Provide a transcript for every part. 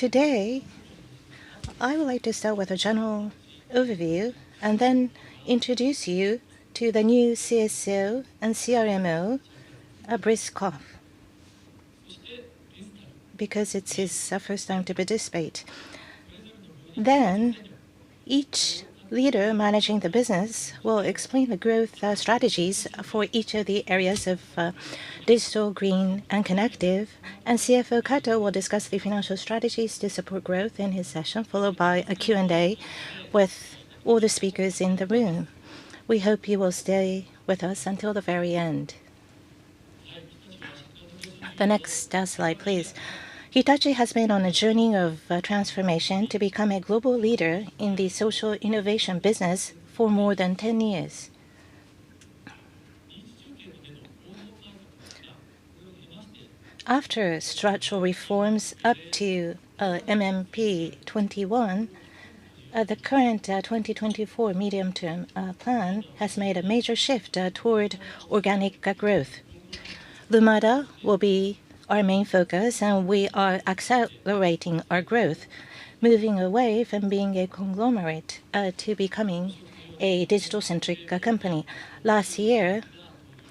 ...Today, I would like to start with a general overview, and then introduce you to the new CSO and CRMO, Brice Koch, because it's his first time to participate. Then, each leader managing the business will explain the growth strategies for each of the areas of Digital Green and Connective. And CFO Kato will discuss the financial strategies to support growth in his session, followed by a Q&A with all the speakers in the room. We hope you will stay with us until the very end. The next slide, please. Hitachi has been on a journey of transformation to become a global leader in the social innovation business for more than 10 years. After structural reforms up to MMP 2021, the current 2024 medium-term plan has made a major shift toward organic growth. Lumada will be our main focus, and we are accelerating our growth, moving away from being a conglomerate, to becoming a digital-centric company. Last year,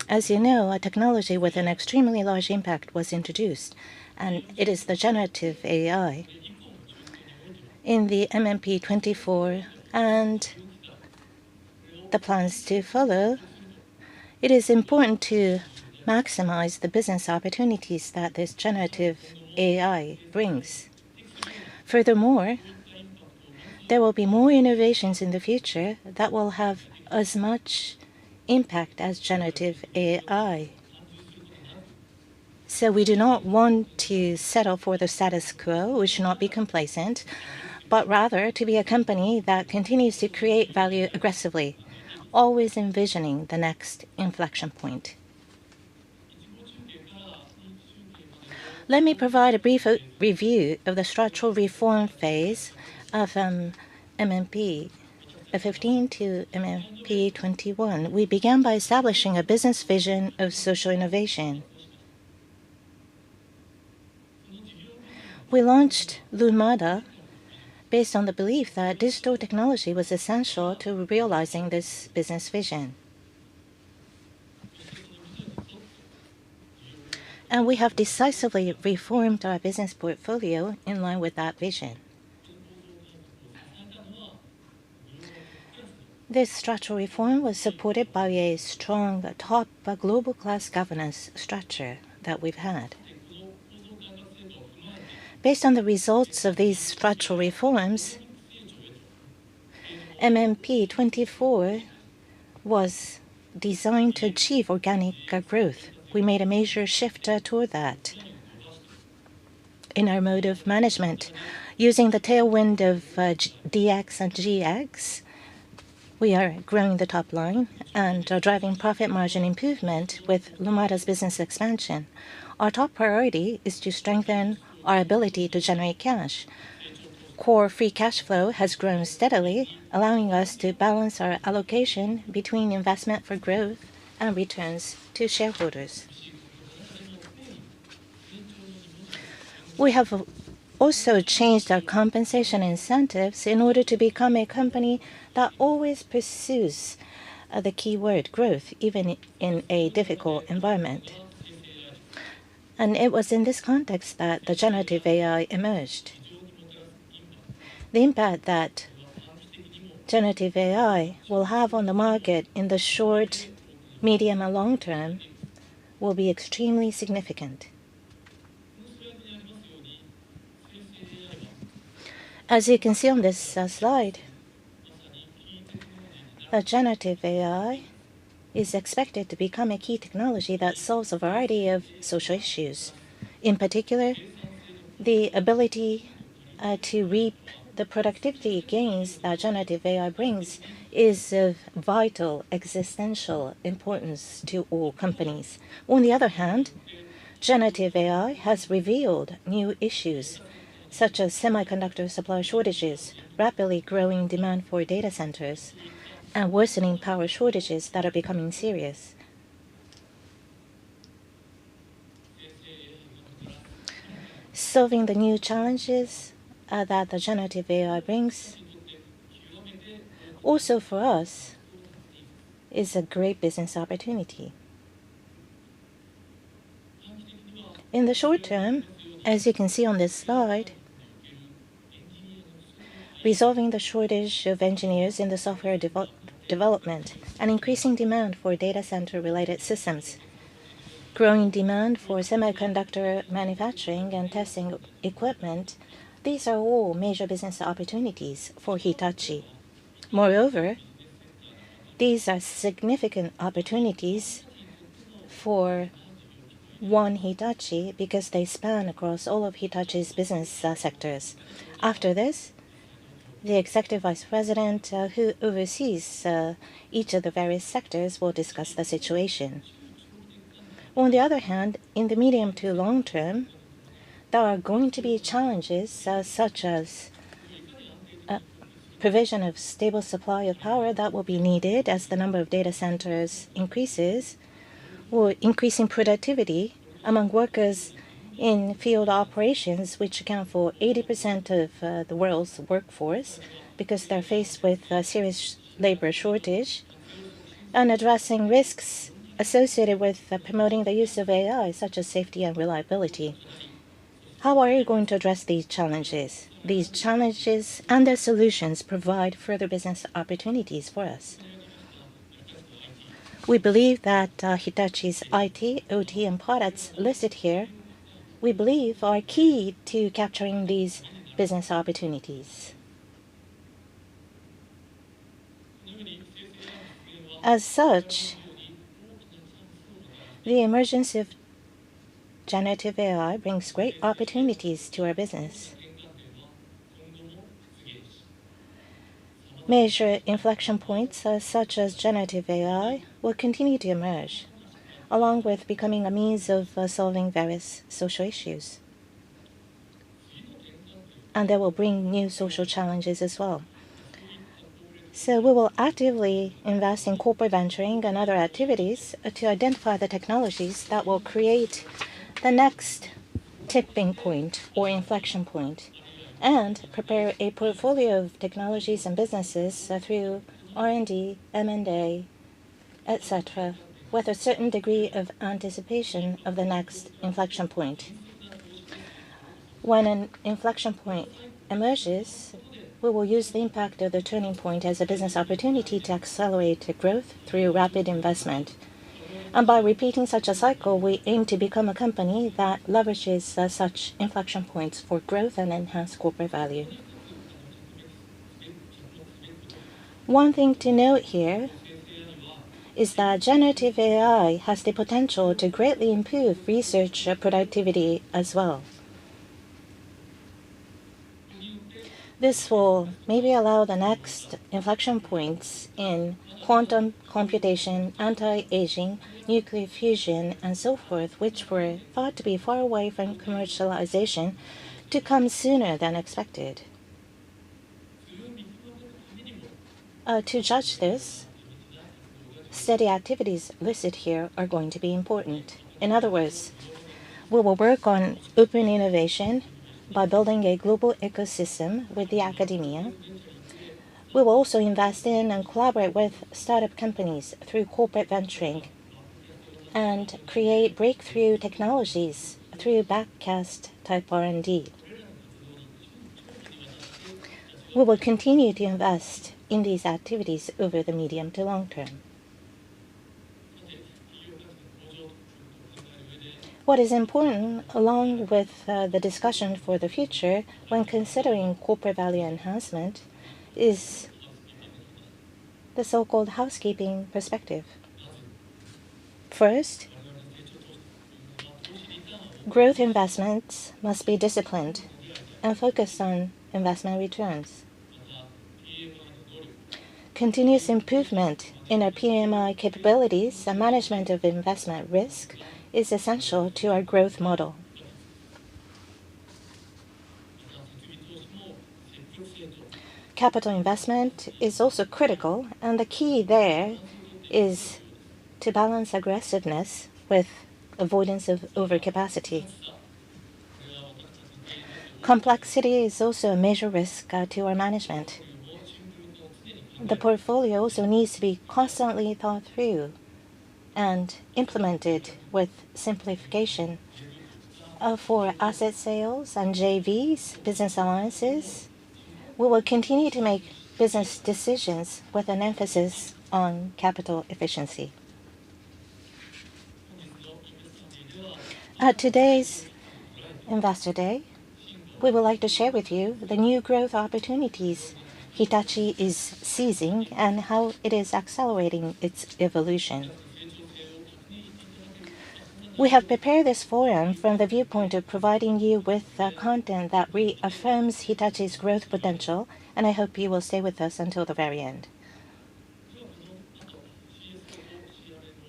as you know, a technology with an extremely large impact was introduced, and it is the generative AI. In the MMP 2024 and the plans to follow, it is important to maximize the business opportunities that this generative AI brings. Furthermore, there will be more innovations in the future that will have as much impact as generative AI. So we do not want to settle for the status quo. We should not be complacent, but rather to be a company that continues to create value aggressively, always envisioning the next inflection point. Let me provide a brief review of the structural reform phase of MMP 2015 to MMP 2021. We began by establishing a business vision of social innovation. We launched Lumada based on the belief that digital technology was essential to realizing this business vision. We have decisively reformed our business portfolio in line with that vision. This structural reform was supported by a strong, top, global class governance structure that we've had. Based on the results of these structural reforms, MMP 2024 was designed to achieve organic growth. We made a major shift toward that in our mode of management. Using the tailwind of DX and GX, we are growing the top line and are driving profit margin improvement with Lumada's business expansion. Our top priority is to strengthen our ability to generate cash. Core free cash flow has grown steadily, allowing us to balance our allocation between investment for growth and returns to shareholders. We have also changed our compensation incentives in order to become a company that always pursues, the key word, growth, even in, in a difficult environment. It was in this context that the generative AI emerged. The impact that generative AI will have on the market in the short, medium, and long term will be extremely significant. As you can see on this, slide, a generative AI is expected to become a key technology that solves a variety of social issues. In particular, the ability, to reap the productivity gains that generative AI brings is of vital, existential importance to all companies. On the other hand, generative AI has revealed new issues, such as semiconductor supply shortages, rapidly growing demand for data centers, and worsening power shortages that are becoming serious. Solving the new challenges that the generative AI brings, also for us, is a great business opportunity. In the short term, as you can see on this slide, resolving the shortage of engineers in the software development and increasing demand for data center-related systems, growing demand for semiconductor manufacturing and testing equipment, these are all major business opportunities for Hitachi. Moreover, these are significant opportunities for One Hitachi, because they span across all of Hitachi's business sectors. After this, the Executive Vice President who oversees each of the various sectors will discuss the situation. On the other hand, in the medium to long term, there are going to be challenges such as... Provision of stable supply of power that will be needed as the number of data centers increases, or increasing productivity among workers in field operations, which account for 80% of the world's workforce, because they're faced with a serious labor shortage, and addressing risks associated with promoting the use of AI, such as safety and reliability. How are you going to address these challenges? These challenges and their solutions provide further business opportunities for us. We believe that Hitachi's IT, OT, and products listed here, we believe are key to capturing these business opportunities. As such, the emergence of generative AI brings great opportunities to our business. Major inflection points, such as generative AI, will continue to emerge, along with becoming a means of solving various social issues, and they will bring new social challenges as well. So we will actively invest in corporate venturing and other activities to identify the technologies that will create the next tipping point or inflection point, and prepare a portfolio of technologies and businesses through R&D, M&A, et cetera, with a certain degree of anticipation of the next inflection point. When an inflection point emerges, we will use the impact of the turning point as a business opportunity to accelerate the growth through rapid investment. And by repeating such a cycle, we aim to become a company that leverages such inflection points for growth and enhance corporate value. One thing to note here is that generative AI has the potential to greatly improve research productivity as well. This will maybe allow the next inflection points in quantum computation, anti-aging, nuclear fusion, and so forth, which were thought to be far away from commercialization, to come sooner than expected. To judge this, study activities listed here are going to be important. In other words, we will work on open innovation by building a global ecosystem with the academia. We will also invest in and collaborate with startup companies through corporate venturing, and create breakthrough technologies through backcast-type R&D. We will continue to invest in these activities over the medium to long term. What is important, along with the discussion for the future when considering corporate value enhancement, is the so-called housekeeping perspective. First, growth investments must be disciplined and focused on investment returns. Continuous improvement in our PMI capabilities and management of investment risk is essential to our growth model. Capital investment is also critical, and the key there is to balance aggressiveness with avoidance of overcapacity. Complexity is also a major risk to our management. The portfolio also needs to be constantly thought through and implemented with simplification. For asset sales and JVs, business alliances, we will continue to make business decisions with an emphasis on capital efficiency. At today's Investor Day, we would like to share with you the new growth opportunities Hitachi is seizing, and how it is accelerating its evolution. We have prepared this forum from the viewpoint of providing you with the content that reaffirms Hitachi's growth potential, and I hope you will stay with us until the very end.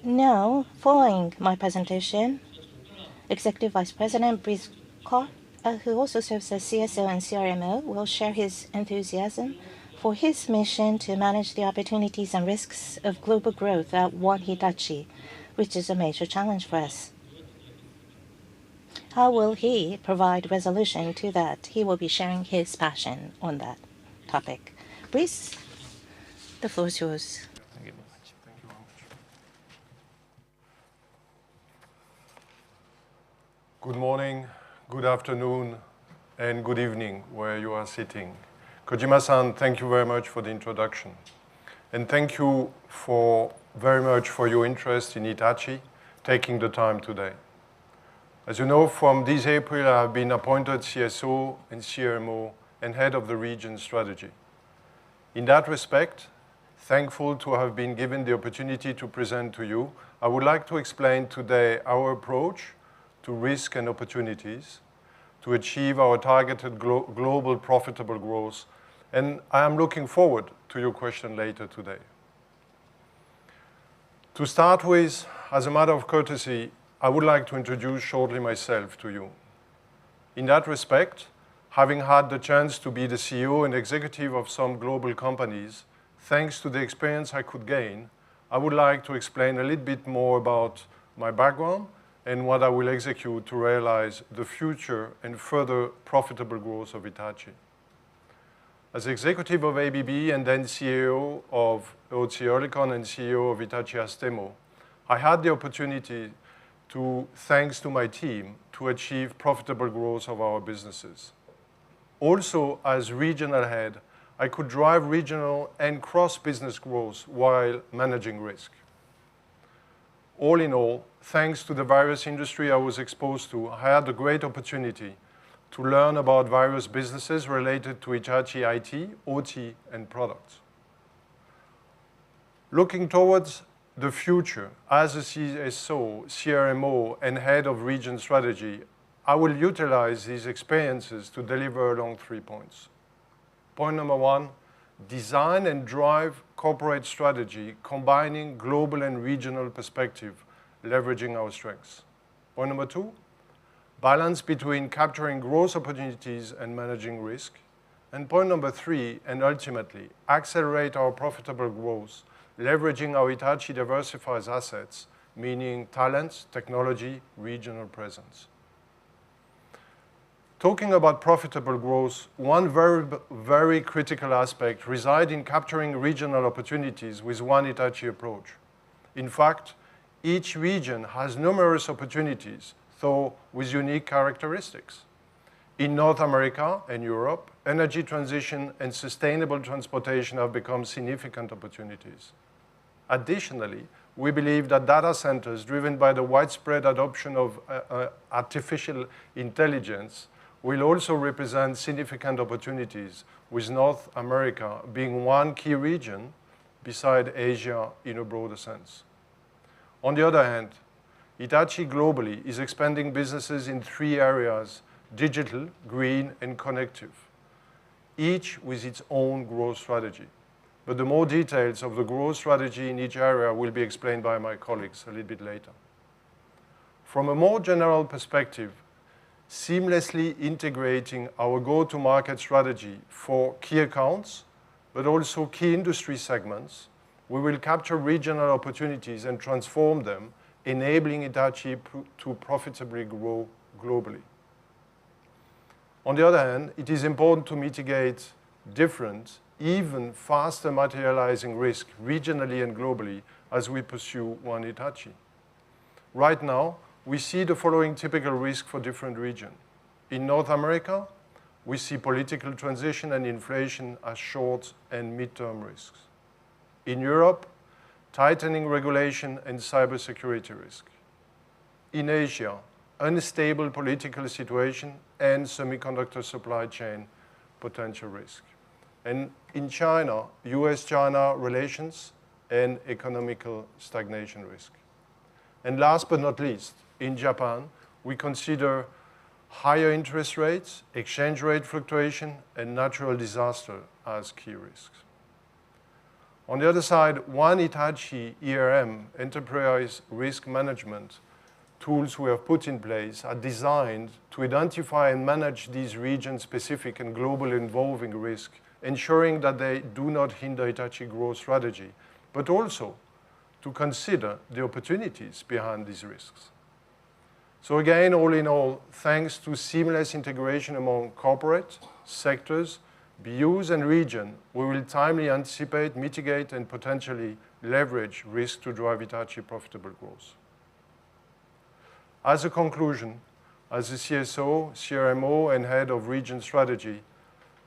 Now, following my presentation, Executive Vice President Brice Koch, who also serves as CSO and CRMO, will share his enthusiasm for his mission to manage the opportunities and risks of global growth at One Hitachi, which is a major challenge for us. How will he provide resolution to that? He will be sharing his passion on that topic. Brice, the floor is yours. Thank you very much. Thank you very much. Good morning, good afternoon, and good evening, wherever you are sitting. Kojima-san, thank you very much for the introduction. Thank you very much for your interest in Hitachi, taking the time today. As you know, from this April, I have been appointed CSO and CRMO, and Head of the Region Strategy. In that respect, thankful to have been given the opportunity to present to you, I would like to explain today our approach to risk and opportunities to achieve our targeted global profitable growth, and I am looking forward to your question later today. To start with, as a matter of courtesy, I would like to introduce shortly myself to you. In that respect, having had the chance to be the CEO and executive of some global companies, thanks to the experience I could gain, I would like to explain a little bit more about my background and what I will execute to realize the future and further profitable growth of Hitachi. As executive of ABB, and then CEO of OC Oerlikon, and CEO of Hitachi Astemo, I had the opportunity to, thanks to my team, to achieve profitable growth of our businesses. Also, as regional head, I could drive regional and cross-business growth while managing risk. All in all, thanks to the various industry I was exposed to, I had a great opportunity to learn about various businesses related to Hitachi IT, OT, and products. Looking towards the future, as a CSO, CRMO, and head of region strategy, I will utilize these experiences to deliver along three points. Point number one, design and drive corporate strategy, combining global and regional perspective, leveraging our strengths. Point number two, balance between capturing growth opportunities and managing risk. And point number three, and ultimately, accelerate our profitable growth, leveraging our Hitachi diversified assets, meaning talents, technology, regional presence. Talking about profitable growth, one very, very critical aspect reside in capturing regional opportunities with One Hitachi approach. In fact, each region has numerous opportunities, though with unique characteristics. In North America and Europe, energy transition and sustainable transportation have become significant opportunities. Additionally, we believe that data centers, driven by the widespread adoption of artificial intelligence, will also represent significant opportunities, with North America being one key region beside Asia in a broader sense. On the other hand, Hitachi globally is expanding businesses in three areas: Digital Green and Connective, each with its own growth strategy. But the more details of the growth strategy in each area will be explained by my colleagues a little bit later. From a more general perspective, seamlessly integrating our go-to-market strategy for key accounts, but also key industry segments, we will capture regional opportunities and transform them, enabling Hitachi to profitably grow globally. On the other hand, it is important to mitigate different, even faster materializing risk, regionally and globally, as we pursue One Hitachi. Right now, we see the following typical risk for different region. In North America, we see political transition and inflation as short- and mid-term risks. In Europe, tightening regulation and cybersecurity risk. In Asia, unstable political situation and semiconductor supply chain potential risk. And in China, US-China relations and economical stagnation risk. And last but not least, in Japan, we consider higher interest rates, exchange rate fluctuation, and natural disaster as key risks. On the other side, One Hitachi ERM, Enterprise Risk Management, tools we have put in place are designed to identify and manage these region-specific and globally involving risk, ensuring that they do not hinder Hitachi growth strategy, but also to consider the opportunities behind these risks. So again, all in all, thanks to seamless integration among corporate sectors, BUs, and region, we will timely anticipate, mitigate, and potentially leverage risk to drive Hitachi profitable growth. As a conclusion, as a CSO, CRMO, and head of region strategy,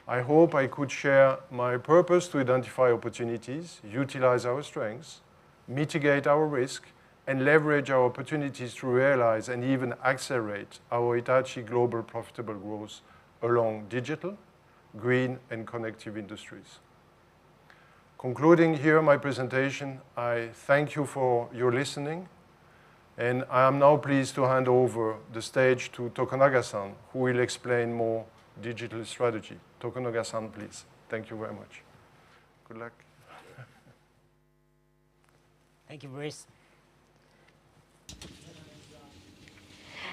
I hope I could share my purpose to identify opportunities, utilize our strengths, mitigate our risk, and leverage our opportunities to realize and even accelerate our Hitachi global profitable growth along Digital Green and Connective Industries. Concluding here my presentation, I thank you for your listening, and I am now pleased to hand over the stage to Tokunaga-san, who will explain more digital strategy. Tokunaga-san, please. Thank you very much. Good luck. Thank you, Brice.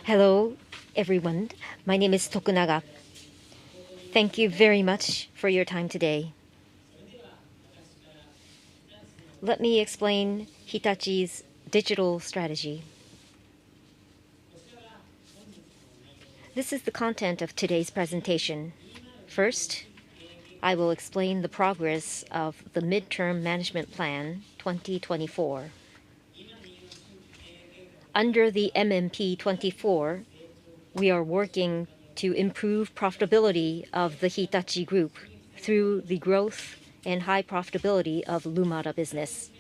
Hello, everyone. My name is Tokunaga. Thank you very much for your time today. Let me explain Hitachi's digital strategy. This is the content of today's presentation. First, I will explain the progress of the midterm management plan 2024. Under the MMP 2024, we are working to improve profitability of the Hitachi Group through the growth and high profitability of Lumada business.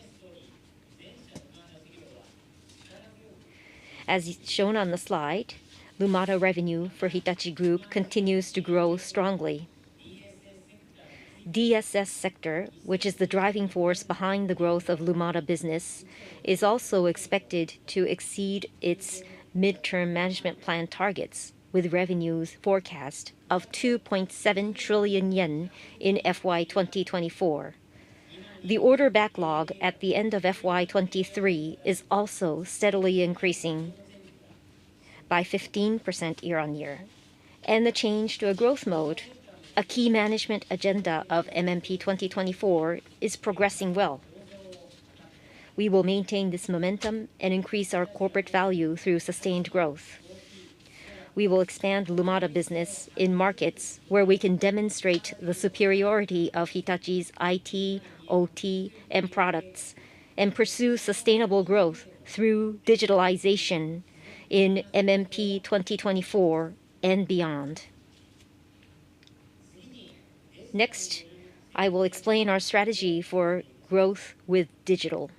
As is shown on the slide, Lumada revenue for Hitachi Group continues to grow strongly. DSS sector, which is the driving force behind the growth of Lumada business, is also expected to exceed its midterm management plan targets, with revenues forecast of 2.7 trillion yen in FY 2024. The order backlog at the end of FY 2023 is also steadily increasing.... by 15% year-on-year, and the change to a growth mode, a key management agenda of MMP 2024, is progressing well. We will maintain this momentum and increase our corporate value through sustained growth. We will expand Lumada business in markets where we can demonstrate the superiority of Hitachi's IT, OT, and products, and pursue sustainable growth through digitalization in MMP 2024 and beyond. Next, I will explain our strategy for growth with digital.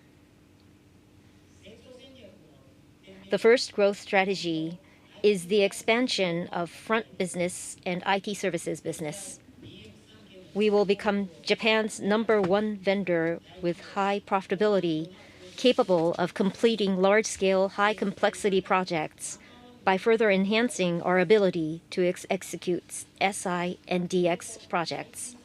The first growth strategy is the expansion of front business and IT services business. We will become Japan's number one vendor with high profitability, capable of completing large-scale, high-complexity projects by further enhancing our ability to execute SI and DX projects.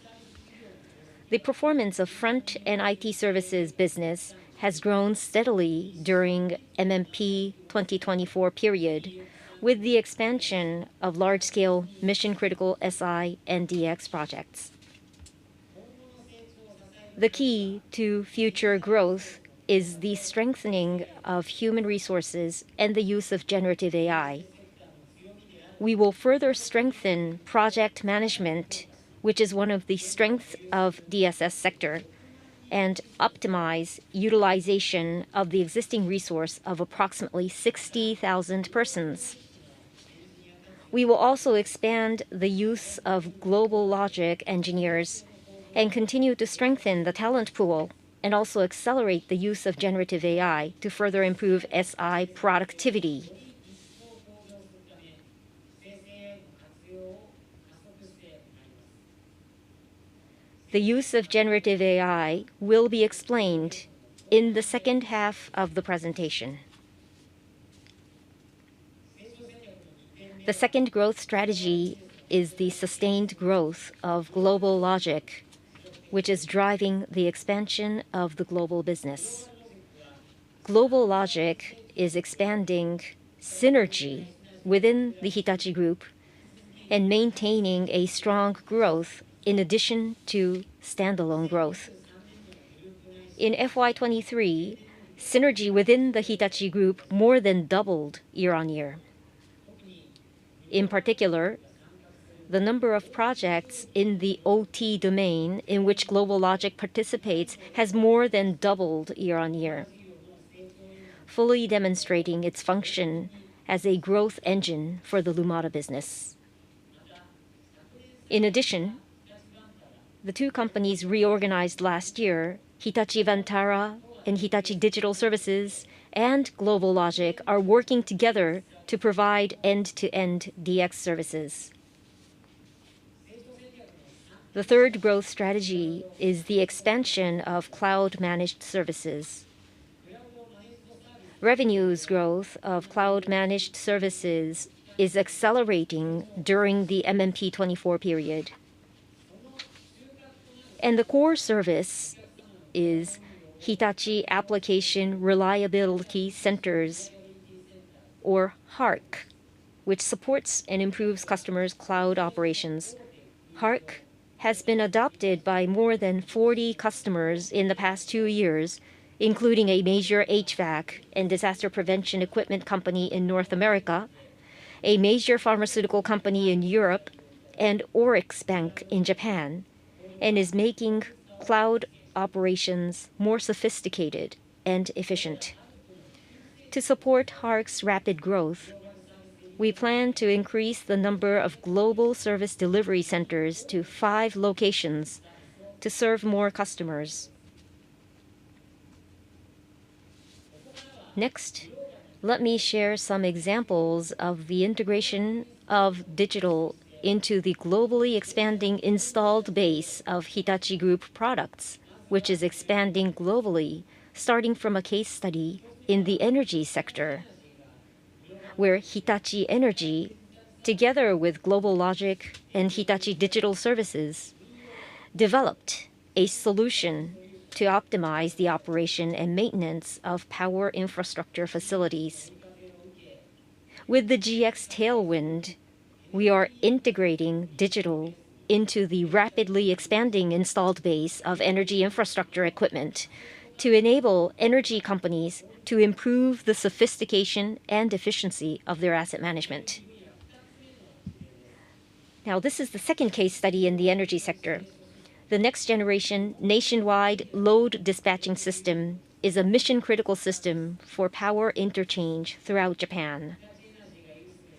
The performance of front and IT services business has grown steadily during MMP 2024 period, with the expansion of large-scale, mission-critical SI and DX projects. The key to future growth is the strengthening of human resources and the use of generative AI. We will further strengthen project management, which is one of the strengths of DSS sector, and optimize utilization of the existing resource of approximately 60,000 persons. We will also expand the use of GlobalLogic engineers, and continue to strengthen the talent pool, and also accelerate the use of generative AI to further improve SI productivity. The use of generative AI will be explained in the second half of the presentation. The second growth strategy is the sustained growth of GlobalLogic, which is driving the expansion of the global business. GlobalLogic is expanding synergy within the Hitachi Group and maintaining a strong growth in addition to standalone growth. In FY 2023, synergy within the Hitachi Group more than doubled year-on-year. In particular, the number of projects in the OT domain, in which GlobalLogic participates, has more than doubled year-on-year, fully demonstrating its function as a growth engine for the Lumada business. In addition, the two companies reorganized last year, Hitachi Vantara and Hitachi Digital Services, and GlobalLogic, are working together to provide end-to-end DX services. The third growth strategy is the expansion of cloud-managed services. Revenue growth of cloud-managed services is accelerating during the MMP 2024 period. And the core service is Hitachi Application Reliability Centers, or HARC, which supports and improves customers' cloud operations. HARC has been adopted by more than 40 customers in the past 2 years, including a major HVAC and disaster prevention equipment company in North America, a major pharmaceutical company in Europe, and ORIX Bank in Japan, and is making cloud operations more sophisticated and efficient. To support HARC's rapid growth, we plan to increase the number of global service delivery centers to five locations to serve more customers. Next, let me share some examples of the integration of digital into the globally expanding installed base of Hitachi Group products, which is expanding globally, starting from a case study in the energy sector, where Hitachi Energy, together with GlobalLogic and Hitachi Digital Services, developed a solution to optimize the operation and maintenance of power infrastructure facilities. With the GX tailwind, we are integrating digital into the rapidly expanding installed base of energy infrastructure equipment to enable energy companies to improve the sophistication and efficiency of their asset management. Now, this is the second case study in the energy sector. The next generation nationwide load dispatching system is a mission-critical system for power interchange throughout Japan.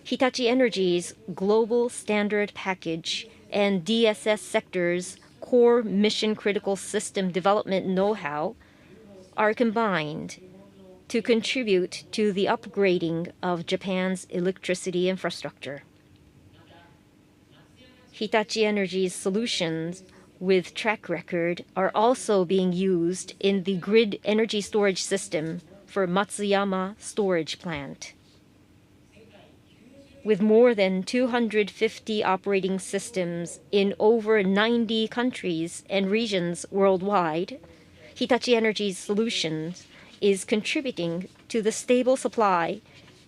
Hitachi Energy's global standard package and DSS sector's core mission-critical system development know-how are combined to contribute to the upgrading of Japan's electricity infrastructure. Hitachi Energy's solutions with track record are also being used in the grid energy storage system for Matsuyama storage plant. With more than 250 operating systems in over 90 countries and regions worldwide, Hitachi Energy Solutions is contributing to the stable supply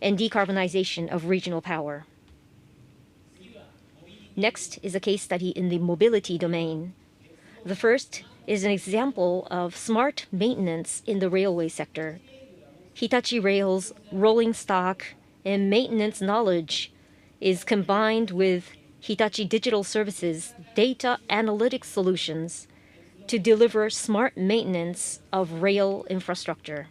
and decarbonization of regional power. Next is a case study in the mobility domain. The first is an example of smart maintenance in the railway sector. Hitachi Rail's rolling stock and maintenance knowledge is combined with Hitachi Digital Services data analytic solutions to deliver smart maintenance of rail infrastructure.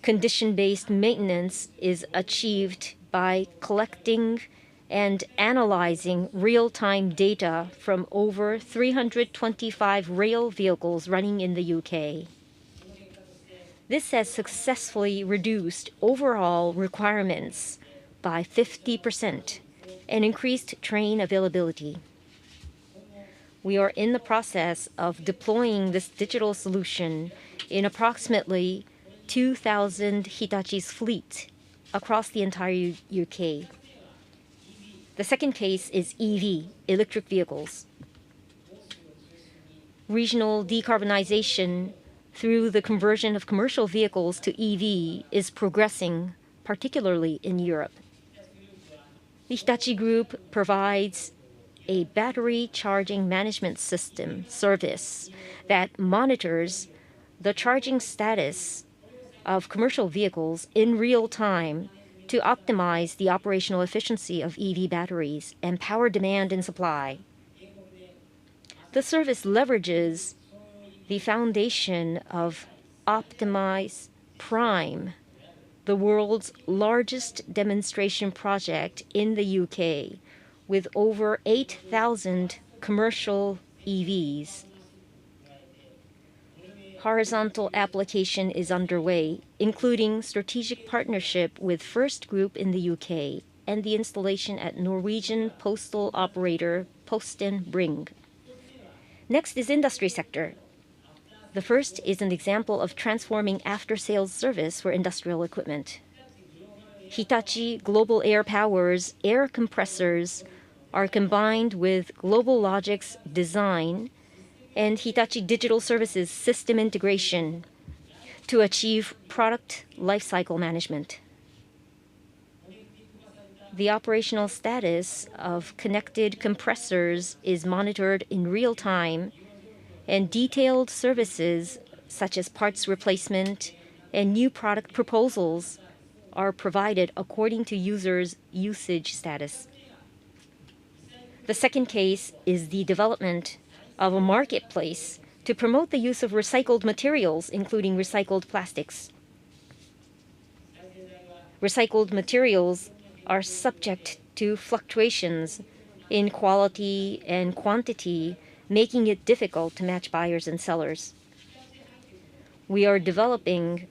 Condition-based maintenance is achieved by collecting and analyzing real-time data from over 325 rail vehicles running in the UK. This has successfully reduced overall requirements by 50% and increased train availability. We are in the process of deploying this digital solution in approximately 2,000 Hitachi's fleet across the entire U.K. The second case is EV, electric vehicles. Regional decarbonization through the conversion of commercial vehicles to EV is progressing, particularly in Europe. The Hitachi Group provides a battery charging management system service that monitors the charging status of commercial vehicles in real time to optimize the operational efficiency of EV batteries and power demand and supply. The service leverages the foundation of Optimize Prime, the world's largest demonstration project in the U.K., with over 8,000 commercial EVs. Horizontal application is underway, including strategic partnership with FirstGroup in the U.K., and the installation at Norwegian postal operator, Posten Bring. Next is industry sector. The first is an example of transforming after-sales service for industrial equipment. Hitachi Global Air Power's air compressors are combined with GlobalLogic's design and Hitachi Digital Services system integration to achieve product lifecycle management. The operational status of connected compressors is monitored in real time, and detailed services, such as parts replacement and new product proposals, are provided according to users' usage status. The second case is the development of a marketplace to promote the use of recycled materials, including recycled plastics. Recycled materials are subject to fluctuations in quality and quantity, making it difficult to match buyers and sellers. We are developing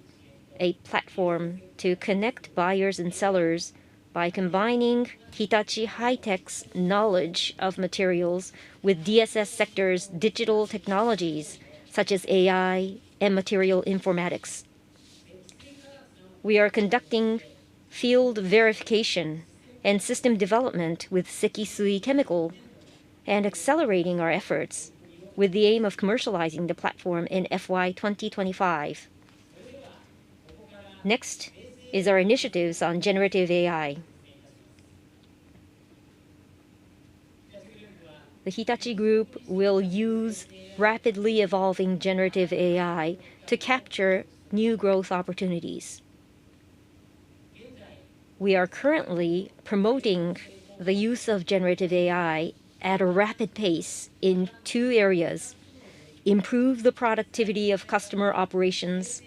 a platform to connect buyers and sellers by combining Hitachi High-Tech's knowledge of materials with DSS sector's digital technologies, such as AI and material informatics. We are conducting field verification and system development with Sekisui Chemical, and accelerating our efforts with the aim of commercializing the platform in FY 2025. Next is our initiatives on generative AI. The Hitachi Group will use rapidly evolving generative AI to capture new growth opportunities. We are currently promoting the use of generative AI at a rapid pace in two areas: improve the productivity of customer operations,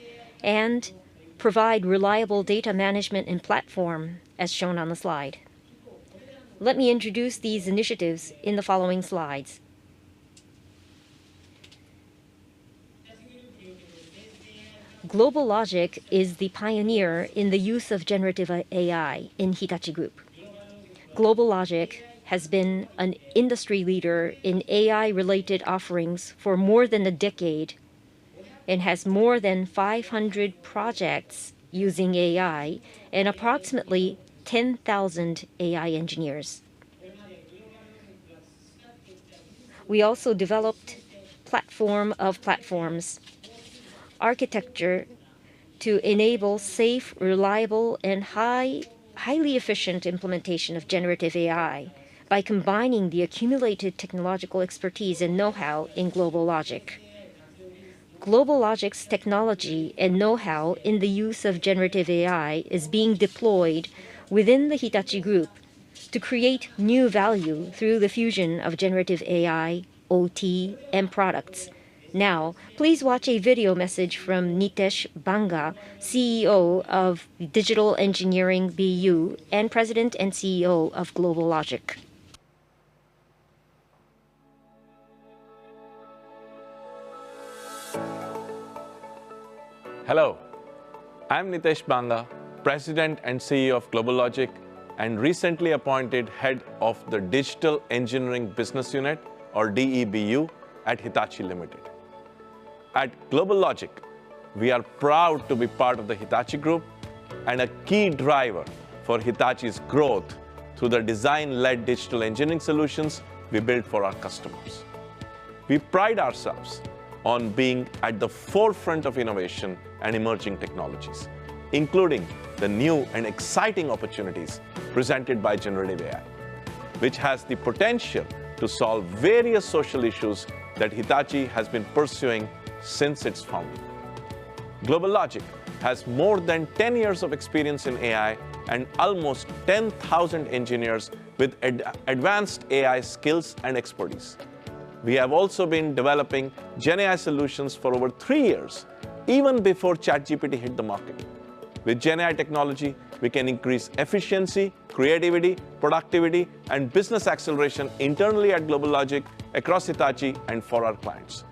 and provide reliable data management and platform, as shown on the slide. Let me introduce these initiatives in the following slides. GlobalLogic is the pioneer in the use of generative AI in Hitachi Group. GlobalLogic has been an industry leader in AI-related offerings for more than a decade, and has more than 500 projects using AI and approximately 10,000 AI engineers. We also developed Platform of Platforms, architecture to enable safe, reliable, and highly efficient implementation of generative AI by combining the accumulated technological expertise and know-how in GlobalLogic. GlobalLogic's technology and know-how in the use of generative AI is being deployed within the Hitachi Group to create new value through the fusion of generative AI, OT, and products. Now, please watch a video message from Nitesh Banga, CEO of Digital Engineering BU and President and CEO of GlobalLogic. Hello, I'm Nitesh Banga, President and CEO of GlobalLogic, and recently appointed Head of the Digital Engineering Business Unit, or DEBU, at Hitachi, Ltd. At GlobalLogic, we are proud to be part of the Hitachi Group and a key driver for Hitachi's growth through the design-led digital engineering solutions we build for our customers. We pride ourselves on being at the forefront of innovation and emerging technologies, including the new and exciting opportunities presented by generative AI, which has the potential to solve various social issues that Hitachi has been pursuing since its founding. GlobalLogic has more than 10 years of experience in AI and almost 10,000 engineers with advanced AI skills and expertise. We have also been developing GenAI solutions for over 3 years, even before ChatGPT hit the market. With GenAI technology, we can increase efficiency, creativity, productivity, and business acceleration internally at GlobalLogic, across Hitachi, and for our clients.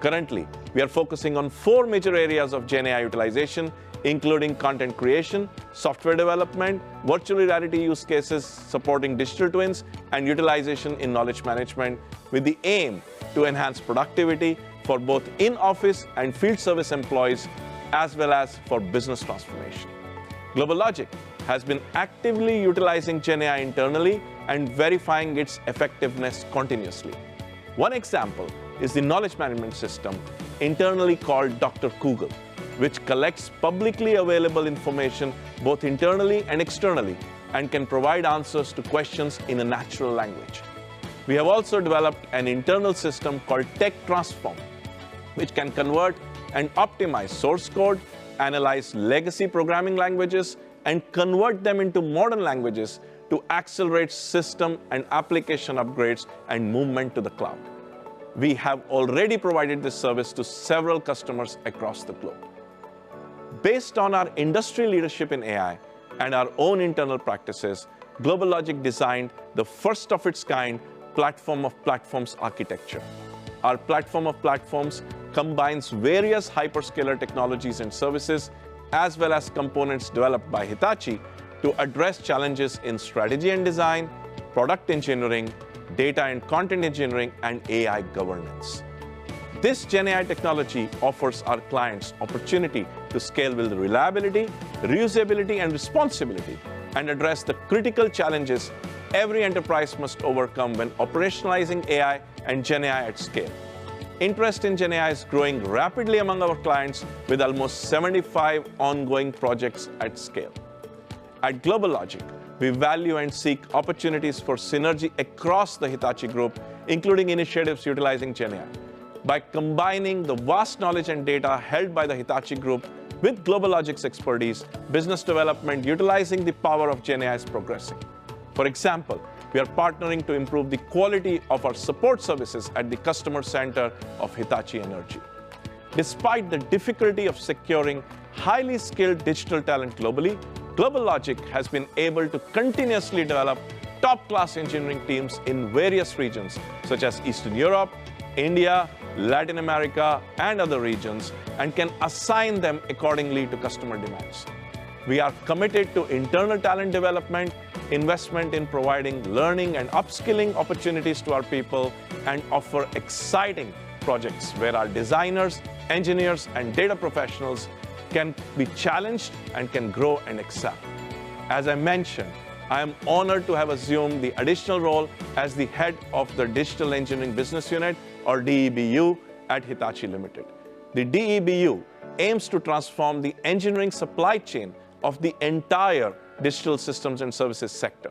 Currently, we are focusing on four major areas of GenAI utilization, including content creation, software development, virtual reality use cases, supporting digital twins, and utilization in knowledge management, with the aim to enhance productivity for both in-office and field service employees, as well as for business transformation. GlobalLogic has been actively utilizing GenAI internally and verifying its effectiveness continuously. One example is the knowledge management system, internally called Dr. Koogel, which collects publicly available information both internally and externally, and can provide answers to questions in a natural language. We have also developed an internal system called Tech Transform, which can convert and optimize source code, analyze legacy programming languages, and convert them into modern languages to accelerate system and application upgrades and movement to the cloud. We have already provided this service to several customers across the globe. Based on our industry leadership in AI and our own internal practices, GlobalLogic designed the first-of-its-kind platform of platforms architecture. Our platform of platforms combines various hyperscaler technologies and services, as well as components developed by Hitachi, to address challenges in strategy and design, product engineering, data and content engineering, and AI governance. This GenAI technology offers our clients opportunity to scale with reliability, reusability, and responsibility, and address the critical challenges every enterprise must overcome when operationalizing AI and GenAI at scale. Interest in GenAI is growing rapidly among our clients, with almost 75 ongoing projects at scale. At GlobalLogic, we value and seek opportunities for synergy across the Hitachi Group, including initiatives utilizing GenAI. By combining the vast knowledge and data held by the Hitachi Group with GlobalLogic's expertise, business development utilizing the power of GenAI is progressing. For example, we are partnering to improve the quality of our support services at the customer center of Hitachi Energy. Despite the difficulty of securing highly skilled digital talent globally, GlobalLogic has been able to continuously develop top-class engineering teams in various regions, such as Eastern Europe, India, Latin America, and other regions, and can assign them accordingly to customer demands. We are committed to internal talent development, investment in providing learning and upskilling opportunities to our people, and offer exciting projects where our designers, engineers, and data professionals can be challenged and can grow and excel. As I mentioned, I am honored to have assumed the additional role as the head of the Digital Engineering Business Unit, or DEBU, at Hitachi Limited. The DEBU aims to transform the engineering supply chain of the entire digital systems and services sector.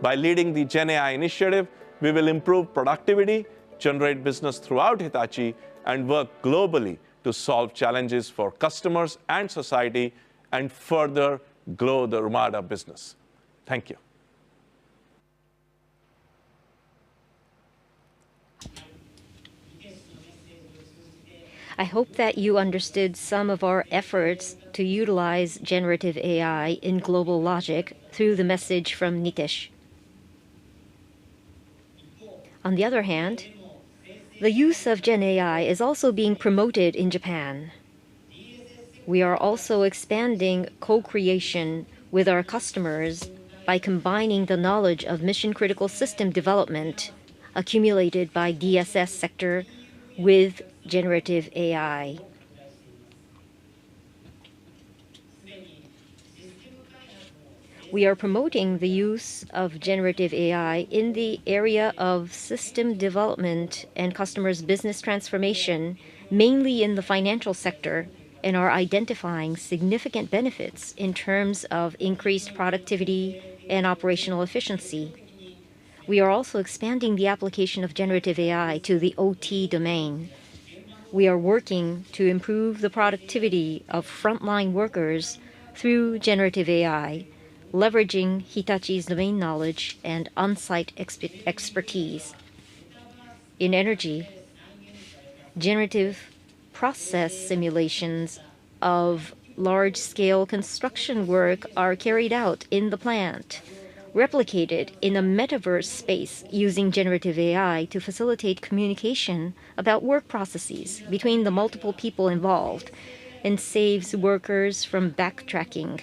By leading the GenAI initiative, we will improve productivity, generate business throughout Hitachi, and work globally to solve challenges for customers and society and further grow the Lumada business. Thank you. I hope that you understood some of our efforts to utilize generative AI in GlobalLogic through the message from Nitesh. On the other hand, the use of GenAI is also being promoted in Japan. We are also expanding co-creation with our customers by combining the knowledge of mission-critical system development accumulated by DSS sector with generative AI. We are promoting the use of generative AI in the area of system development and customers' business transformation, mainly in the financial sector, and are identifying significant benefits in terms of increased productivity and operational efficiency. We are also expanding the application of generative AI to the OT domain. We are working to improve the productivity of frontline workers through generative AI, leveraging Hitachi's domain knowledge and on-site expertise. In energy, generative process simulations of large-scale construction work are carried out in the plant, replicated in a metaverse space using generative AI to facilitate communication about work processes between the multiple people involved, and saves workers from backtracking.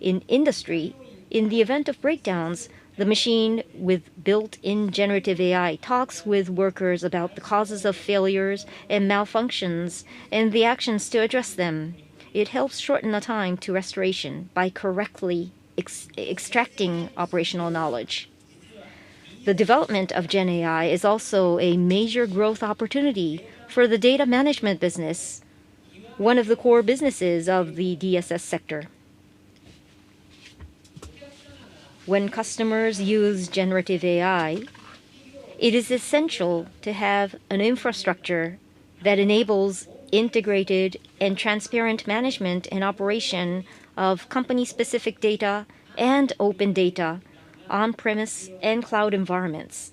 In industry, in the event of breakdowns, the machine with built-in generative AI talks with workers about the causes of failures and malfunctions, and the actions to address them. It helps shorten the time to restoration by correctly extracting operational knowledge. The development of GenAI is also a major growth opportunity for the data management business, one of the core businesses of the DSS sector. When customers use generative AI, it is essential to have an infrastructure that enables integrated and transparent management and operation of company-specific data and open data, on-premise and cloud environments.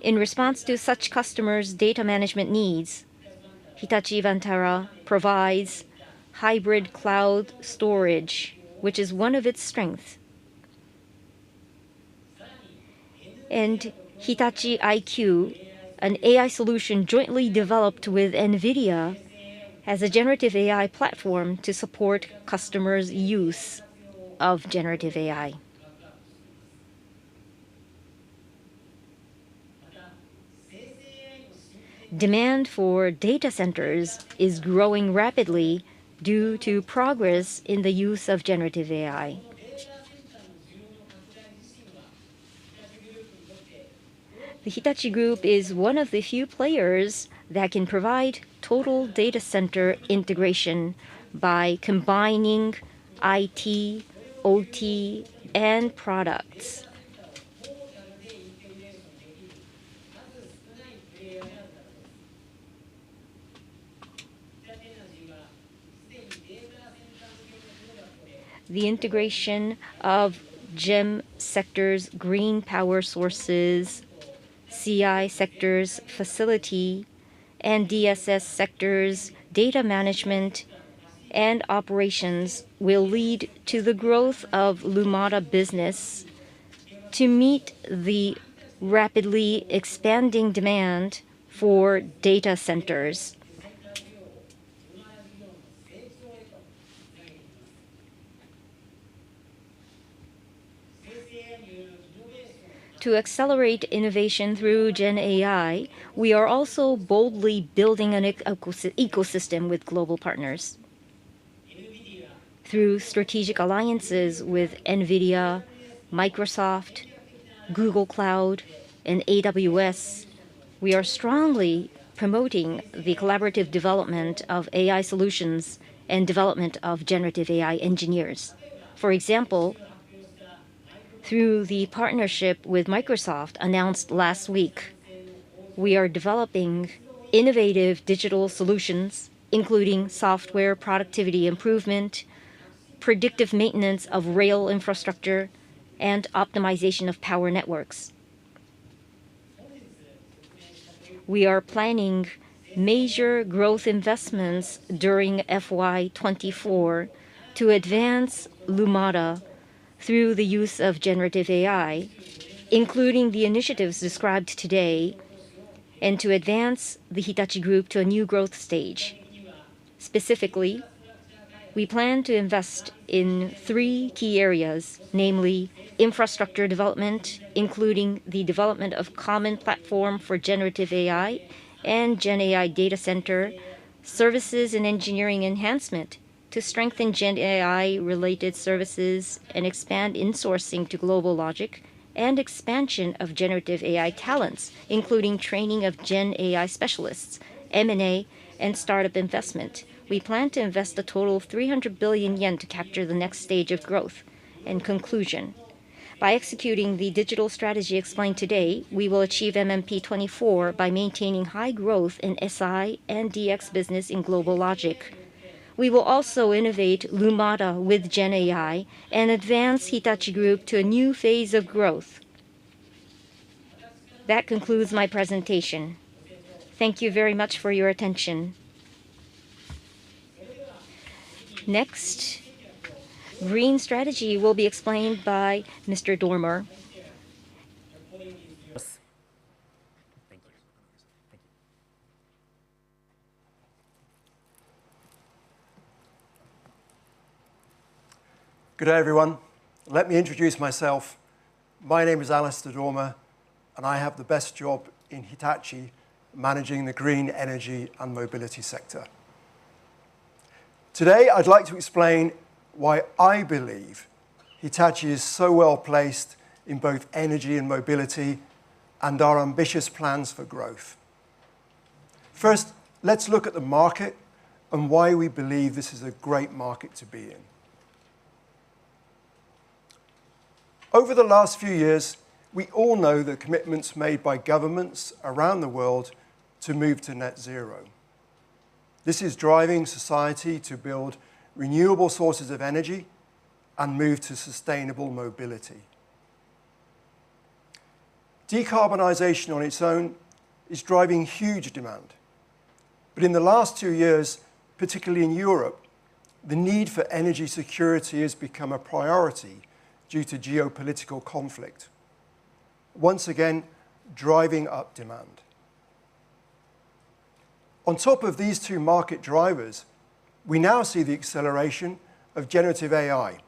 In response to such customers' data management needs, Hitachi Vantara provides hybrid cloud storage, which is one of its strengths. Hitachi iQ, an AI solution jointly developed with NVIDIA, as a generative AI platform to support customers' use of generative AI. Demand for data centers is growing rapidly due to progress in the use of generative AI. The Hitachi Group is one of the few players that can provide total data center integration by combining IT, OT, and products. The integration of GEM sector's green power sources, CI sector's facility, and DSS sector's data management and operations will lead to the growth of Lumada business to meet the rapidly expanding demand for data centers. To accelerate innovation through Gen AI, we are also boldly building an ecosystem with global partners. Through strategic alliances with NVIDIA, Microsoft, Google Cloud, and AWS, we are strongly promoting the collaborative development of AI solutions and development of generative AI engineers. For example, through the partnership with Microsoft, announced last week, we are developing innovative digital solutions, including software productivity improvement, predictive maintenance of rail infrastructure, and optimization of power networks. We are planning major growth investments during FY 2024 to advance Lumada through the use of generative AI, including the initiatives described today, and to advance the Hitachi Group to a new growth stage. Specifically, we plan to invest in three key areas, namely, infrastructure development, including the development of common platform for generative AI and Gen AI data center, services and engineering enhancement to strengthen Gen AI-related services and expand insourcing to GlobalLogic, and expansion of generative AI talents, including training of Gen AI specialists, M&A, and startup investment. We plan to invest a total of 300 billion yen to capture the next stage of growth. In conclusion, by executing the digital strategy explained today, we will achieve MMP 2024 by maintaining high growth in SI and DX business in GlobalLogic. We will also innovate Lumada with Gen AI and advance Hitachi Group to a new phase of growth. That concludes my presentation. Thank you very much for your attention. Next, green strategy will be explained by Mr. Dormer. Thank you. Thank you. Good day, everyone. Let me introduce myself. My name is Alistair Dormer, and I have the best job in Hitachi, managing the green energy and mobility sector. Today, I'd like to explain why I believe Hitachi is so well-placed in both energy and mobility, and our ambitious plans for growth. First, let's look at the market and why we believe this is a great market to be in. Over the last few years, we all know the commitments made by governments around the world to move to net zero. This is driving society to build renewable sources of energy and move to sustainable mobility. Decarbonization on its own is driving huge demand, but in the last two years, particularly in Europe, the need for energy security has become a priority due to geopolitical conflict, once again, driving up demand. On top of these two market drivers, we now see the acceleration of generative AI,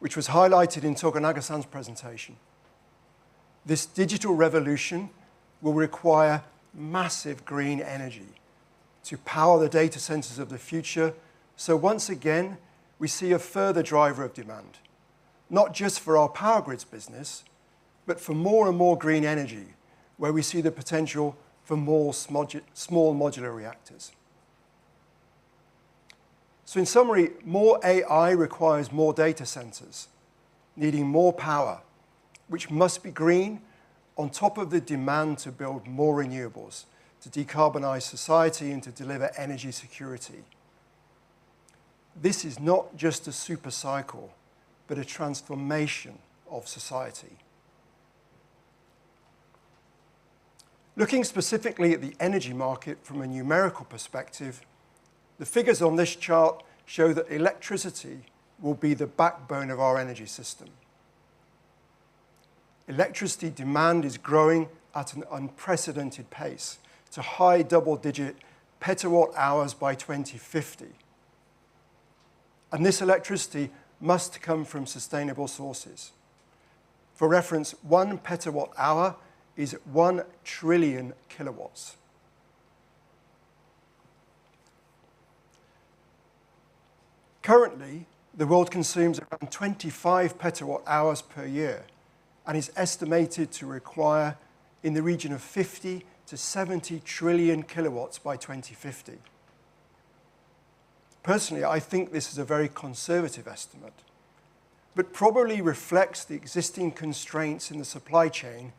which was highlighted in Tokunaga-san's presentation. This digital revolution will require massive green energy to power the data centers of the future. So once again, we see a further driver of demand, not just for our power grids business, but for more and more green energy, where we see the potential for more small modular reactors. So in summary, more AI requires more data centers, needing more power, which must be green, on top of the demand to build more renewables to decarbonize society and to deliver energy security. This is not just a super cycle, but a transformation of society. Looking specifically at the energy market from a numerical perspective, the figures on this chart show that electricity will be the backbone of our energy system. Electricity demand is growing at an unprecedented pace to high double-digit petawatt hours by 2050, and this electricity must come from sustainable sources. For reference, one petawatt hour is 1 trillion kilowatts. Currently, the world consumes around 25 petawatt hours per year and is estimated to require in the region of 50-70 trillion kilowatts by 2050. Personally, I think this is a very conservative estimate, but probably reflects the existing constraints in the supply chain,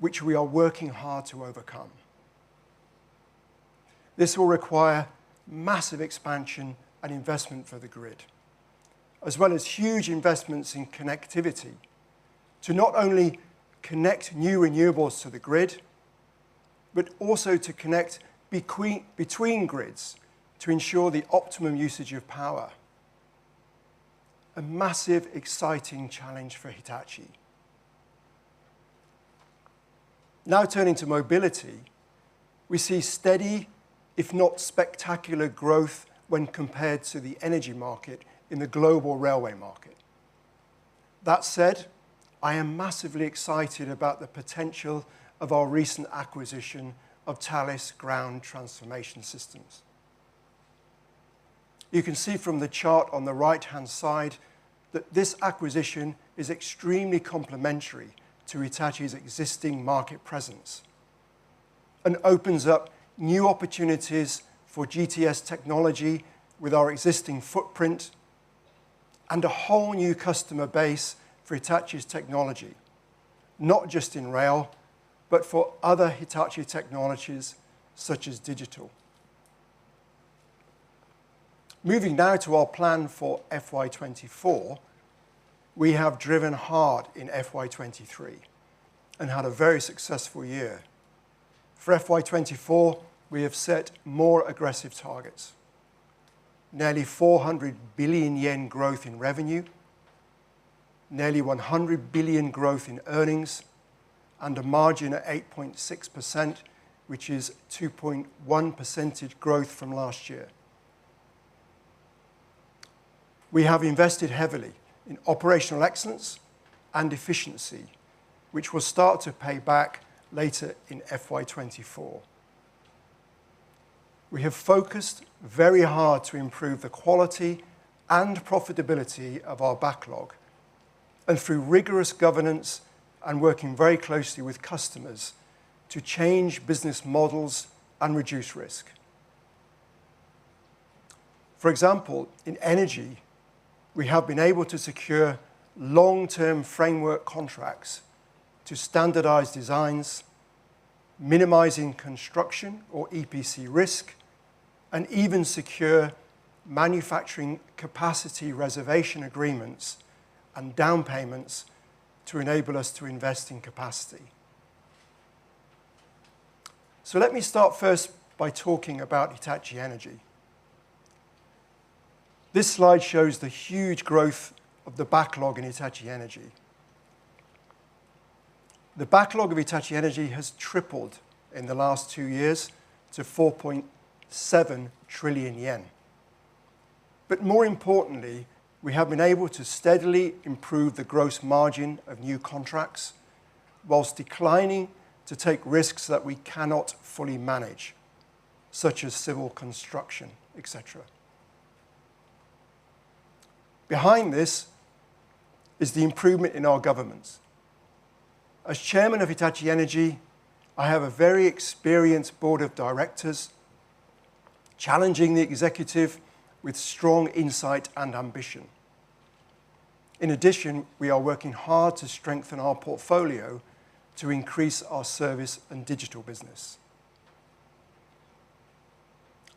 which we are working hard to overcome. This will require massive expansion and investment for the grid, as well as huge investments in connectivity to not only connect new renewables to the grid, but also to connect between grids to ensure the optimum usage of power. A massive, exciting challenge for Hitachi. Now, turning to mobility, we see steady, if not spectacular, growth when compared to the energy market in the global railway market. That said, I am massively excited about the potential of our recent acquisition of Thales Ground Transportation Systems. You can see from the chart on the right-hand side that this acquisition is extremely complementary to Hitachi's existing market presence and opens up new opportunities for GTS technology with our existing footprint and a whole new customer base for Hitachi's technology, not just in rail, but for other Hitachi technologies such as digital. Moving now to our plan for FY 2024, we have driven hard in FY 2023 and had a very successful year. For FY 2024, we have set more aggressive targets: nearly 400 billion yen growth in revenue, nearly 100 billion growth in earnings, and a margin at 8.6%, which is 2.1 percentage growth from last year. We have invested heavily in operational excellence and efficiency, which will start to pay back later in FY 2024. We have focused very hard to improve the quality and profitability of our backlog, and through rigorous governance and working very closely with customers to change business models and reduce risk. For example, in energy, we have been able to secure long-term framework contracts to standardize designs, minimizing construction or EPC risk, and even secure manufacturing capacity reservation agreements and down payments to enable us to invest in capacity. So let me start first by talking about Hitachi Energy. This slide shows the huge growth of the backlog in Hitachi Energy. The backlog of Hitachi Energy has tripled in the last two years to 4.7 trillion yen. But more importantly, we have been able to steadily improve the gross margin of new contracts while declining to take risks that we cannot fully manage, such as civil construction, et cetera. Behind this is the improvement in our governance. As Chairman of Hitachi Energy, I have a very experienced board of directors, challenging the executive with strong insight and ambition. In addition, we are working hard to strengthen our portfolio to increase our service and digital business.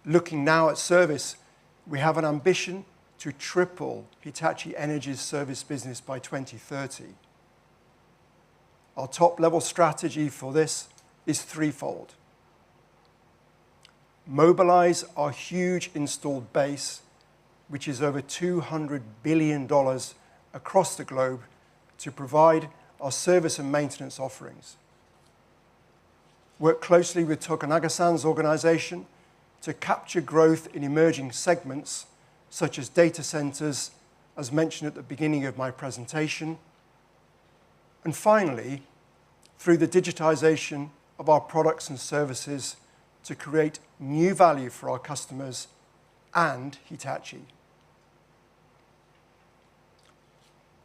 Looking now at service, we have an ambition to triple Hitachi Energy's service business by 2030. Our top-level strategy for this is threefold: mobilize our huge installed base, which is over $200 billion across the globe, to provide our service and maintenance offerings. Work closely with Tokunaga-san's organization to capture growth in emerging segments, such as data centers, as mentioned at the beginning of my presentation. And finally, through the digitization of our products and services, to create new value for our customers and Hitachi.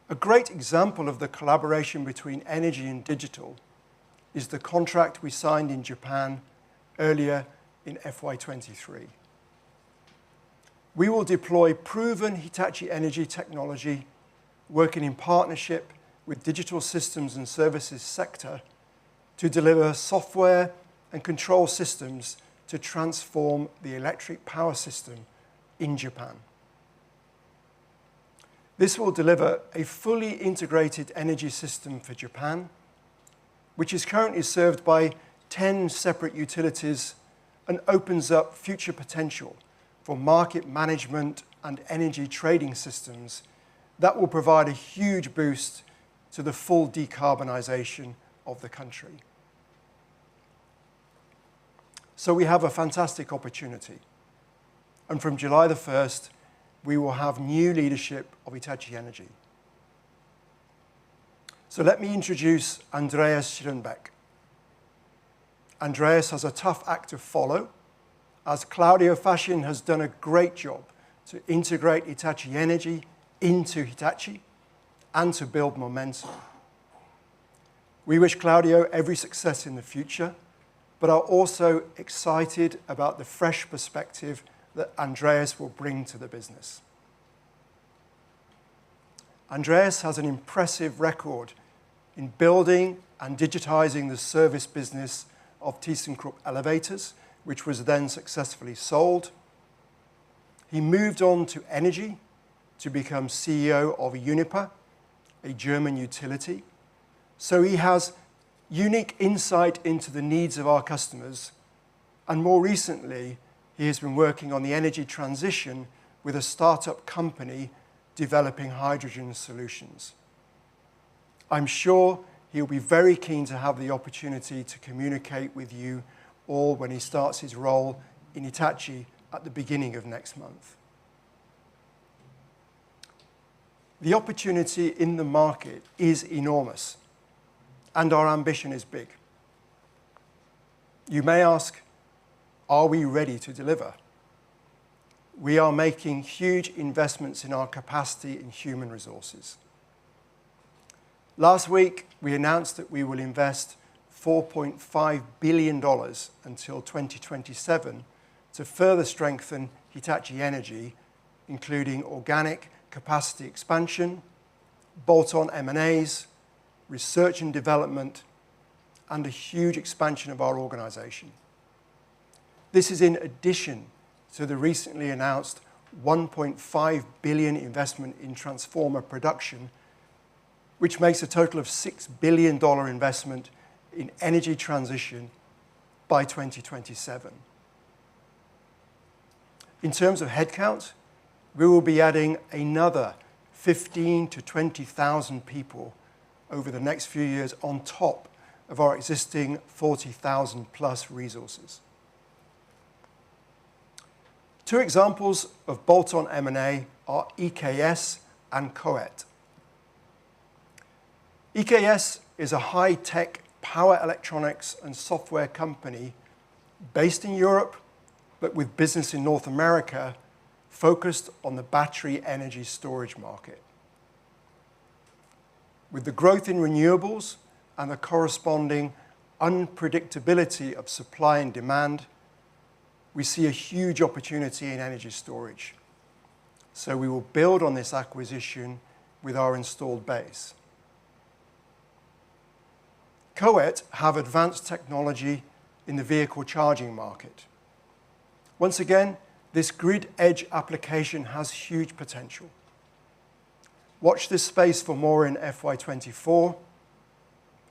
A great example of the collaboration between energy and digital is the contract we signed in Japan earlier in FY23. We will deploy proven Hitachi Energy technology, working in partnership with digital systems and services sector, to deliver software and control systems to transform the electric power system in Japan. This will deliver a fully integrated energy system for Japan, which is currently served by 10 separate utilities, and opens up future potential for market management and energy trading systems that will provide a huge boost to the full decarbonization of the country. So we have a fantastic opportunity, and from July the 1st, we will have new leadership of Hitachi Energy. So let me introduce Andreas Schierenbeck. Andreas has a tough act to follow, as Claudio Facchin has done a great job to integrate Hitachi Energy into Hitachi, and to build momentum. We wish Claudio every success in the future, but are also excited about the fresh perspective that Andreas will bring to the business. Andreas has an impressive record in building and digitizing the service business of thyssenkrupp Elevator, which was then successfully sold. He moved on to energy to become CEO of Uniper, a German utility, so he has unique insight into the needs of our customers, and more recently, he has been working on the energy transition with a startup company developing hydrogen solutions. I'm sure he'll be very keen to have the opportunity to communicate with you all when he starts his role in Hitachi at the beginning of next month. The opportunity in the market is enormous, and our ambition is big. You may ask, "Are we ready to deliver?" We are making huge investments in our capacity and human resources. Last week, we announced that we will invest $4.5 billion until 2027 to further strengthen Hitachi Energy, including organic capacity expansion, bolt-on M&As, research and development, and a huge expansion of our organization. This is in addition to the recently announced $1.5 billion investment in transformer production, which makes a total of $6 billion investment in energy transition by 2027. In terms of headcount, we will be adding another 15,000-20,000 people over the next few years on top of our existing 40,000+ resources. Two examples of bolt-on M&A are EKS and COET. EKS is a high-tech power, electronics, and software company based in Europe, but with business in North America, focused on the battery energy storage market. With the growth in renewables and the corresponding unpredictability of supply and demand, we see a huge opportunity in energy storage, so we will build on this acquisition with our installed base. COET have advanced technology in the vehicle charging market. Once again, this grid edge application has huge potential. Watch this space for more in FY24,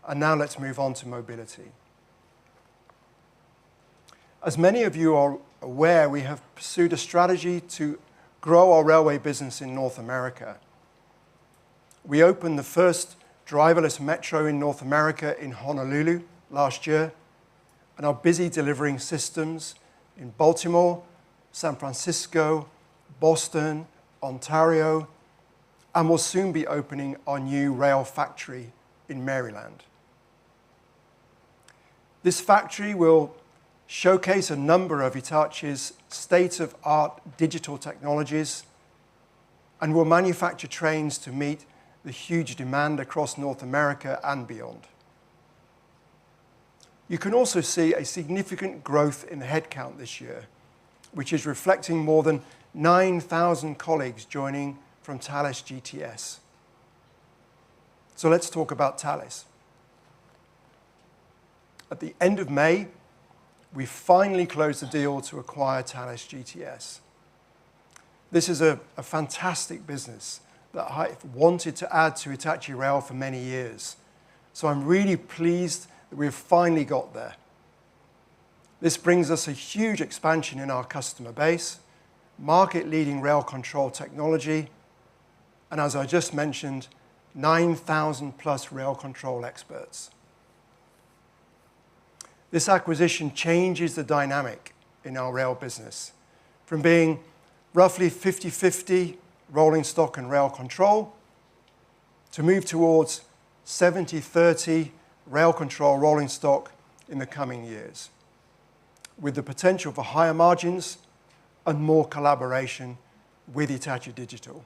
and now let's move on to mobility. As many of you are aware, we have pursued a strategy to grow our railway business in North America. We opened the first driverless metro in North America in Honolulu last year, and are busy delivering systems in Baltimore, San Francisco, Boston, Ontario, and will soon be opening our new rail factory in Maryland. This factory will showcase a number of Hitachi's state-of-the-art digital technologies and will manufacture trains to meet the huge demand across North America and beyond. You can also see a significant growth in the headcount this year, which is reflecting more than 9,000 colleagues joining from Thales GTS. So let's talk about Thales. At the end of May, we finally closed the deal to acquire Thales GTS. This is a fantastic business that I wanted to add to Hitachi Rail for many years, so I'm really pleased that we've finally got there.... This brings us a huge expansion in our customer base, market-leading rail control technology, and as I just mentioned, 9,000+ rail control experts. This acquisition changes the dynamic in our rail business from being roughly 50/50 rolling stock and rail control, to move towards 70/30 rail control, rolling stock in the coming years, with the potential for higher margins and more collaboration with Hitachi Digital.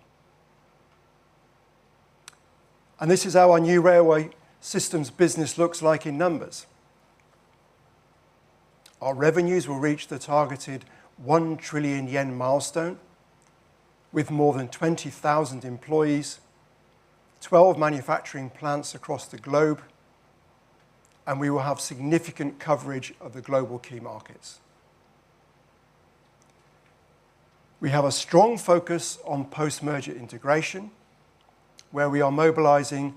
And this is how our new railway systems business looks like in numbers. Our revenues will reach the targeted 1 trillion yen milestone, with more than 20,000 employees, 12 manufacturing plants across the globe, and we will have significant coverage of the global key markets. We have a strong focus on post-merger integration, where we are mobilizing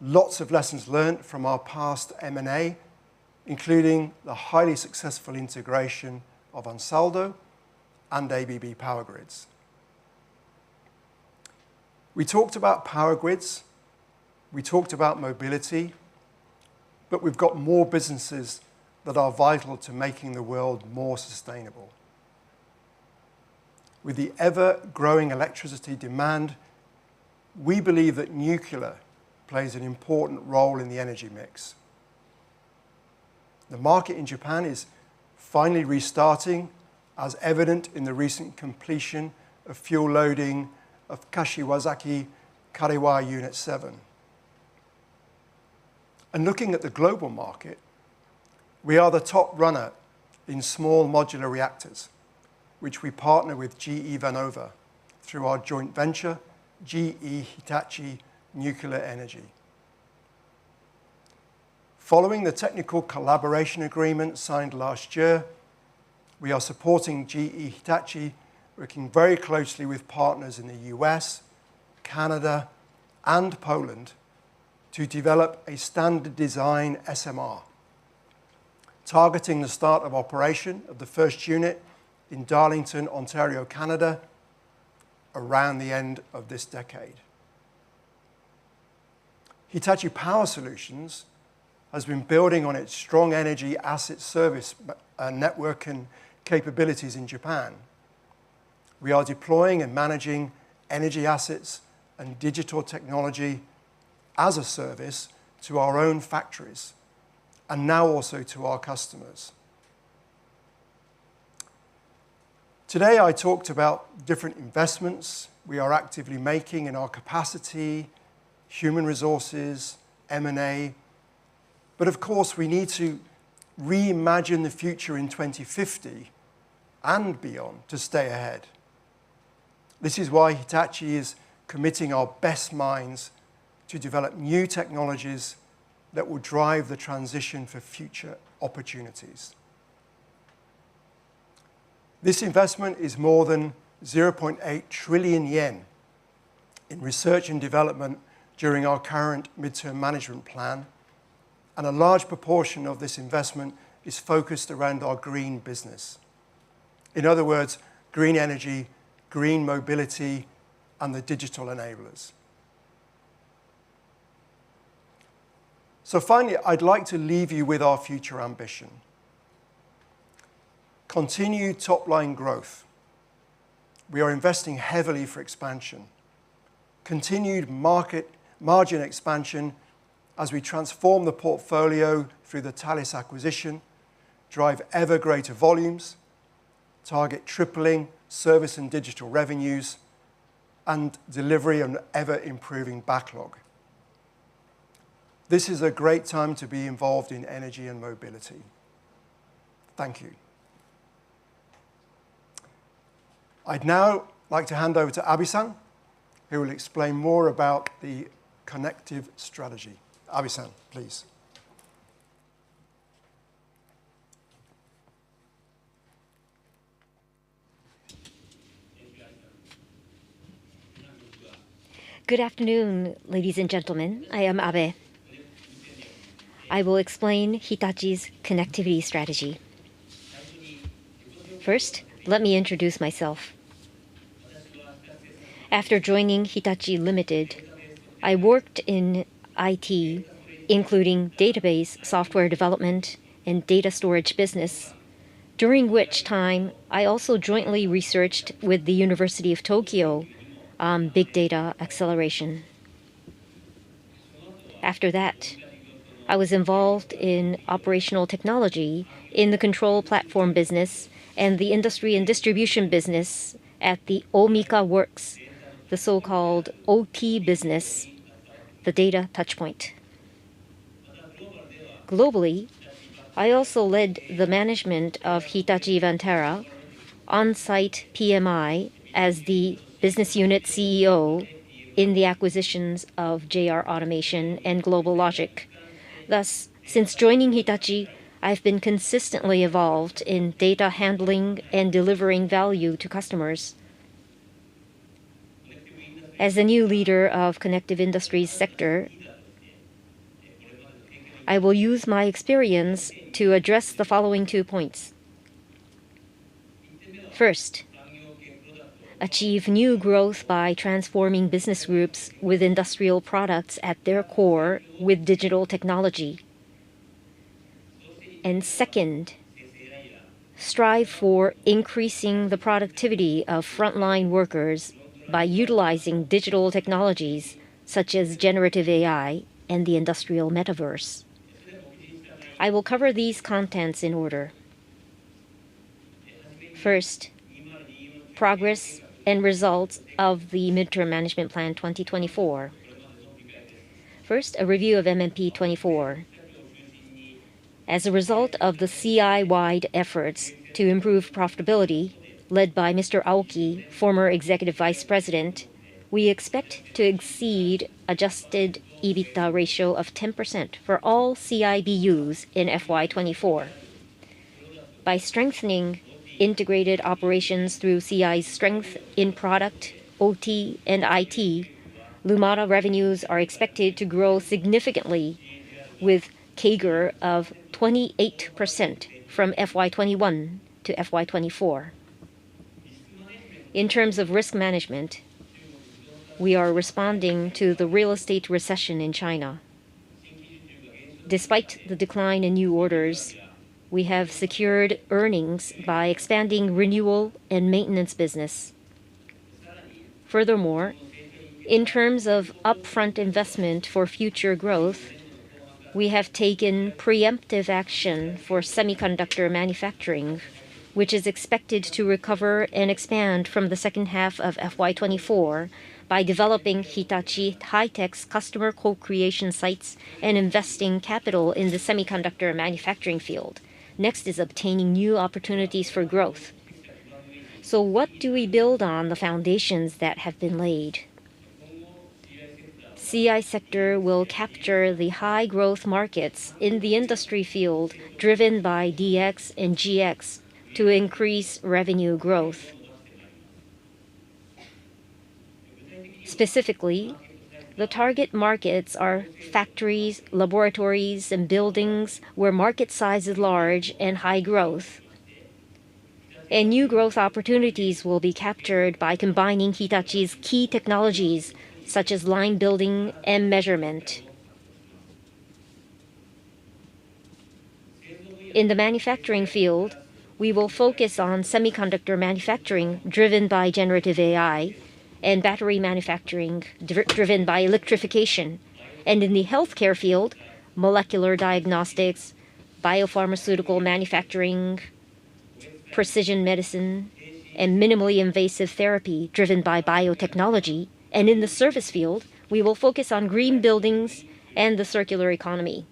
lots of lessons learned from our past M&A, including the highly successful integration of Ansaldo and ABB Power Grids. We talked about power grids, we talked about mobility, but we've got more businesses that are vital to making the world more sustainable. With the ever-growing electricity demand, we believe that nuclear plays an important role in the energy mix. The market in Japan is finally restarting, as evident in the recent completion of fuel loading of Kashiwazaki Kariwa Unit Seven. Looking at the global market, we are the top runner in small modular reactors, which we partner with GE Vernova through our joint venture, GE Hitachi Nuclear Energy. Following the technical collaboration agreement signed last year, we are supporting GE Hitachi, working very closely with partners in the US, Canada, and Poland, to develop a standard design SMR, targeting the start of operation of the first unit in Darlington, Ontario, Canada, around the end of this decade. Hitachi Power Solutions has been building on its strong energy asset service, network and capabilities in Japan. We are deploying and managing energy assets and digital technology as a service to our own factories, and now also to our customers. Today, I talked about different investments we are actively making in our capacity, human resources, M&A. But of course, we need to reimagine the future in 2050 and beyond to stay ahead. This is why Hitachi is committing our best minds to develop new technologies that will drive the transition for future opportunities. This investment is more than 0.8 trillion yen in research and development during our current midterm management plan, and a large proportion of this investment is focused around our green business. In other words, green energy, green mobility, and the digital enablers. So finally, I'd like to leave you with our future ambition. Continued top-line growth. We are investing heavily for expansion. Continued market-margin expansion as we transform the portfolio through the Thales acquisition, drive ever greater volumes, target tripling service and digital revenues, and delivery on ever-improving backlog. This is a great time to be involved in energy and mobility. Thank you. I'd now like to hand over to Abe-san, who will explain more about the connective strategy. Abe-san, please. Good afternoon, ladies and gentlemen. I am Jun Abe. I will explain Hitachi's connectivity strategy. First, let me introduce myself. After joining Hitachi Limited, I worked in IT, including database, software development, and data storage business, during which time I also jointly researched with the University of Tokyo, big data acceleration. After that, I was involved in operational technology in the control platform business and the industry and distribution business at the Omika Works, the so-called OT business, the data touchpoint. Globally, I also led the management of Hitachi Vantara on-site PMI as the business unit CEO in the acquisitions of JR Automation and GlobalLogic. Thus, since joining Hitachi, I've been consistently involved in data handling and delivering value to customers. As the new leader of Connective Industries sector, I will use my experience to address the following two points. First, achieve new growth by transforming business groups with industrial products at their core with digital technology. Second, strive for increasing the productivity of frontline workers by utilizing digital technologies, such as generative AI and the industrial metaverse. I will cover these contents in order. First, progress and results of the midterm management plan 2024. First, a review of MMP 2024. As a result of the CI-wide efforts to improve profitability, led by Mr. Aoki, former Executive Vice President, we expect to exceed adjusted EBITA ratio of 10% for all CIBUs in FY 2024. By strengthening integrated operations through CI's strength in product, OT, and IT, Lumada revenues are expected to grow significantly with CAGR of 28% from FY 2021 to FY 2024. In terms of risk management, we are responding to the real estate recession in China. Despite the decline in new orders, we have secured earnings by expanding renewal and maintenance business. Furthermore, in terms of upfront investment for future growth, we have taken preemptive action for semiconductor manufacturing, which is expected to recover and expand from the second half of FY 2024 by developing Hitachi High-Tech's customer co-creation sites and investing capital in the semiconductor manufacturing field. Next is obtaining new opportunities for growth. What do we build on the foundations that have been laid? CI sector will capture the high growth markets in the industry field, driven by DX and GX, to increase revenue growth. Specifically, the target markets are factories, laboratories, and buildings, where market size is large and high growth. New growth opportunities will be captured by combining Hitachi's key technologies, such as line building and measurement. In the manufacturing field, we will focus on semiconductor manufacturing, driven by generative AI, and battery manufacturing, driven by electrification. In the healthcare field, molecular diagnostics, biopharmaceutical manufacturing, precision medicine, and minimally invasive therapy, driven by biotechnology. In the service field, we will focus on green buildings and the circular economy.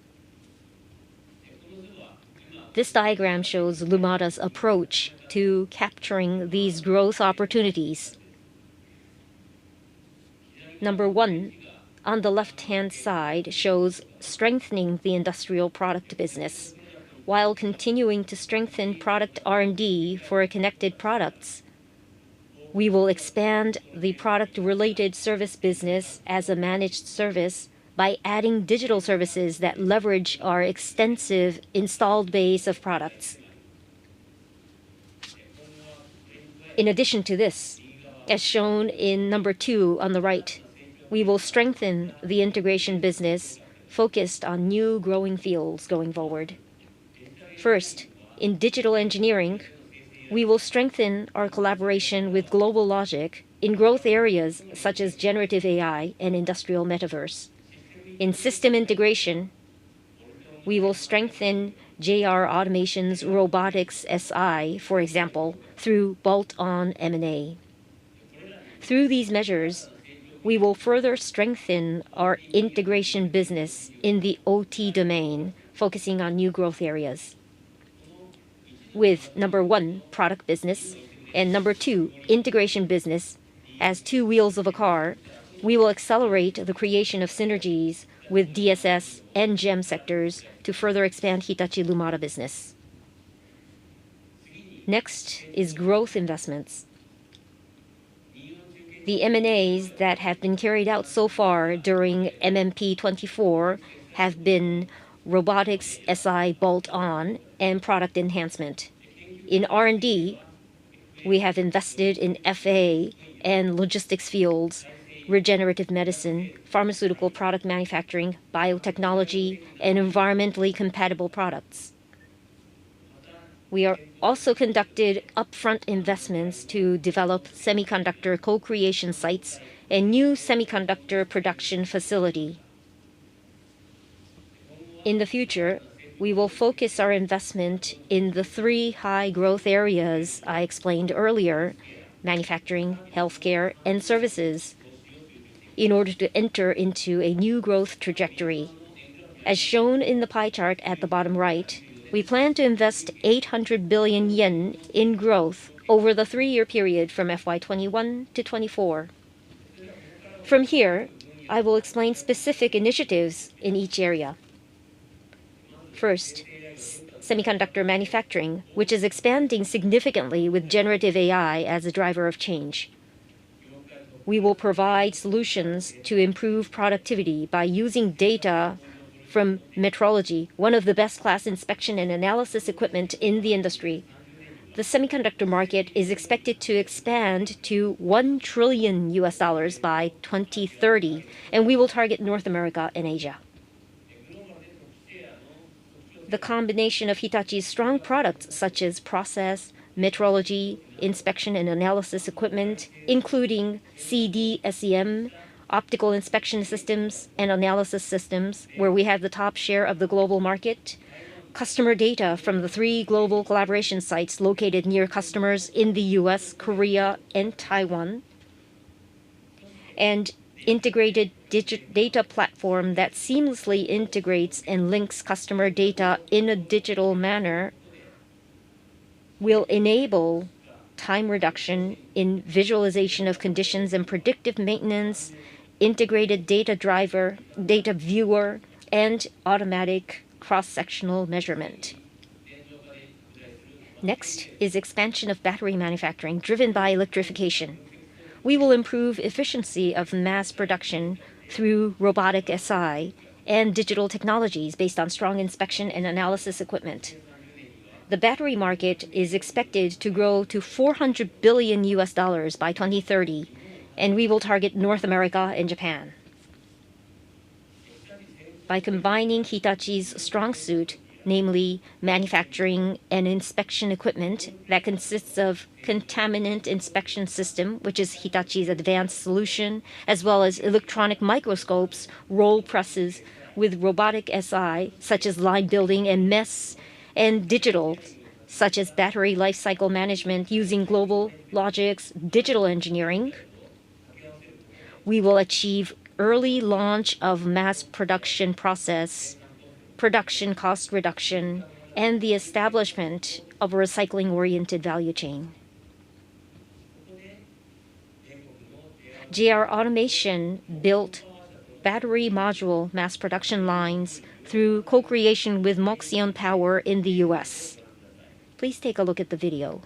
This diagram shows Lumada's approach to capturing these growth opportunities. Number 1, on the left-hand side, shows strengthening the industrial product business. While continuing to strengthen product R&D for connected products, we will expand the product-related service business as a managed service by adding digital services that leverage our extensive installed base of products. In addition to this, as shown in number 2 on the right, we will strengthen the integration business focused on new growing fields going forward. First, in digital engineering, we will strengthen our collaboration with GlobalLogic in growth areas such as generative AI and industrial metaverse. In system integration, we will strengthen JR Automation's Robotics SI, for example, through bolt-on M&A. Through these measures, we will further strengthen our integration business in the OT domain, focusing on new growth areas. With number one, product business, and number two, integration business, as two wheels of a car, we will accelerate the creation of synergies with DSS and GEM sectors to further expand Hitachi Lumada business. Next is growth investments. The M&As that have been carried out so far during MMP 2024 have been robotics, SI bolt-on, and product enhancement. In R&D, we have invested in FA and logistics fields, regenerative medicine, pharmaceutical product manufacturing, biotechnology, and environmentally compatible products. We have also conducted upfront investments to develop semiconductor co-creation sites and new semiconductor production facility. In the future, we will focus our investment in the three high-growth areas I explained earlier, manufacturing, healthcare, and services, in order to enter into a new growth trajectory. As shown in the pie chart at the bottom right, we plan to invest 800 billion yen in growth over the three-year period from FY 2021 to 2024. From here, I will explain specific initiatives in each area. First, semiconductor manufacturing, which is expanding significantly with generative AI as a driver of change. We will provide solutions to improve productivity by using data from metrology, one of the best-class inspection and analysis equipment in the industry. The semiconductor market is expected to expand to $1 trillion by 2030, and we will target North America and Asia. The combination of Hitachi's strong products, such as process, metrology, inspection, and analysis equipment, including CD-SEM, optical inspection systems, and analysis systems, where we have the top share of the global market. Customer data from the three global collaboration sites located near customers in the U.S., Korea, and Taiwan, and integrated digital data platform that seamlessly integrates and links customer data in a digital manner, will enable time reduction in visualization of conditions and predictive maintenance, integrated data driver, data viewer, and automatic cross-sectional measurement. Next is expansion of battery manufacturing, driven by electrification. We will improve efficiency of mass production through robotic SI and digital technologies based on strong inspection and analysis equipment. The battery market is expected to grow to $400 billion by 2030, and we will target North America and Japan. By combining Hitachi's strong suit, namely manufacturing and inspection equipment, that consists of contaminant inspection system, which is Hitachi's advanced solution, as well as electronic microscopes, roll presses with robotic SI, such as line building and MES, and digital, such as battery life cycle management using GlobalLogic's digital engineering. We will achieve early launch of mass production process, production cost reduction, and the establishment of a recycling-oriented value chain. JR Automation built battery module mass production lines through co-creation with Moxion Power in the U.S. Please take a look at the video.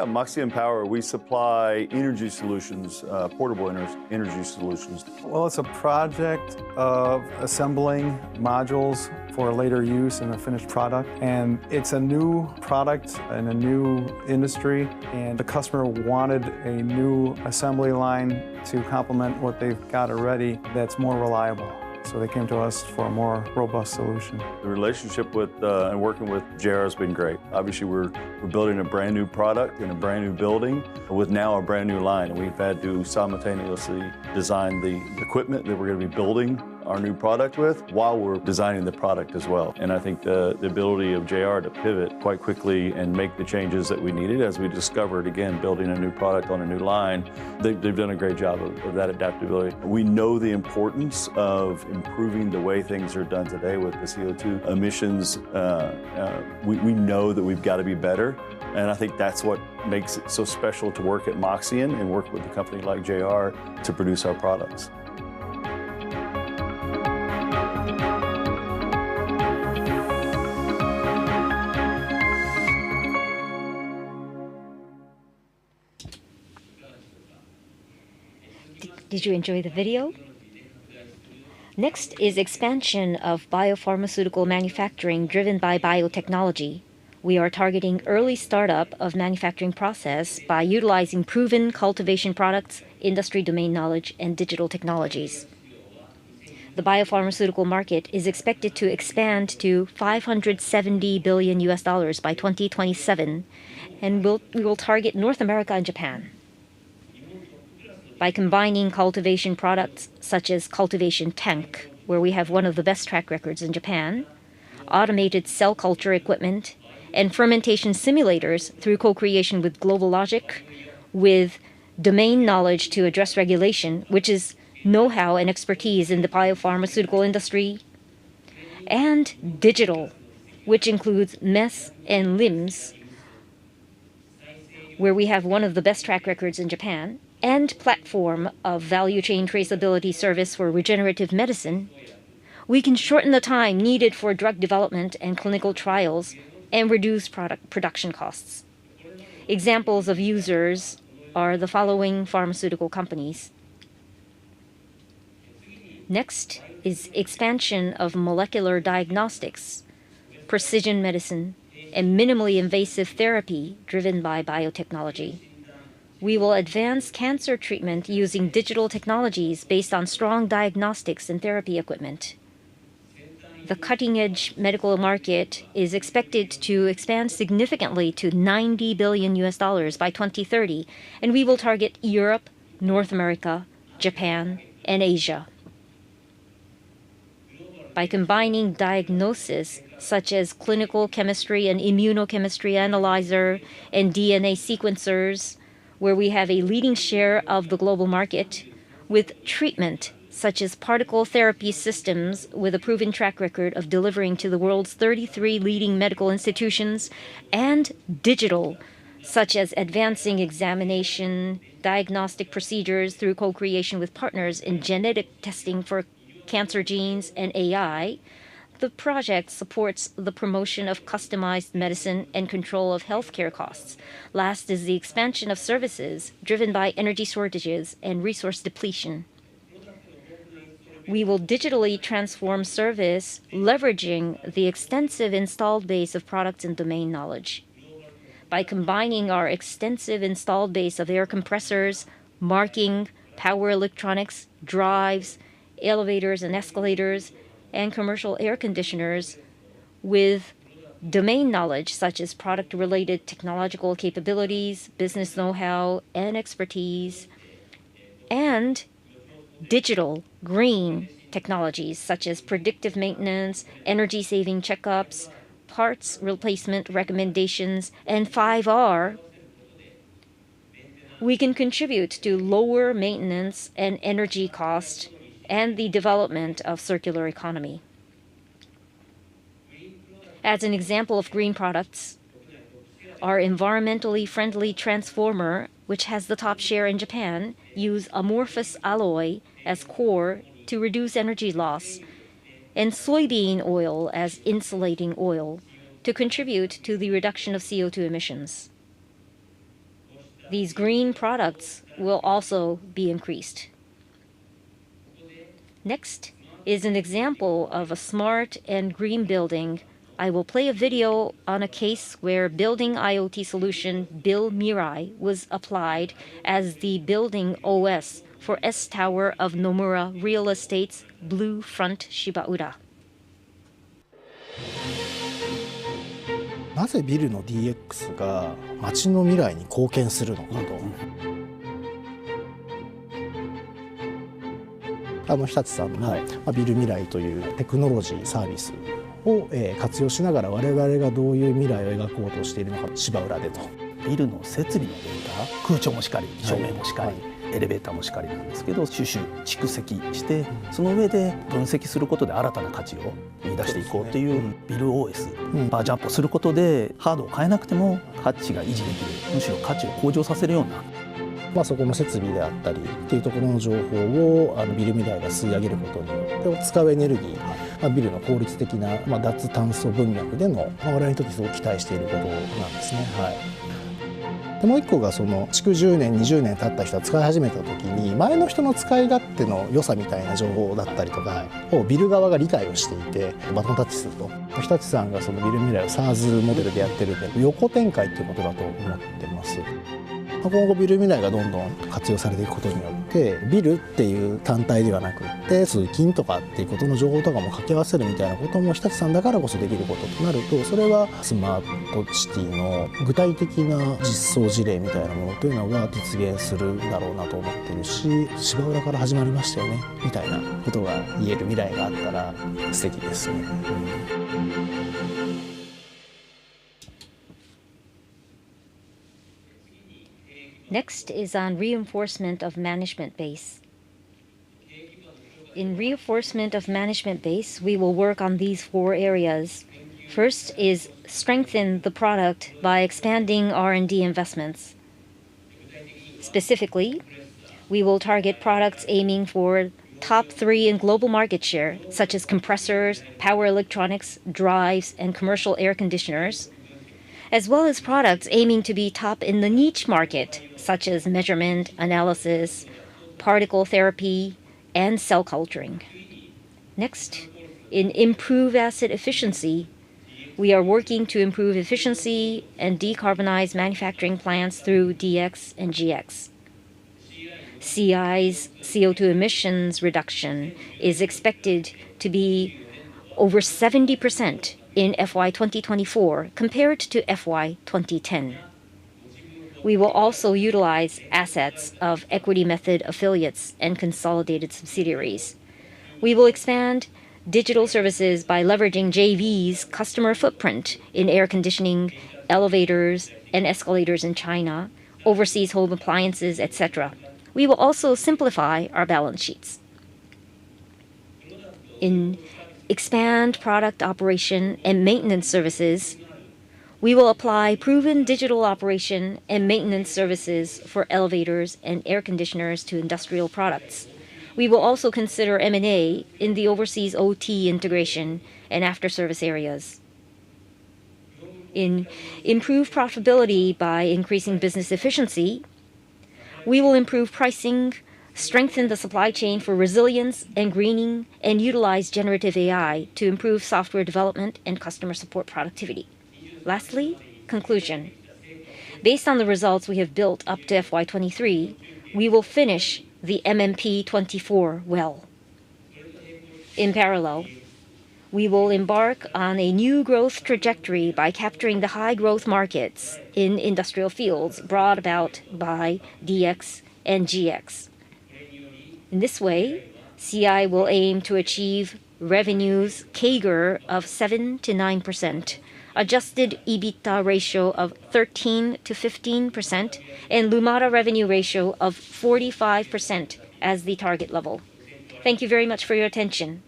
At Moxion Power, we supply energy solutions, portable energy solutions. Well, it's a project of assembling modules for later use in a finished product, and it's a new product in a new industry, and the customer wanted a new assembly line to complement what they've got already that's more reliable. So they came to us for a more robust solution. The relationship with and working with JR has been great. Obviously, we're, we're building a brand-new product in a brand-new building with now a brand-new line. We've had to simultaneously design the equipment that we're gonna be building our new product with, while we're designing the product as well. And I think, the, the ability of JR to pivot quite quickly and make the changes that we needed as we discovered, again, building a new product on a new line, they've, they've done a great job of, of that adaptability. We know the importance of improving the way things are done today with the CO2 emissions. We, we know that we've got to be better, and I think that's what makes it so special to work at Moxion and work with a company like JR to produce our products. Did you enjoy the video? Next is expansion of biopharmaceutical manufacturing, driven by biotechnology. We are targeting early startup of manufacturing process by utilizing proven cultivation products, industry domain knowledge, and digital technologies. The biopharmaceutical market is expected to expand to $570 billion by 2027, and we will target North America and Japan. By combining cultivation products, such as cultivation tank, where we have one of the best track records in Japan, automated cell culture equipment, and fermentation simulators through co-creation with GlobalLogic, with domain knowledge to address regulation, which is know-how and expertise in the biopharmaceutical industry, and digital, which includes MES and LIMS, where we have one of the best track records in Japan, and platform of value chain traceability service for regenerative medicine. We can shorten the time needed for drug development and clinical trials and reduce product production costs. Examples of users are the following pharmaceutical companies. Next is expansion of molecular diagnostics, precision medicine, and minimally invasive therapy driven by biotechnology. We will advance cancer treatment using digital technologies based on strong diagnostics and therapy equipment. The cutting-edge medical market is expected to expand significantly to $90 billion by 2030, and we will target Europe, North America, Japan, and Asia. By combining diagnosis, such as clinical chemistry and immunochemistry analyzer and DNA sequencers where we have a leading share of the global market with treatment, such as particle therapy systems, with a proven track record of delivering to the world's 33 leading medical institutions, and digital, such as advancing examination, diagnostic procedures through co-creation with partners in genetic testing for cancer genes and AI. The project supports the promotion of customized medicine and control of healthcare costs. Last is the expansion of services driven by energy shortages and resource depletion. We will digitally transform service, leveraging the extensive installed base of products and domain knowledge. By combining our extensive installed base of air compressors, marking, power electronics, drives, elevators and escalators, and commercial air conditioners with domain knowledge, such as product-related technological capabilities, business know-how, and expertise, and digital green technologies, such as predictive maintenance, energy-saving checkups, parts replacement recommendations, and 5R, we can contribute to lower maintenance and energy cost, and the development of circular economy. As an example of green products, our environmentally friendly transformer, which has the top share in Japan, use amorphous alloy as core to reduce energy loss, and soybean oil as insulating oil to contribute to the reduction of CO2 emissions. These green products will also be increased. Next is an example of a smart and green building. I will play a video on a case where building IoT solution, BuilMirai, was applied as the building OS for S-Tower of Nomura Real Estate's Blue Front Shibaura. Next is on reinforcement of management base. In reinforcement of management base, we will work on these four areas. First is strengthen the product by expanding R&D investments. Specifically, we will target products aiming for top three in global market share, such as compressors, power electronics, drives, and commercial air conditioners, as well as products aiming to be top in the niche market, such as measurement, analysis, particle therapy, and cell culturing. Next, in improve asset efficiency, we are working to improve efficiency and decarbonize manufacturing plants through DX and GX. CI's CO2 emissions reduction is expected to be over 70% in FY 2024, compared to FY 2010. We will also utilize assets of equity method affiliates and consolidated subsidiaries. We will expand digital services by leveraging JV's customer footprint in air conditioning, elevators, and escalators in China, overseas home appliances, et cetera. We will also simplify our balance sheets. In expand product operation and maintenance services, we will apply proven digital operation and maintenance services for elevators and air conditioners to industrial products. We will also consider M&A in the overseas OT integration and after-service areas. In improve profitability by increasing business efficiency, we will improve pricing, strengthen the supply chain for resilience and greening, and utilize generative AI to improve software development and customer support productivity. Lastly, conclusion. Based on the results we have built up to FY 2023, we will finish the MMP 2024 well. In parallel, we will embark on a new growth trajectory by capturing the high-growth markets in industrial fields brought about by DX and GX.... In this way, CI will aim to achieve revenues CAGR of 7%-9%, Adjusted EBITA ratio of 13%-15%, and Lumada revenue ratio of 45% as the target level. Thank you very much for your attention.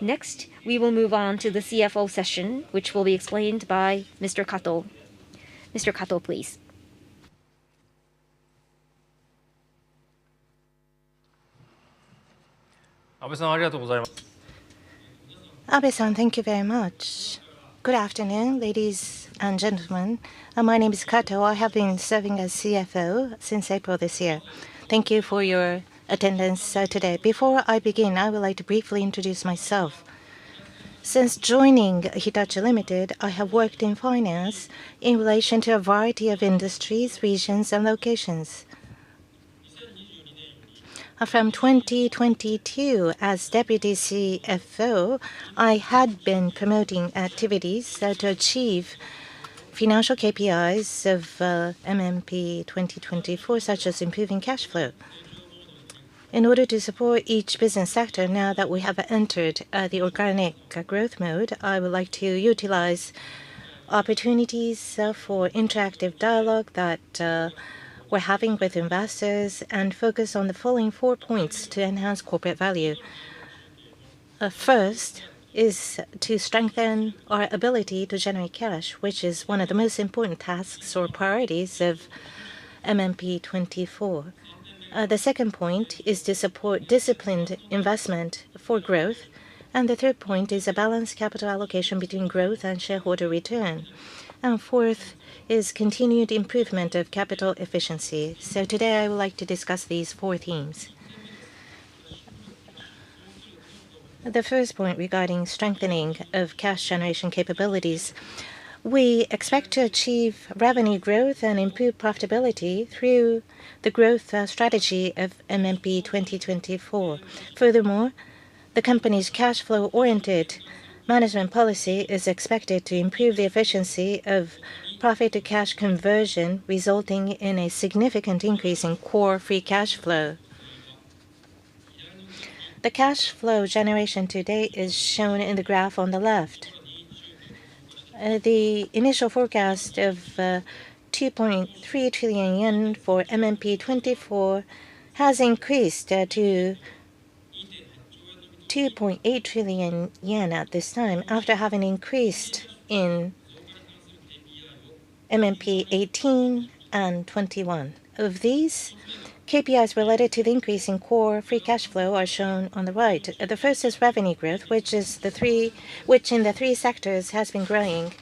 Next, we will move on to the CFO session, which will be explained by Mr. Kato. Mr. Kato, please. Abe-san, thank you very much. Good afternoon, ladies and gentlemen. My name is Kato. I have been serving as CFO since April this year. Thank you for your attendance today. Before I begin, I would like to briefly introduce myself. Since joining Hitachi Limited, I have worked in finance in relation to a variety of industries, regions, and locations. From 2022, as Deputy CFO, I had been promoting activities that achieve financial KPIs of MMP 2024, such as improving cash flow. In order to support each business sector now that we have entered the organic growth mode, I would like to utilize opportunities for interactive dialogue that we're having with investors and focus on the following four points to enhance corporate value. First is to strengthen our ability to generate cash, which is one of the most important tasks or priorities of MMP 2024. The second point is to support disciplined investment for growth, and the third point is a balanced capital allocation between growth and shareholder return. Fourth is continued improvement of capital efficiency. So today I would like to discuss these four themes. The first point regarding strengthening of cash generation capabilities, we expect to achieve revenue growth and improve profitability through the growth strategy of MMP 2024. Furthermore, the company's cash flow-oriented management policy is expected to improve the efficiency of profit to cash conversion, resulting in a significant increase in core free cash flow. The cash flow generation to date is shown in the graph on the left. The initial forecast of 2.3 trillion yen for MMP 2024 has increased to 2.8 trillion yen at this time, after having increased in MMP 2018 and 2021. Of these, KPIs related to the increase in core free cash flow are shown on the right. The first is revenue growth, which in the three sectors has been growing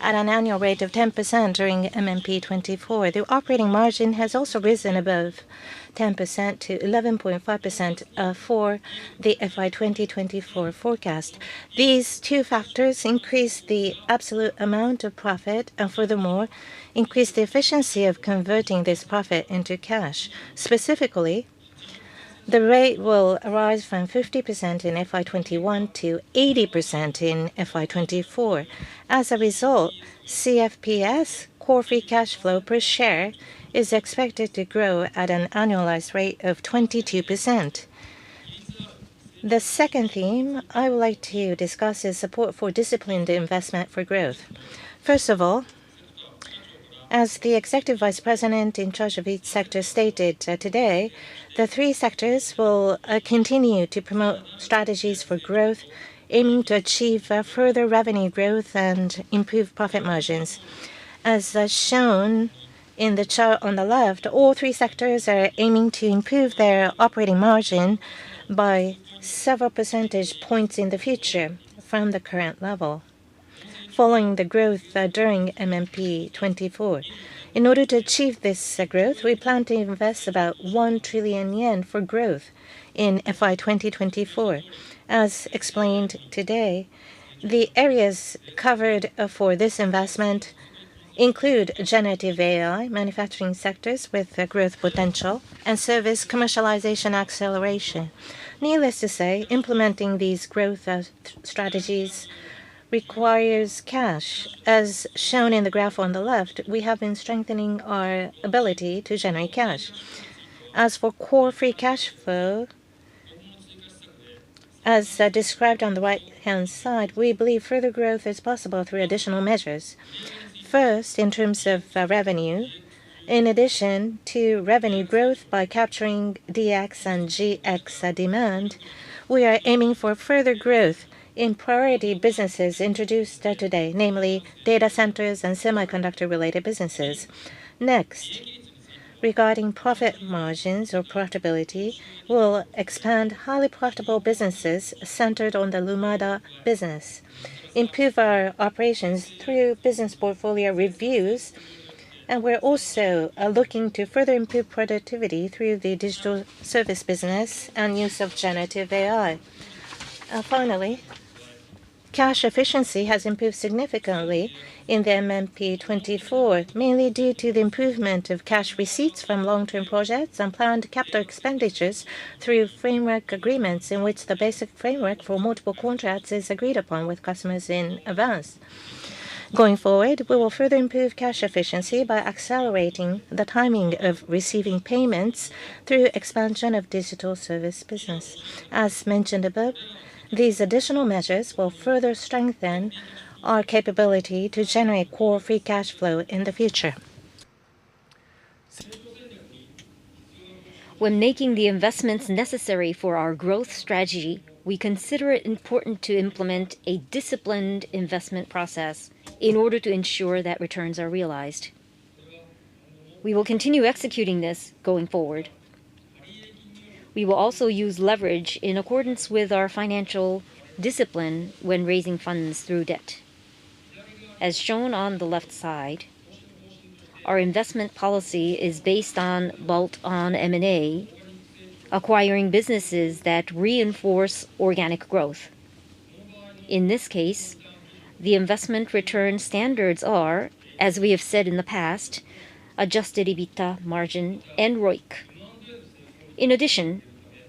at an annual rate of 10% during MMP 2024. The operating margin has also risen above 10% to 11.5%, for the FY 2024 forecast. These two factors increase the absolute amount of profit, and furthermore, increase the efficiency of converting this profit into cash. Specifically, the rate will rise from 50% in FY 2021 to 80% in FY 2024. As a result, CFPS, core free cash flow per share, is expected to grow at an annualized rate of 22%. The second theme I would like to discuss is support for disciplined investment for growth. First of all, as the executive vice president in charge of each sector stated, today, the three sectors will continue to promote strategies for growth, aiming to achieve further revenue growth and improve profit margins. As shown in the chart on the left, all three sectors are aiming to improve their operating margin by several percentage points in the future from the current level, following the growth during MMP 2024. In order to achieve this growth, we plan to invest about 1 trillion yen for growth in FY 2024. As explained today, the areas covered for this investment include generative AI, manufacturing sectors with a growth potential, and service commercialization acceleration. Needless to say, implementing these growth strategies requires cash. As shown in the graph on the left, we have been strengthening our ability to generate cash. As for core free cash flow, as described on the right-hand side, we believe further growth is possible through additional measures. First, in terms of revenue, in addition to revenue growth by capturing DX and GX demand, we are aiming for further growth in priority businesses introduced today, namely data centers and semiconductor-related businesses. Next, regarding profit margins or profitability, we'll expand highly profitable businesses centered on the Lumada business, improve our operations through business portfolio reviews, and we're also looking to further improve productivity through the digital service business and use of generative AI. Finally, cash efficiency has improved significantly in the MMP 24, mainly due to the improvement of cash receipts from long-term projects and planned capital expenditures through framework agreements, in which the basic framework for multiple contracts is agreed upon with customers in advance.... Going forward, we will further improve cash efficiency by accelerating the timing of receiving payments through expansion of digital service business. As mentioned above, these additional measures will further strengthen our capability to generate Core Free Cash Flow in the future. When making the investments necessary for our growth strategy, we consider it important to implement a disciplined investment process in order to ensure that returns are realized. We will continue executing this going forward. We will also use leverage in accordance with our financial discipline when raising funds through debt. As shown on the left side, our investment policy is based on bolt-on M&A, acquiring businesses that reinforce organic growth. In this case, the investment return standards are, as we have said in the past, adjusted EBITA margin and ROIC. In addition,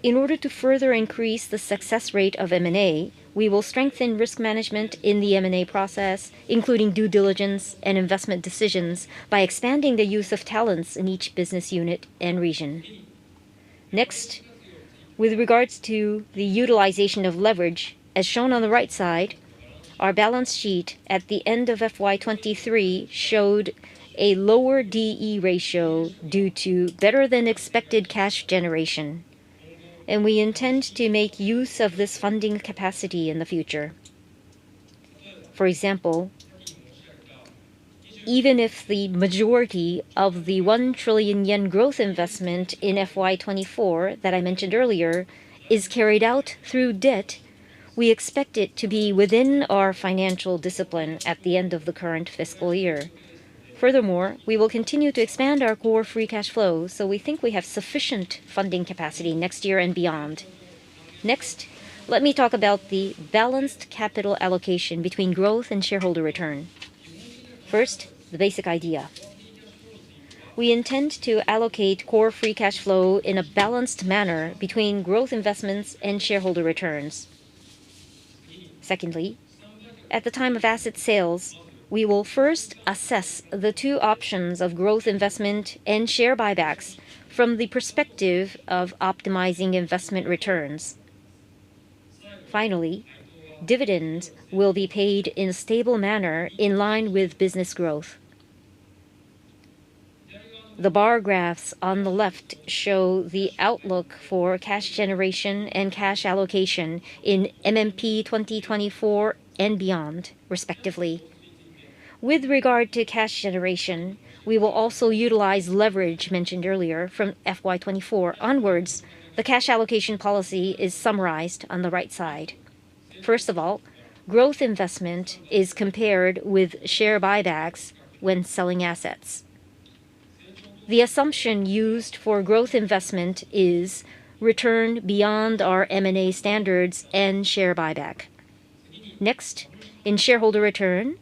in order to further increase the success rate of M&A, we will strengthen risk management in the M&A process, including due diligence and investment decisions, by expanding the use of talents in each business unit and region. Next, with regards to the utilization of leverage, as shown on the right side, our balance sheet at the end of FY 2023 showed a lower DE ratio due to better-than-expected cash generation, and we intend to make use of this funding capacity in the future. For example, even if the majority of the 1 trillion yen growth investment in FY 2024 that I mentioned earlier is carried out through debt, we expect it to be within our financial discipline at the end of the current fiscal year. Furthermore, we will continue to expand our core free cash flow, so we think we have sufficient funding capacity next year and beyond. Next, let me talk about the balanced capital allocation between growth and shareholder return. First, the basic idea. We intend to allocate Core Free Cash Flow in a balanced manner between growth investments and shareholder returns. Secondly, at the time of asset sales, we will first assess the two options of growth investment and share buybacks from the perspective of optimizing investment returns. Finally, dividends will be paid in a stable manner in line with business growth. The bar graphs on the left show the outlook for cash generation and cash allocation in MMP 2024 and beyond, respectively. With regard to cash generation, we will also utilize leverage mentioned earlier from FY 2024 onwards. The cash allocation policy is summarized on the right side. First of all, growth investment is compared with share buybacks when selling assets. The assumption used for growth investment is return beyond our M&A standards and share buyback. Next, in shareholder return,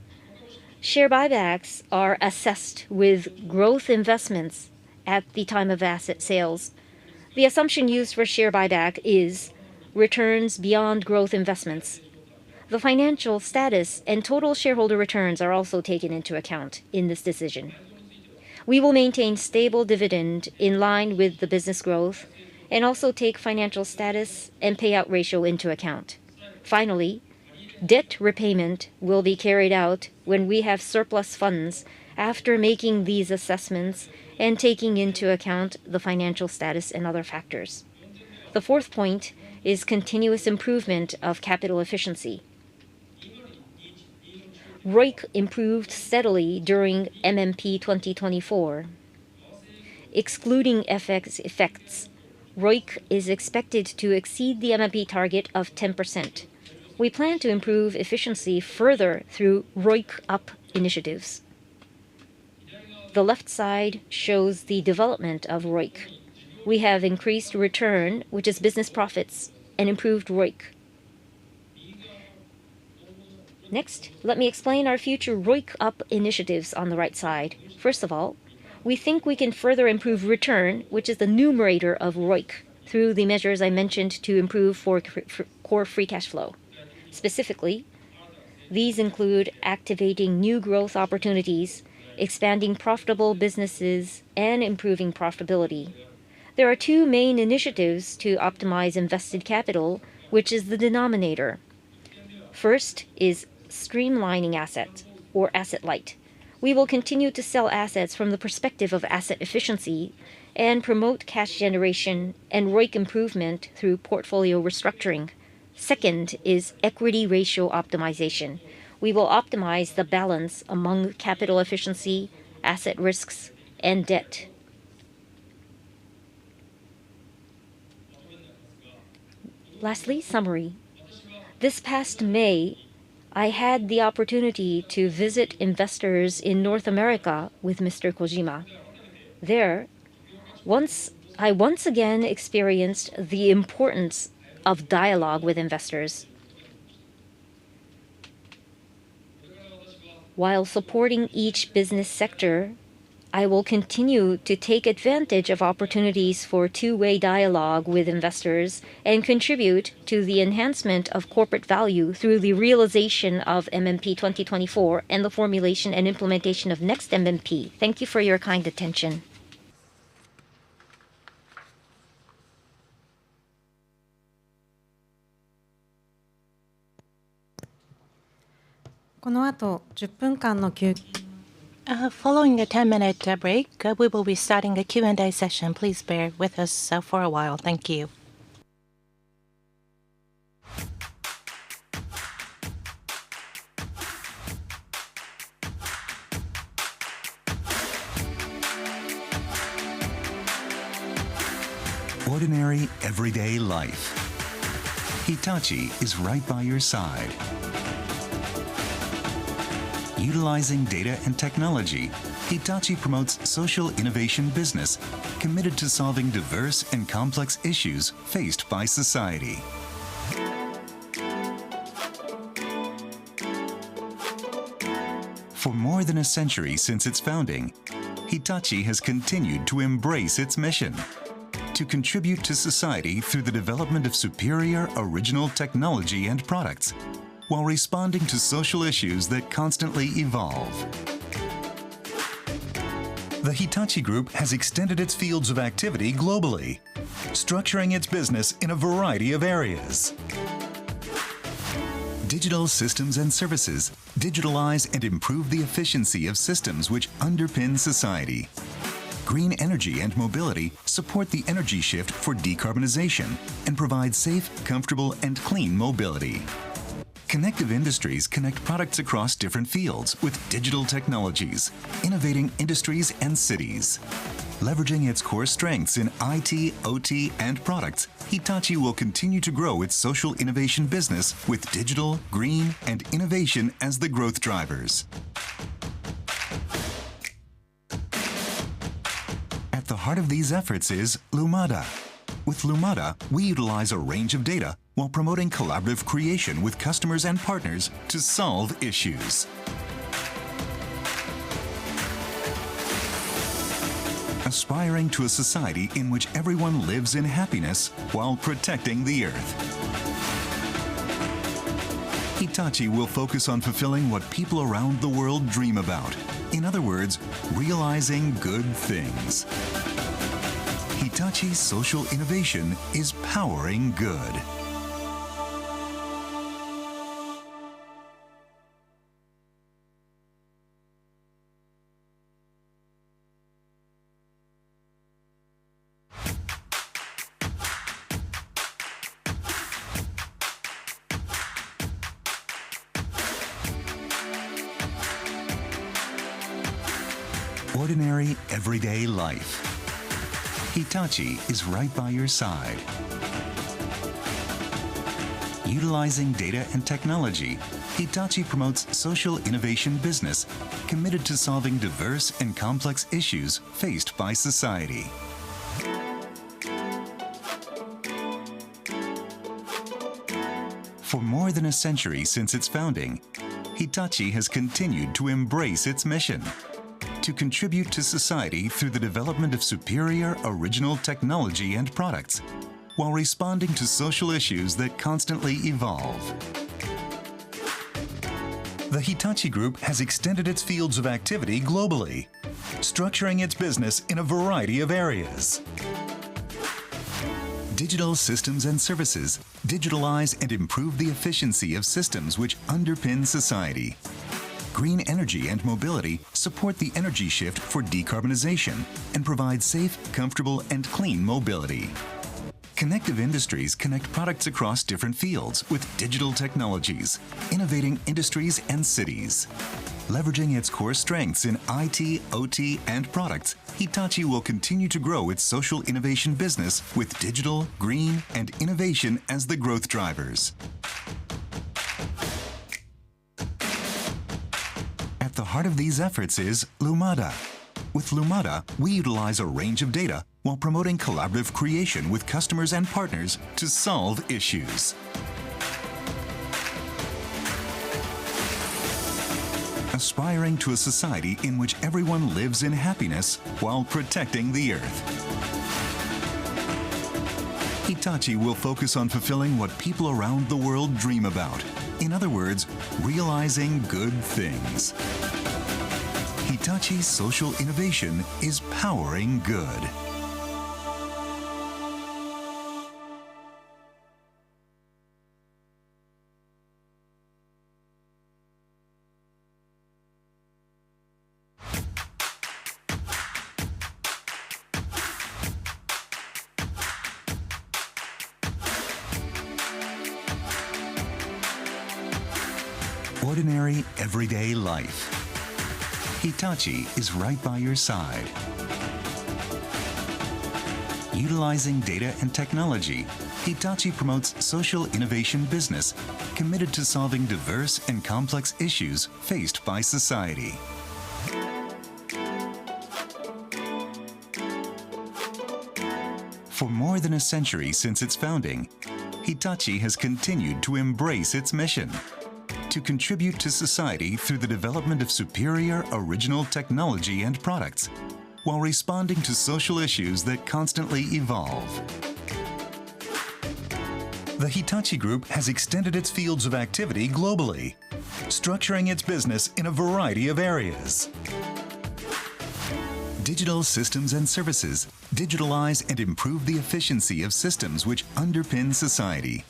share buybacks are assessed with growth investments at the time of asset sales. The assumption used for share buyback is returns beyond growth investments. The financial status and total shareholder returns are also taken into account in this decision. We will maintain stable dividend in line with the business growth and also take financial status and payout ratio into account. Finally, debt repayment will be carried out when we have surplus funds after making these assessments and taking into account the financial status and other factors. The fourth point is continuous improvement of capital efficiency. ROIC improved steadily during MMP 2024. Excluding FX effects, ROIC is expected to exceed the MMP target of 10%. We plan to improve efficiency further through ROIC-up initiatives. The left side shows the development of ROIC. We have increased return, which is business profits, and improved ROIC. Next, let me explain our future ROIC-up initiatives on the right side. First of all, we think we can further improve return, which is the numerator of ROIC, through the measures I mentioned to improve core free cash flow. Specifically, these include activating new growth opportunities, expanding profitable businesses, and improving profitability. There are two main initiatives to optimize invested capital, which is the denominator. First is streamlining assets or asset light. We will continue to sell assets from the perspective of asset efficiency and promote cash generation and ROIC improvement through portfolio restructuring. Second is equity ratio optimization. We will optimize the balance among capital efficiency, asset risks, and debt. Lastly, summary. This past May, I had the opportunity to visit investors in North America with Mr. Kojima. I once again experienced the importance of dialogue with investors. While supporting each business sector, I will continue to take advantage of opportunities for two-way dialogue with investors and contribute to the enhancement of corporate value through the realization of MMP 2024, and the formulation and implementation of next MMP. Thank you for your kind attention. Following a 10-minute break, we will be starting the Q&A session. Please bear with us for a while. Thank you. Ordinary, everyday life. Hitachi is right by your side. Utilizing data and technology, Hitachi promotes social innovation business, committed to solving diverse and complex issues faced by society. For more than a century since its founding, Hitachi has continued to embrace its mission: to contribute to society through the development of superior, original technology and products, while responding to social issues that constantly evolve. The Hitachi Group has extended its fields of activity globally, structuring its business in a variety of areas. Digital systems and services digitalize and improve the efficiency of systems which underpin society. Green energy and mobility support the energy shift for decarbonization and provide safe, comfortable, and clean mobility. Connective industries connect products across different fields with digital technologies, innovating industries and cities. Leveraging its core strengths in IT, OT, and products, Hitachi will continue to grow its social innovation business with digital, green, and innovation as the growth drivers. At the heart of these efforts is Lumada. With Lumada, we utilize a range of data while promoting collaborative creation with customers and partners to solve issues. Aspiring to a society in which everyone lives in happiness while protecting the Earth. Hitachi will focus on fulfilling what people around the world dream about. In other words, realizing good things. Hitachi's social innovation is powering good. Ordinary, everyday life. Hitachi is right by your side. Utilizing data and technology, Hitachi promotes social innovation business, committed to solving diverse and complex issues faced by society. For more than a century since its founding, Hitachi has continued to embrace its mission: to contribute to society through the development of superior, original technology and products, while responding to social issues that constantly evolve. The Hitachi Group has extended its fields of activity globally, structuring its business in a variety of areas. Digital systems and services digitalize and improve the efficiency of systems which underpin society. Green energy and mobility support the energy shift for decarbonization and provide safe, comfortable, and clean mobility. Connective industries connect products across different fields with digital technologies, innovating industries and cities. Leveraging its core strengths in IT, OT, and products, Hitachi will continue to grow its social innovation business with digital, green, and innovation as the growth drivers. At the heart of these efforts is Lumada. With Lumada, we utilize a range of data while promoting collaborative creation with customers and partners to solve issues. Aspiring to a society in which everyone lives in happiness while protecting the Earth. Hitachi will focus on fulfilling what people around the world dream about. In other words, realizing good things. Hitachi's social innovation is powering good. Ordinary, everyday life. Hitachi is right by your side. Utilizing data and technology, Hitachi promotes social innovation business, committed to solving diverse and complex issues faced by society.... For more than a century since its founding, Hitachi has continued to embrace its mission: to contribute to society through the development of superior, original technology and products, while responding to social issues that constantly evolve. The Hitachi Group has extended its fields of activity globally, structuring its business in a variety of areas. Digital systems and services digitalize and improve the efficiency of systems which underpin society.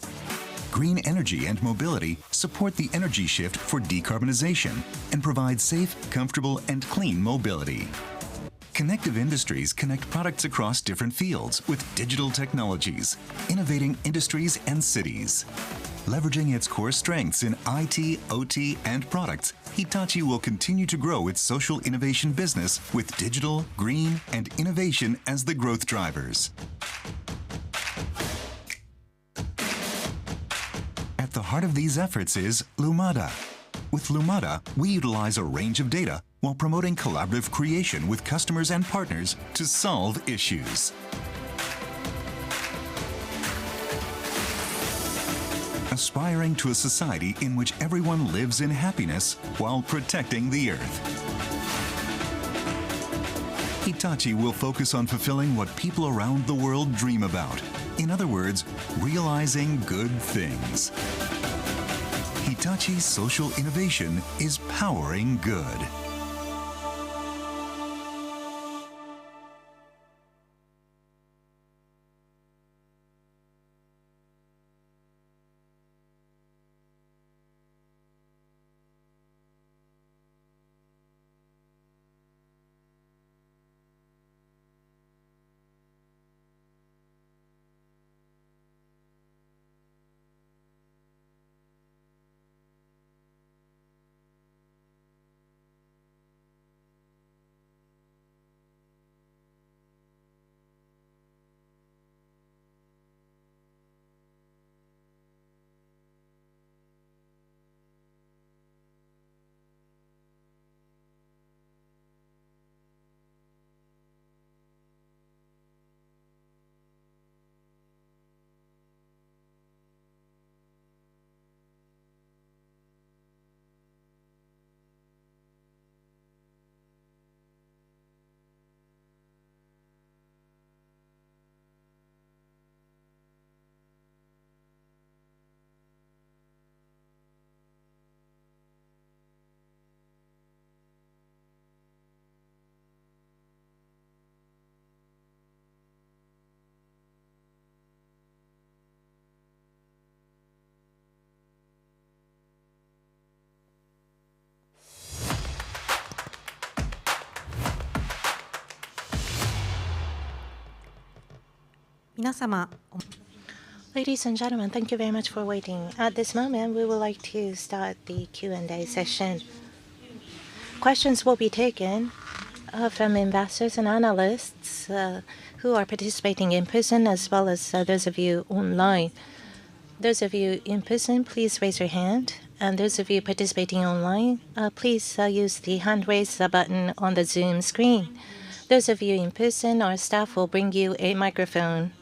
Green energy and mobility support the energy shift for decarbonization, and provide safe, comfortable, and clean mobility. Connective industries connect products across different fields with digital technologies, innovating industries and cities. Leveraging its core strengths in IT, OT, and products, Hitachi will continue to grow its social innovation business with digital, green, and innovation as the growth drivers. At the heart of these efforts is Lumada. With Lumada, we utilize a range of data, while promoting collaborative creation with customers and partners to solve issues. Aspiring to a society in which everyone lives in happiness while protecting the Earth. Hitachi will focus on fulfilling what people around the world dream about. In other words, realizing good things. Hitachi's social innovation is powering good. Ladies and gentlemen, thank you very much for waiting. At this moment, we would like to start the Q&A session. Questions will be taken from investors and analysts who are participating in person, as well as those of you online. Those of you in person, please raise your hand, and those of you participating online, please use the hand raise button on the Zoom screen. Those of you in person, our staff will bring you a microphone.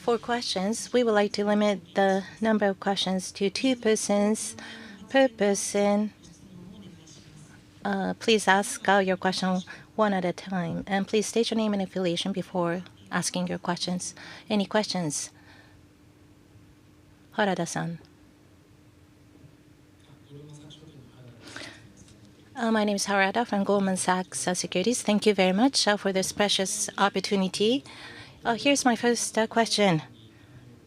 For questions, we would like to limit the number of questions to two persons per person. Please ask your question one at a time, and please state your name and affiliation before asking your questions. Any questions? Harada-san? My name is Harada from Goldman Sachs Securities. Thank you very much for this precious opportunity. Here's my first question,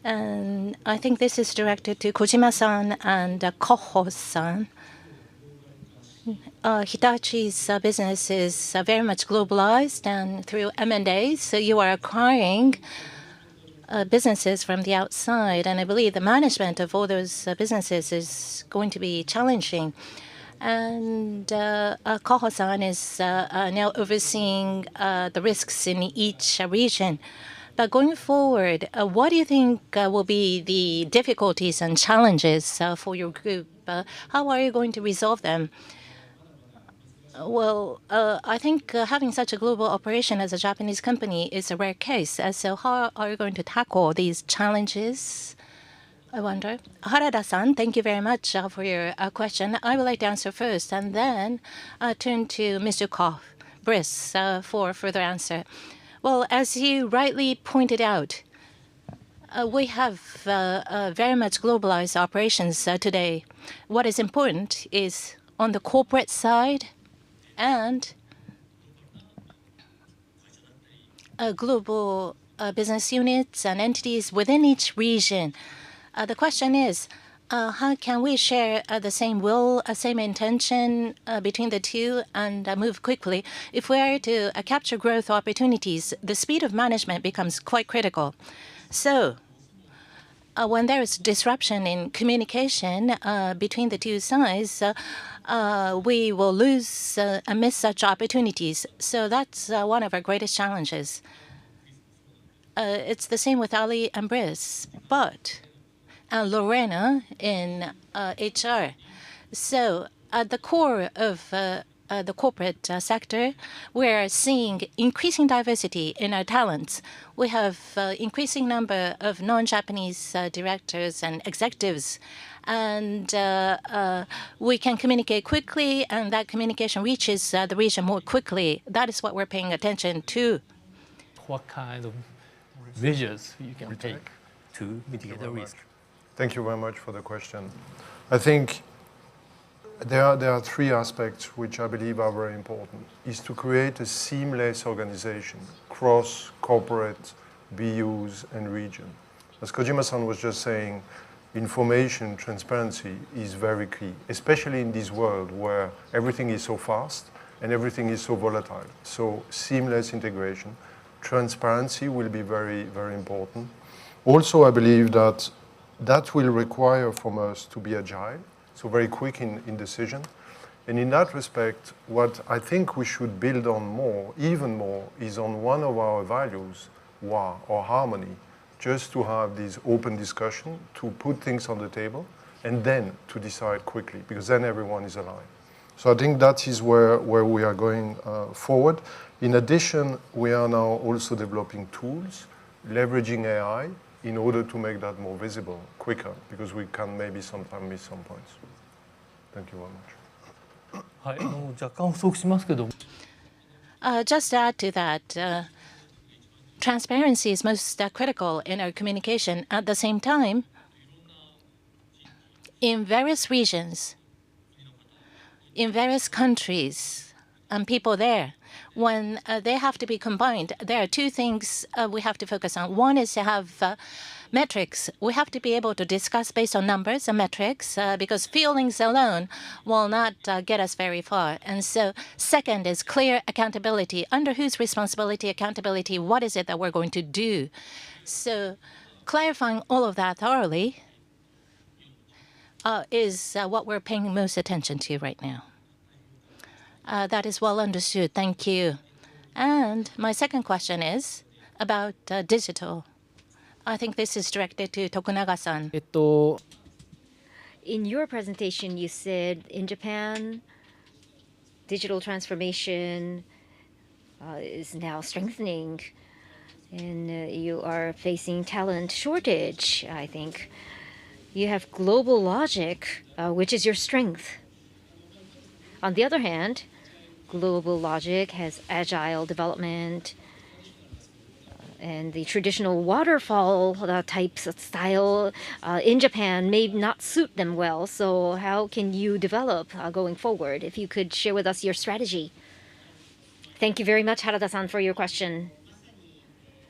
and I think this is directed to Kojima-san and Koch-san. Hitachi's business is very much globalized, and through M&As, so you are acquiring businesses from the outside, and I believe the management of all those businesses is going to be challenging. Koch-san is now overseeing the risks in each region. But going forward, what do you think will be the difficulties and challenges for your group? How are you going to resolve them? Well, I think having such a global operation as a Japanese company is a rare case, so how are you going to tackle these challenges, I wonder? Harada-san, thank you very much for your question. I would like to answer first, and then turn to Mr. Brice Koch for a further answer. Well, as you rightly pointed out, we have very much globalized operations today. What is important is on the corporate side and global business units and entities within each region, the question is, how can we share the same will, same intention, between the two and move quickly? If we are to capture growth opportunities, the speed of management becomes quite critical. So, when there is disruption in communication between the two sides, we will lose and miss such opportunities. So that's one of our greatest challenges. It's the same with Alistair and Brice, but and Lorena in HR. At the core of the corporate sector, we're seeing increasing diversity in our talents. We have increasing number of non-Japanese directors and executives, and we can communicate quickly, and that communication reaches the region more quickly. That is what we're paying attention to. What kind of measures you can take to mitigate the risk? Thank you very much for the question. I think there are, there are three aspects which I believe are very important, is to create a seamless organization across corporate BUs and region. As Kojima-san was just saying, information transparency is very key, especially in this world where everything is so fast and everything is so volatile. So seamless integration, transparency will be very, very important. Also, I believe that that will require from us to be agile, so very quick in, in decision. In that respect, what I think we should build on more, even more, is on one of our values, wa or harmony, just to have this open discussion, to put things on the table, and then to decide quickly, because then everyone is aligned. So I think that is where, where we are going, forward. In addition, we are now also developing tools, leveraging AI, in order to make that more visible quicker, because we can maybe sometime miss some points. Thank you very much. Just to add to that, transparency is most critical in our communication. At the same time, in various regions, in various countries, and people there, when they have to be combined, there are two things we have to focus on. One is to have metrics. We have to be able to discuss based on numbers and metrics, because feelings alone will not get us very far. And so second is clear accountability. Under whose responsibility, accountability, what is it that we're going to do? So clarifying all of that thoroughly is what we're paying most attention to right now. That is well understood. Thank you. And my second question is about digital. I think this is directed to Tokunaga-san. In your presentation, you said in Japan, digital transformation is now strengthening, and you are facing talent shortage, I think. You have GlobalLogic, which is your strength. On the other hand, GlobalLogic has agile development, and the traditional waterfall types of style in Japan may not suit them well. So how can you develop going forward? If you could share with us your strategy. Thank you very much, Harada-san, for your question.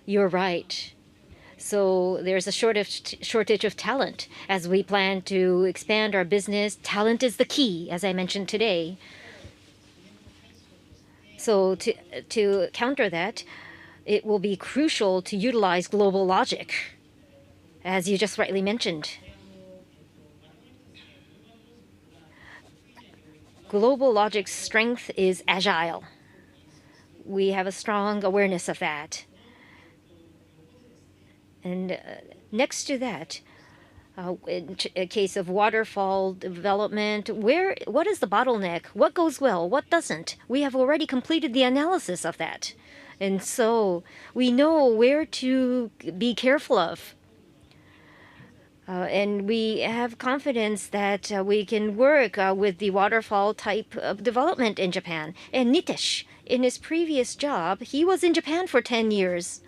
You're right. So there's a shortage, shortage of talent. As we plan to expand our business, talent is the key, as I mentioned today. So to counter that, it will be crucial to utilize GlobalLogic, as you just rightly mentioned. GlobalLogic's strength is agile. We have a strong awareness of that. And next to that, in the case of waterfall development, where... What is the bottleneck? What goes well? What doesn't? We have already completed the analysis of that, and so we know where to be careful of. And we have confidence that we can work with the waterfall type of development in Japan. And Nitesh, in his previous job, he was in Japan for 10 years.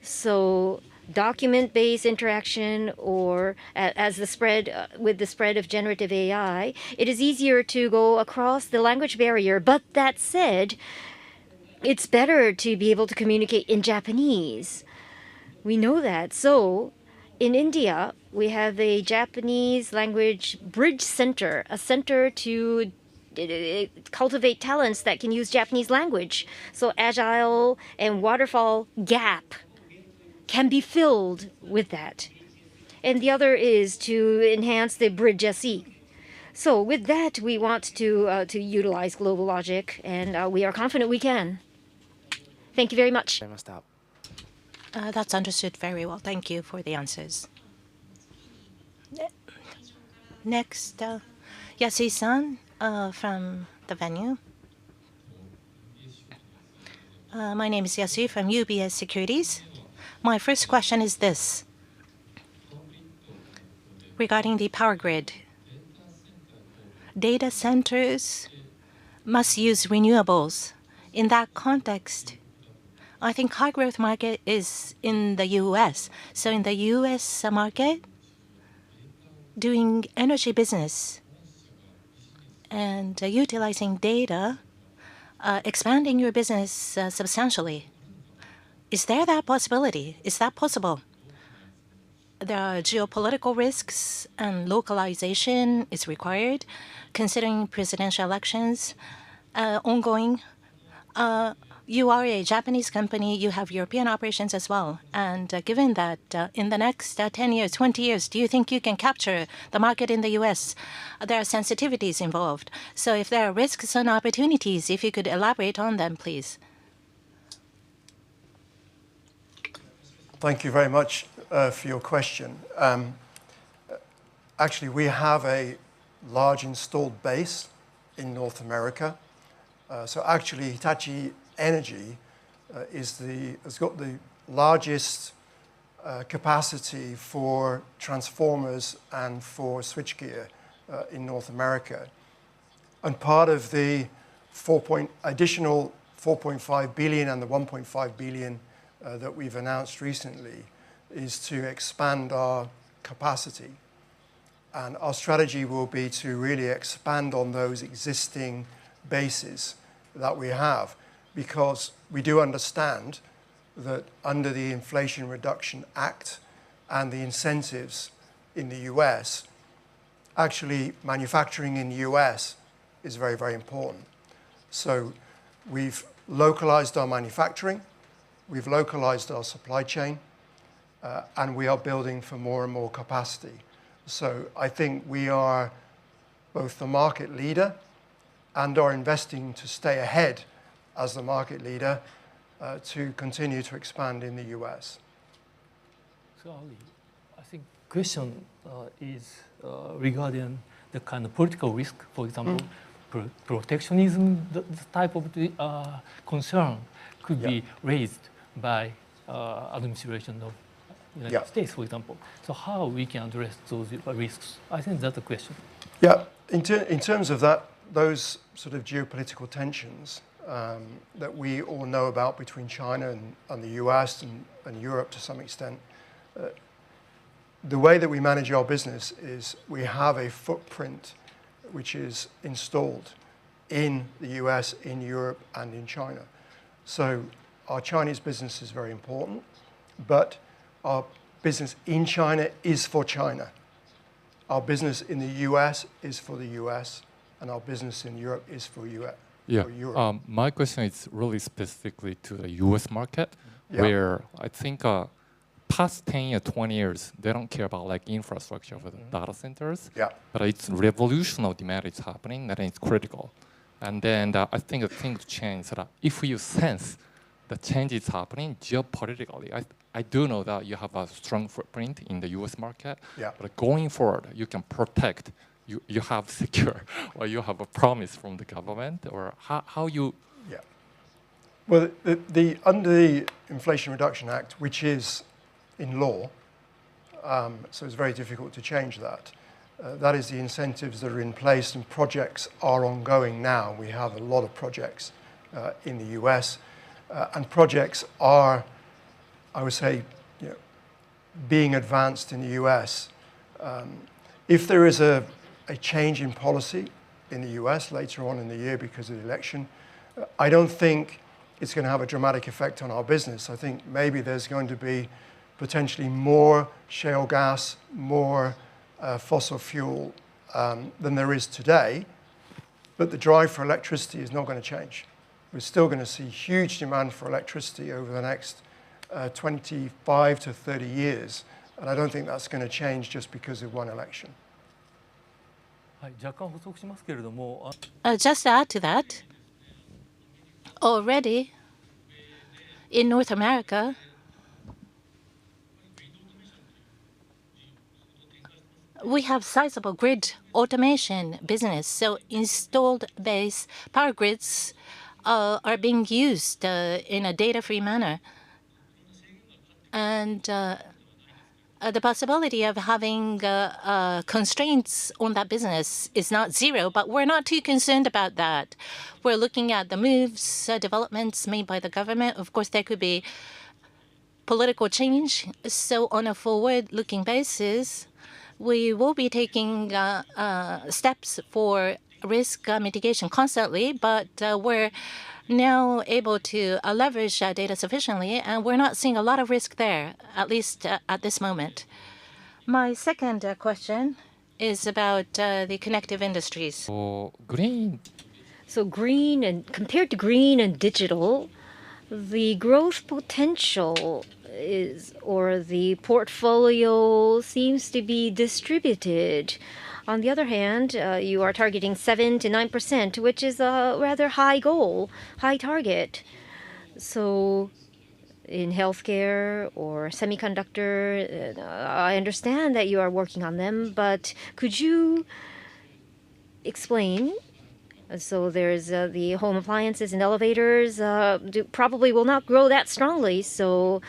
So document-based interaction or as the spread with the spread of generative AI, it is easier to go across the language barrier. But that said, it's better to be able to communicate in Japanese. We know that. So in India, we have a Japanese language bridge center, a center to cultivate talents that can use Japanese language. So agile and waterfall gap can be filled with that. And the other is to enhance the bridge SE. So with that, we want to utilize GlobalLogic, and we are confident we can. Thank you very much. That's understood very well. Thank you for the answers. Next, Yasui-san from the venue. My name is Yasui from UBS Securities. My first question is this: regarding the power grid, data centers must use renewables. In that context, I think high-growth market is in the U.S. So in the U.S. market, doing energy business and utilizing data, expanding your business substantially, is there that possibility? Is that possible? There are geopolitical risks, and localization is required, considering presidential elections ongoing. You are a Japanese company. You have European operations as well. And given that, in the next 10 years, 20 years, do you think you can capture the market in the U.S.? There are sensitivities involved. So if there are risks and opportunities, if you could elaborate on them, please. ... Thank you very much for your question. Actually, we have a large installed base in North America. So actually, Hitachi Energy has got the largest capacity for transformers and for switchgear in North America. And part of the additional $4.5 billion and the $1.5 billion that we've announced recently is to expand our capacity. And our strategy will be to really expand on those existing bases that we have, because we do understand that under the Inflation Reduction Act and the incentives in the U.S., actually manufacturing in the U.S. is very, very important. So we've localized our manufacturing, we've localized our supply chain, and we are building for more and more capacity. I think we are both the market leader and are investing to stay ahead as the market leader, to continue to expand in the U.S. So, I think question is regarding the kind of political risk, for example- Mm... protectionism, the type of concern- Yeah -could be raised by, administration of United States- Yeah For example. So how we can address those risks? I think that's the question. Yeah. In terms of that, those sort of geopolitical tensions that we all know about between China and the US, and Europe to some extent, the way that we manage our business is we have a footprint which is installed in the US, in Europe, and in China. So our Chinese business is very important, but our business in China is for China. Our business in the US is for the US, and our business in Europe is for EU- Yeah -for Europe. My question is really specifically to the US market- Yeah... where I think, past 10 or 20 years, they don't care about, like, infrastructure for the data centers. Yeah. It's revolutionary demand is happening, and it's critical. Then, I think the things change, that if you sense the change is happening geopolitically. I do know that you have a strong footprint in the U.S. market. Yeah. But going forward, you can protect, you have secure or you have a promise from the government, or how you- Yeah. Well, under the Inflation Reduction Act, which is in law, so it's very difficult to change that. That is the incentives that are in place, and projects are ongoing now. We have a lot of projects in the U.S., and projects are, I would say, you know, being advanced in the U.S. If there is a change in policy in the U.S. later on in the year because of the election, I don't think it's gonna have a dramatic effect on our business. I think maybe there's going to be potentially more shale gas, more fossil fuel than there is today, but the drive for electricity is not gonna change. We're still gonna see huge demand for electricity over the next 25-30 years, and I don't think that's gonna change just because of one election. I'll just add to that. Already in North America, we have sizable grid automation business, so installed base power grids are being used in a data-free manner. And the possibility of having constraints on that business is not zero, but we're not too concerned about that. We're looking at the moves, developments made by the government. Of course, there could be political change, so on a forward-looking basis, we will be taking steps for risk mitigation constantly, but we're now able to leverage our data sufficiently, and we're not seeing a lot of risk there, at least at this moment. My second question is about the connective industries. So green... So green, and compared to green and digital, the growth potential is, or the portfolio seems to be distributed. On the other hand, you are targeting 7%-9%, which is a rather high goal, high target. So in healthcare or semiconductor, I understand that you are working on them, but could you explain? So there's the home appliances and elevators, probably will not grow that strongly, so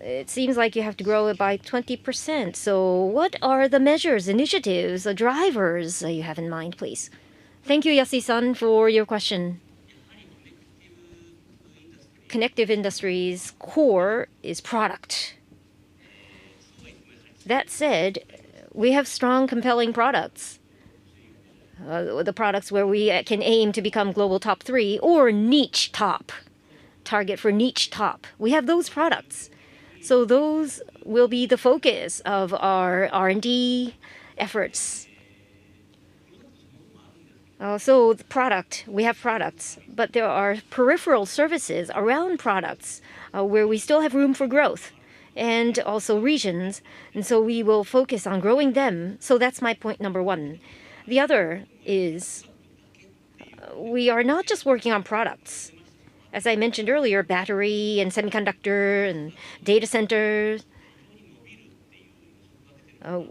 it seems like you have to grow it by 20%. So what are the measures, initiatives, the drivers that you have in mind, please? Thank you, Yasui-sun, for your question. Connective industries' core is product. That said, we have strong, compelling products. The products where we can aim to become global top three or niche top, target for niche top. We have those products. So those will be the focus of our R&D efforts. So the product, we have products, but there are peripheral services around products where we still have room for growth, and also regions, and so we will focus on growing them. So that's my point number one. The other is we are not just working on products. As I mentioned earlier, battery, and semiconductor, and data centers.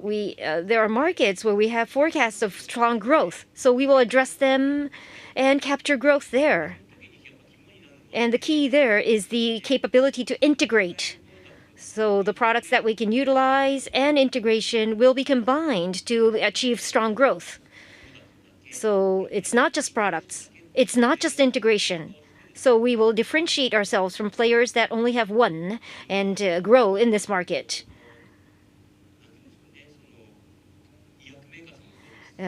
We, there are markets where we have forecasts of strong growth, so we will address them and capture growth there. And the key there is the capability to integrate. So the products that we can utilize and integration will be combined to achieve strong growth. So it's not just products, it's not just integration. So we will differentiate ourselves from players that only have one, and grow in this market.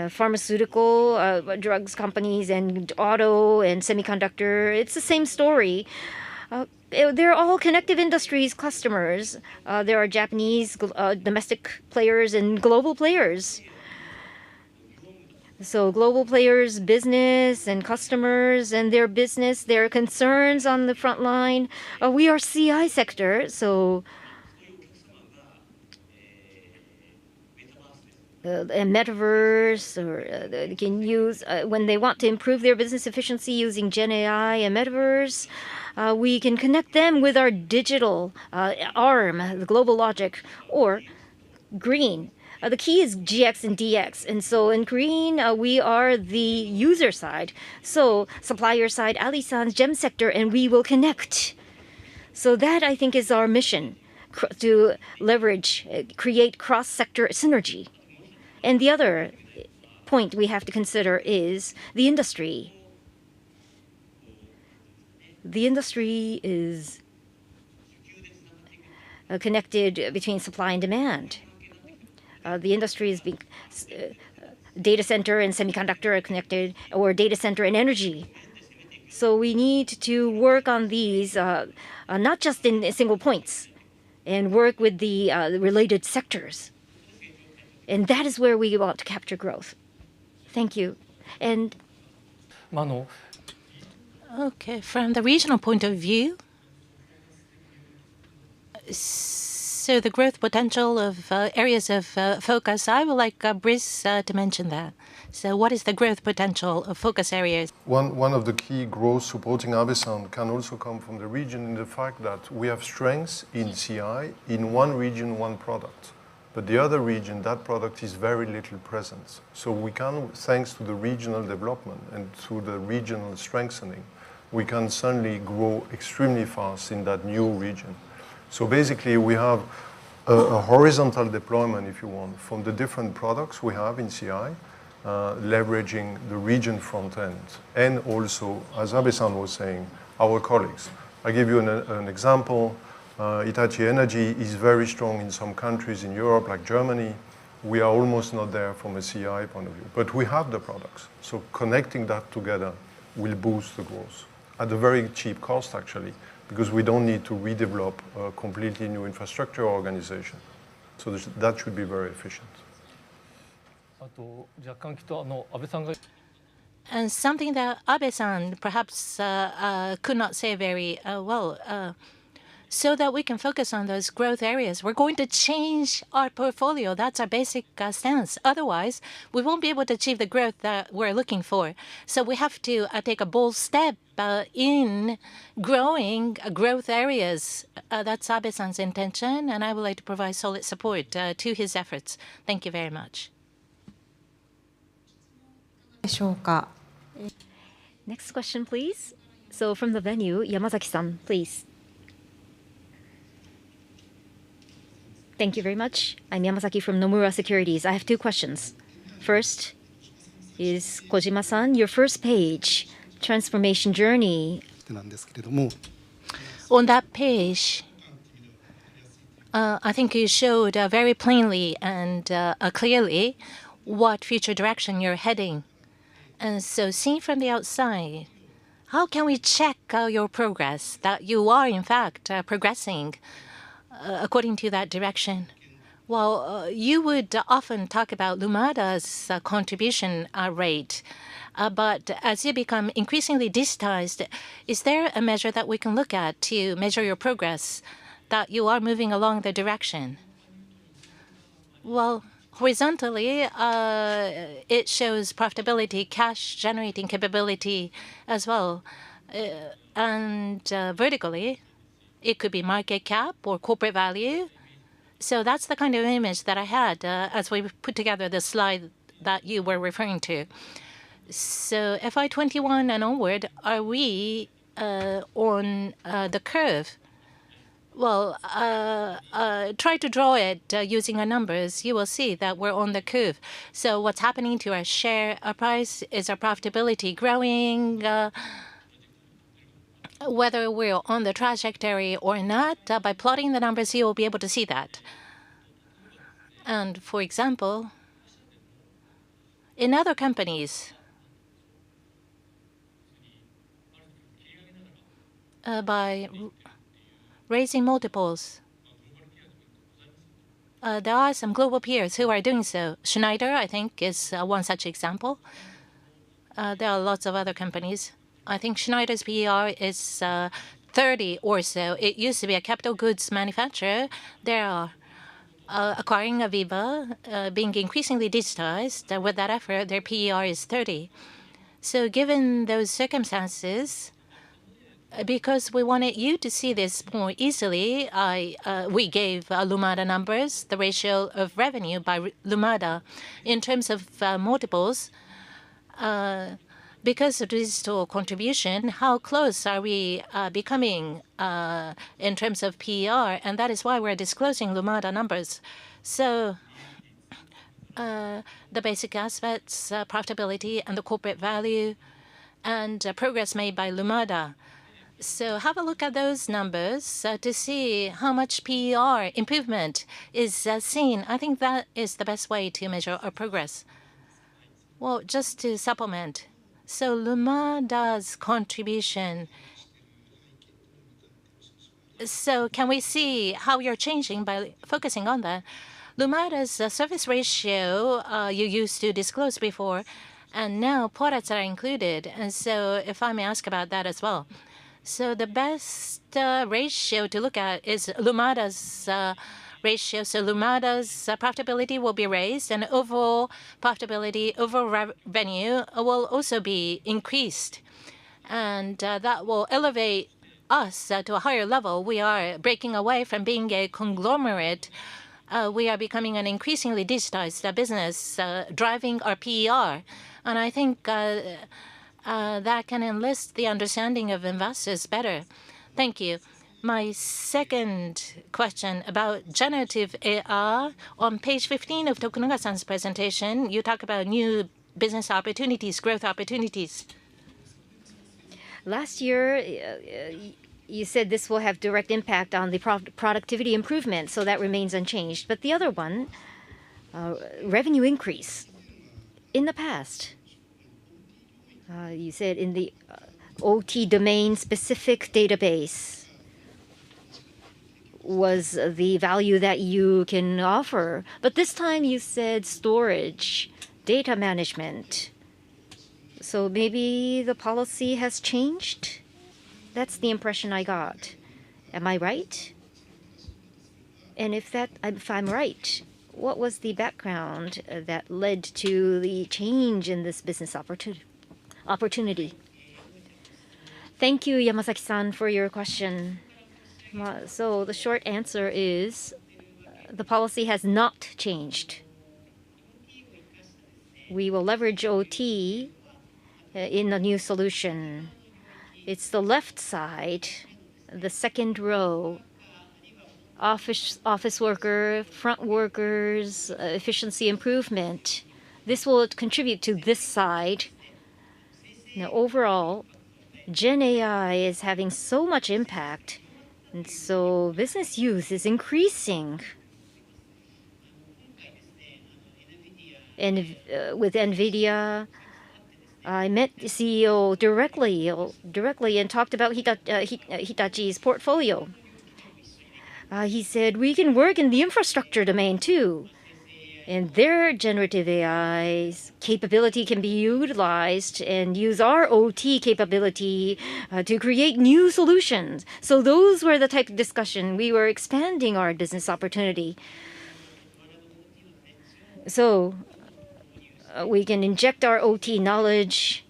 Pharmaceutical drugs companies, and auto, and semiconductor, it's the same story. They're all connective industries customers. There are Japanese domestic players and global players. So global players, business, and customers, and their business, their concerns on the front line. We are CI sector, so... and metaverse or they can use when they want to improve their business efficiency using GenAI and metaverse, we can connect them with our digital arm, the GlobalLogic or GREEN. The key is GX and DX, and so in GREEN, we are the user side. So supplier side, Abe-san's GEM sector, and we will connect. So that, I think, is our mission, to leverage, create cross-sector synergy. And the other point we have to consider is the industry. The industry is connected between supply and demand. The industry is data center and semiconductor are connected, or data center and energy. So we need to work on these, not just in single points, and work with the related sectors. And that is where we want to capture growth. Thank you. Okay, from the regional point of view, so the growth potential of areas of focus, I would like Brice to mention that. So what is the growth potential of focus areas? One of the key growth supporting Abe-san can also come from the region, and the fact that we have strengths in CI, in one region, one product. But the other region, that product is very little presence. So we can, thanks to the regional development and to the regional strengthening, we can suddenly grow extremely fast in that new region. So basically, we have a horizontal deployment, if you want, from the different products we have in CI, leveraging the region front end, and also, as Abe-san was saying, our colleagues. I give you an example. Hitachi Energy is very strong in some countries in Europe, like Germany. We are almost not there from a CI point of view, but we have the products. Connecting that together will boost the growth at a very cheap cost, actually, because we don't need to redevelop a completely new infrastructure organization. So this, that should be very efficient. Something that Abe-san perhaps could not say very well. So that we can focus on those growth areas, we're going to change our portfolio. That's our basic stance. Otherwise, we won't be able to achieve the growth that we're looking for. So we have to take a bold step in growing growth areas. That's Abe-san's intention, and I would like to provide solid support to his efforts. Thank you very much. Next question, please. So, from Venue, Yamazaki-san, please. Thank you very much. I'm Yamazaki from Nomura Securities. I have two questions. First is, Kojima-san, your first page, transformation journey. On that page, I think you showed very plainly and clearly what future direction you're heading. And so seeing from the outside, how can we check your progress, that you are in fact progressing according to that direction? Well, you would often talk about Lumada's contribution rate. But as you become increasingly digitized, is there a measure that we can look at to measure your progress, that you are moving along the direction? Well, horizontally, it shows profitability, cash generating capability as well. And vertically, it could be market cap or corporate value. So that's the kind of image that I had as we put together the slide that you were referring to. So FY 2021 and onward, are we on the curve? Well, try to draw it using our numbers. You will see that we're on the curve. So what's happening to our share, our price? Is our profitability growing? Whether we're on the trajectory or not, by plotting the numbers, you will be able to see that. And for example, in other companies, by raising multiples, there are some global peers who are doing so. Schneider, I think, is one such example. There are lots of other companies. I think Schneider's PER is 30 or so. It used to be a capital goods manufacturer acquiring AVEVA, being increasingly digitized, and with that effort, their PER is 30. So given those circumstances, because we wanted you to see this point easily, I, we gave, Lumada numbers, the ratio of revenue by Lumada. In terms of, multiples, because it is still contribution, how close are we, becoming, in terms of PER? And that is why we're disclosing Lumada numbers. So, the basic aspects, profitability and the corporate value and, progress made by Lumada. So have a look at those numbers, to see how much PER improvement is, seen. I think that is the best way to measure our progress. Well, just to supplement, so Lumada's contribution... So can we see how you're changing by focusing on the Lumada's service ratio, you used to disclose before, and now products are included, and so if I may ask about that as well. So the best ratio to look at is Lumada's ratio. So Lumada's profitability will be raised, and overall profitability, overall revenue will also be increased, and that will elevate us to a higher level. We are breaking away from being a conglomerate. We are becoming an increasingly digitized business driving our PER, and I think that can enlist the understanding of investors better. Thank you. My second question about generative AI. On page 15 of Tokunaga-san's presentation, you talk about new business opportunities, growth opportunities. Last year, you said this will have direct impact on the productivity improvement, so that remains unchanged. But the other one, revenue increase. In the past, you said in the OT domain-specific database was the value that you can offer, but this time you said storage, data management. So maybe the policy has changed? That's the impression I got. Am I right? And if that, if I'm right, what was the background that led to the change in this business opportunity? Thank you, Yamazaki-san, for your question. So the short answer is, the policy has not changed. We will leverage OT in the new solution. It's the left side, the second row, office, office worker, front workers, efficiency improvement. This will contribute to this side. Now, overall, GenAI is having so much impact, and so business use is increasing. And with NVIDIA, I met the CEO directly and talked about Hitachi's portfolio. He said, "We can work in the infrastructure domain too, and their generative AI's capability can be utilized and use our OT capability to create new solutions." So those were the type of discussion. We were expanding our business opportunity. So we can inject our OT knowledge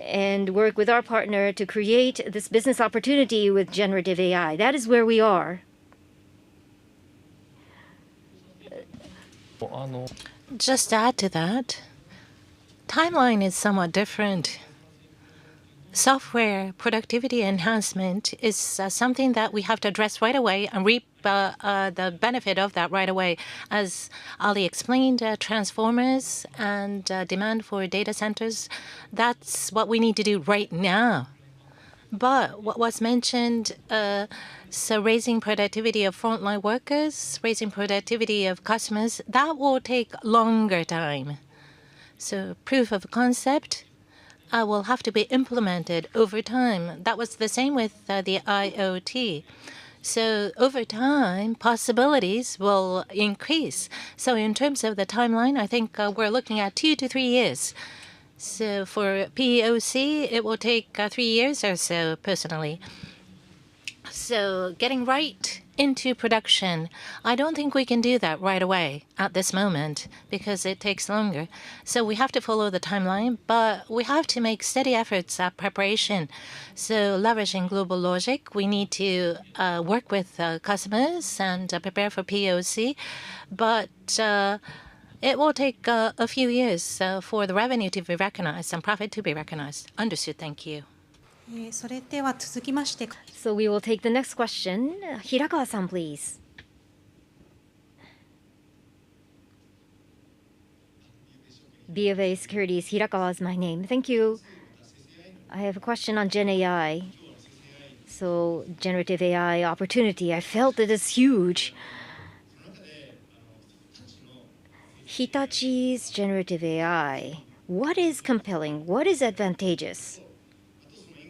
and work with our partner to create this business opportunity with generative AI. That is where we are. Just to add to that, timeline is somewhat different. Software productivity enhancement is something that we have to address right away and reap the benefit of that right away. As Ali explained, transformers and demand for data centers, that's what we need to do right now. But what was mentioned, so raising productivity of frontline workers, raising productivity of customers, that will take longer time. So proof of concept will have to be implemented over time. That was the same with the IoT. So over time, possibilities will increase. So in terms of the timeline, I think, we're looking at two to three years. So for POC, it will take three years or so, personally. So getting right into production, I don't think we can do that right away at this moment, because it takes longer. So we have to follow the timeline, but we have to make steady efforts at preparation. So leveraging GlobalLogic, we need to work with customers and prepare for POC, but it will take a few years for the revenue to be recognized and profit to be recognized. Understood. Thank you. So we will take the next question. Hirakawa-san, please. BofA Securities, Hirakawa is my name. Thank you. I have a question on GenAI. So generative AI opportunity, I felt it is huge. Hitachi's generative AI, what is compelling? What is advantageous?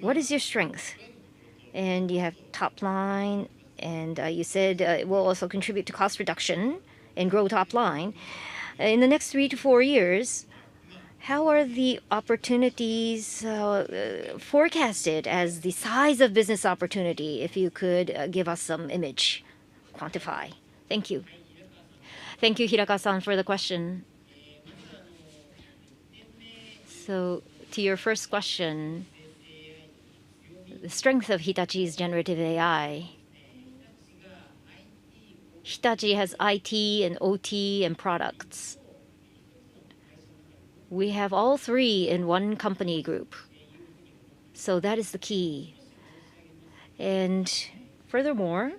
What is your strength? And you have top line, and, you said, it will also contribute to cost reduction and grow top line. In the next three to four years-... how are the opportunities forecasted as the size of business opportunity, if you could give us some image, quantify? Thank you. Thank you, Hirakawa-san, for the question. So to your first question, the strength of Hitachi's generative AI. Hitachi has IT and OT, and products. We have all three in one company group, so that is the key. And furthermore,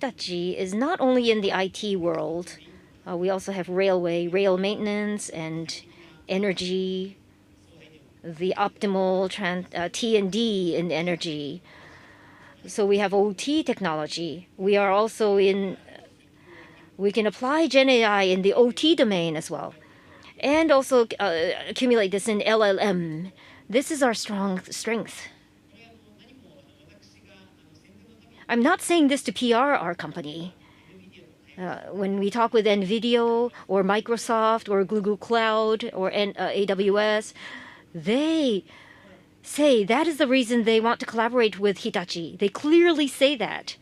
Hitachi is not only in the IT world, we also have railway, rail maintenance, and energy, the optimal T&D in energy. So we have OT technology. We are also in... We can apply gen AI in the OT domain as well, and also, accumulate this in LLM. This is our strong strength. I'm not saying this to PR our company. When we talk with NVIDIA, or Microsoft, or Google Cloud, or AWS, they say that is the reason they want to collaborate with Hitachi. They clearly say that.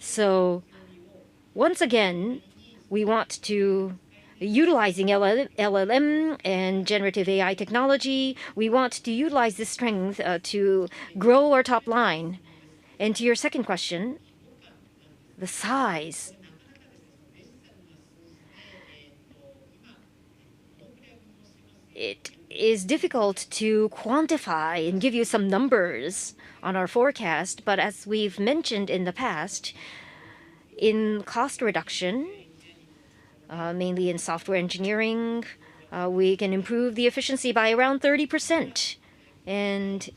So once again, we want to, utilizing LLM and generative AI technology, we want to utilize this strength, to grow our top line. And to your second question, the size. It is difficult to quantify and give you some numbers on our forecast, but as we've mentioned in the past, in cost reduction, mainly in software engineering, we can improve the efficiency by around 30%. And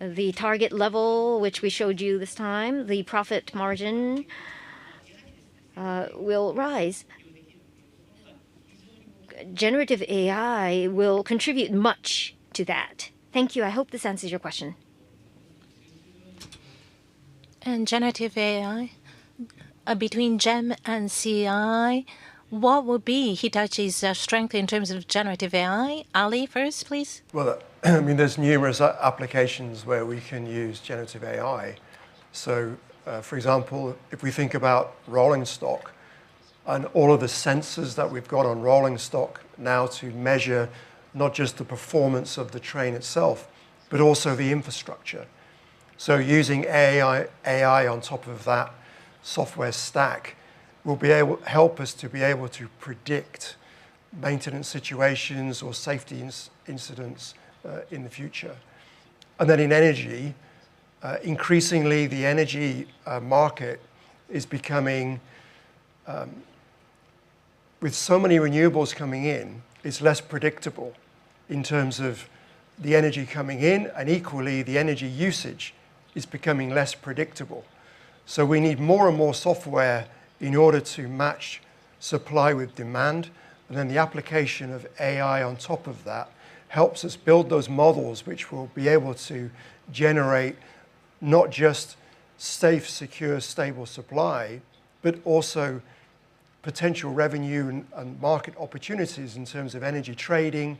the target level, which we showed you this time, the profit margin, will rise. Generative AI will contribute much to that. Thank you. I hope this answers your question. Generative AI, between GEM and CI, what will be Hitachi's strength in terms of generative AI? Ali, first, please. Well, I mean, there's numerous applications where we can use generative AI. So, for example, if we think about rolling stock and all of the sensors that we've got on rolling stock now to measure not just the performance of the train itself, but also the infrastructure. So using AI, AI on top of that software stack will be able help us to be able to predict maintenance situations or safety incidents, in the future. And then in energy, increasingly, the energy market is becoming, with so many renewables coming in, it's less predictable in terms of the energy coming in, and equally, the energy usage is becoming less predictable. So we need more and more software in order to match supply with demand, and then the application of AI on top of that helps us build those models, which will be able to generate not just safe, secure, stable supply, but also potential revenue and market opportunities in terms of energy trading,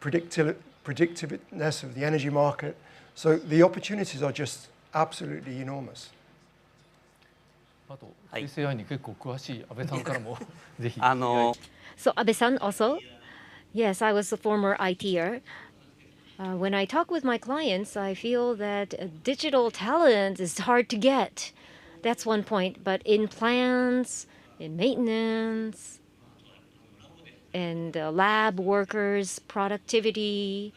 predictiveness of the energy market. So the opportunities are just absolutely enormous. I see. I need to go... So Abe-san also? Yes, I was a former IT-er. When I talk with my clients, I feel that digital talent is hard to get. That's one point. But in plants, in maintenance, and lab workers' productivity,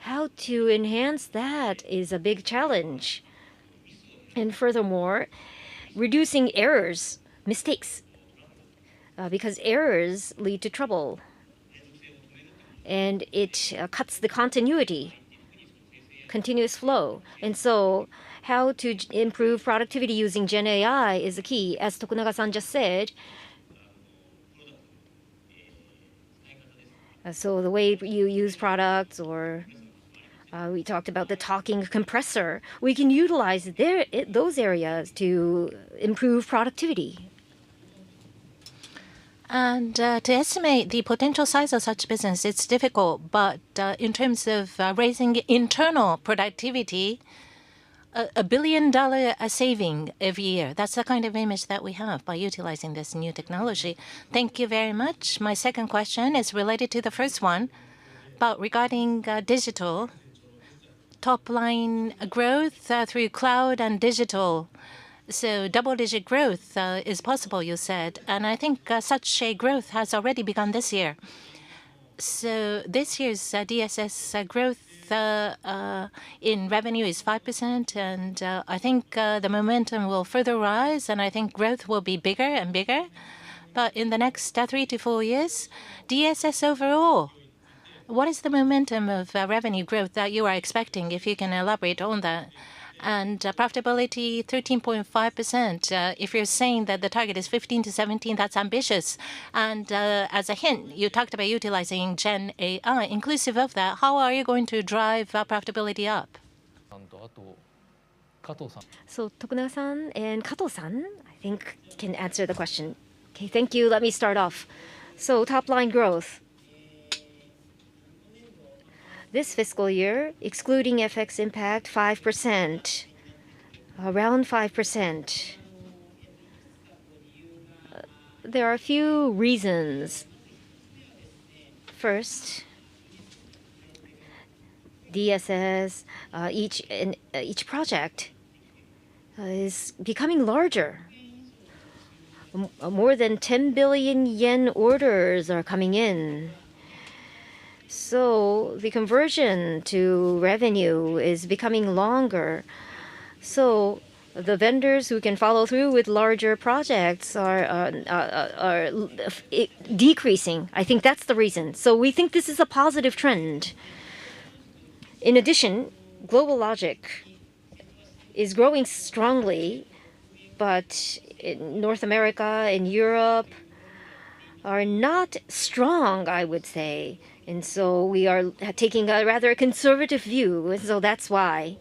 how to enhance that is a big challenge. And furthermore, reducing errors, mistakes, because errors lead to trouble, and it cuts the continuity, continuous flow. And so how to improve productivity using gen AI is the key, as Tokunaga-san just said. So the way you use products or we talked about the talking compressor, we can utilize their those areas to improve productivity. To estimate the potential size of such business, it's difficult, but in terms of raising internal productivity, a $1 billion saving every year, that's the kind of image that we have by utilizing this new technology. Thank you very much. My second question is related to the first one, but regarding digital top-line growth through cloud and digital. Double-digit growth is possible, you said, and I think such a growth has already begun this year. This year's DSS growth in revenue is 5%, and I think the momentum will further rise, and I think growth will be bigger and bigger. But in the next 3-4 years, DSS overall, what is the momentum of revenue growth that you are expecting, if you can elaborate on that? Profitability, 13.5%, if you're saying that the target is 15%-17%, that's ambitious. And, as a hint, you talked about utilizing GenAI. Inclusive of that, how are you going to drive our profitability up?... So Tokunaga-san and Kato-san, I think, can answer the question. Okay, thank you. Let me start off. So top line growth. This fiscal year, excluding FX impact, 5%, around 5%. There are a few reasons. First, DSS, each project is becoming larger. More than 10 billion yen orders are coming in, so the conversion to revenue is becoming longer. So the vendors who can follow through with larger projects are decreasing. I think that's the reason. So we think this is a positive trend. In addition, GlobalLogic is growing strongly, but North America and Europe are not strong, I would say, and so we are taking a rather conservative view, so that's why.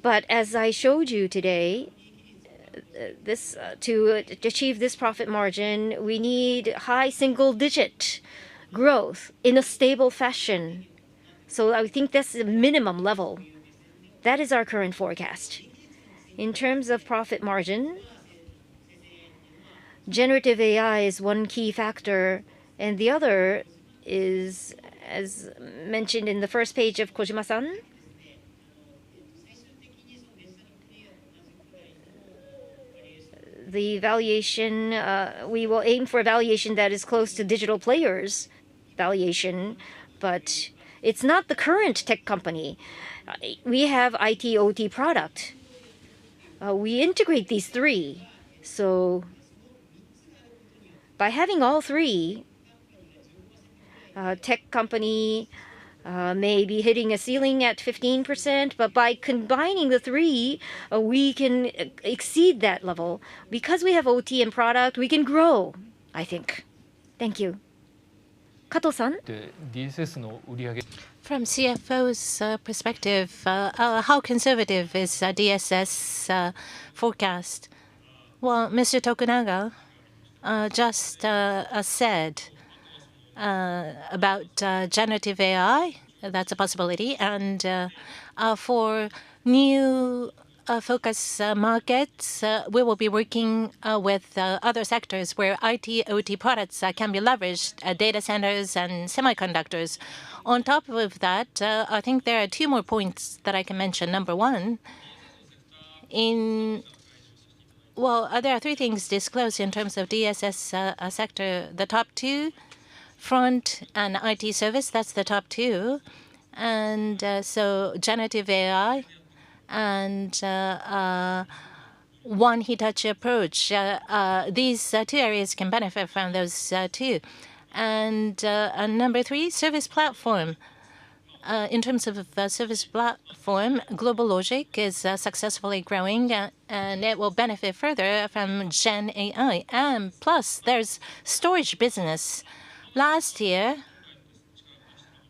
But as I showed you today, this to achieve this profit margin, we need high single-digit growth in a stable fashion. So I think that's the minimum level. That is our current forecast. In terms of profit margin, generative AI is one key factor, and the other is, as mentioned in the first page of Kojima-san. The valuation, we will aim for a valuation that is close to digital players' valuation, but it's not the current tech company. We have IT/OT product. We integrate these three, so by having all three, tech company may be hitting a ceiling at 15%, but by combining the three, we can exceed that level. Because we have OT and product, we can grow, I think. Thank you. Kato-san? From CFO's perspective, how conservative is DSS forecast? Well, Mr. Tokunaga just said about generative AI, that's a possibility. And for new focus markets, we will be working with other sectors where IT/OT products can be leveraged, data centers and semiconductors. On top of that, I think there are two more points that I can mention. Number one, Well, there are three things disclosed in terms of DSS sector. The top two, front and IT service, that's the top two. And so generative AI and one Hitachi approach, these two areas can benefit from those two. And number three, service platform. In terms of service platform, GlobalLogic is successfully growing, and it will benefit further from GenAI. Plus, there's storage business. Last year,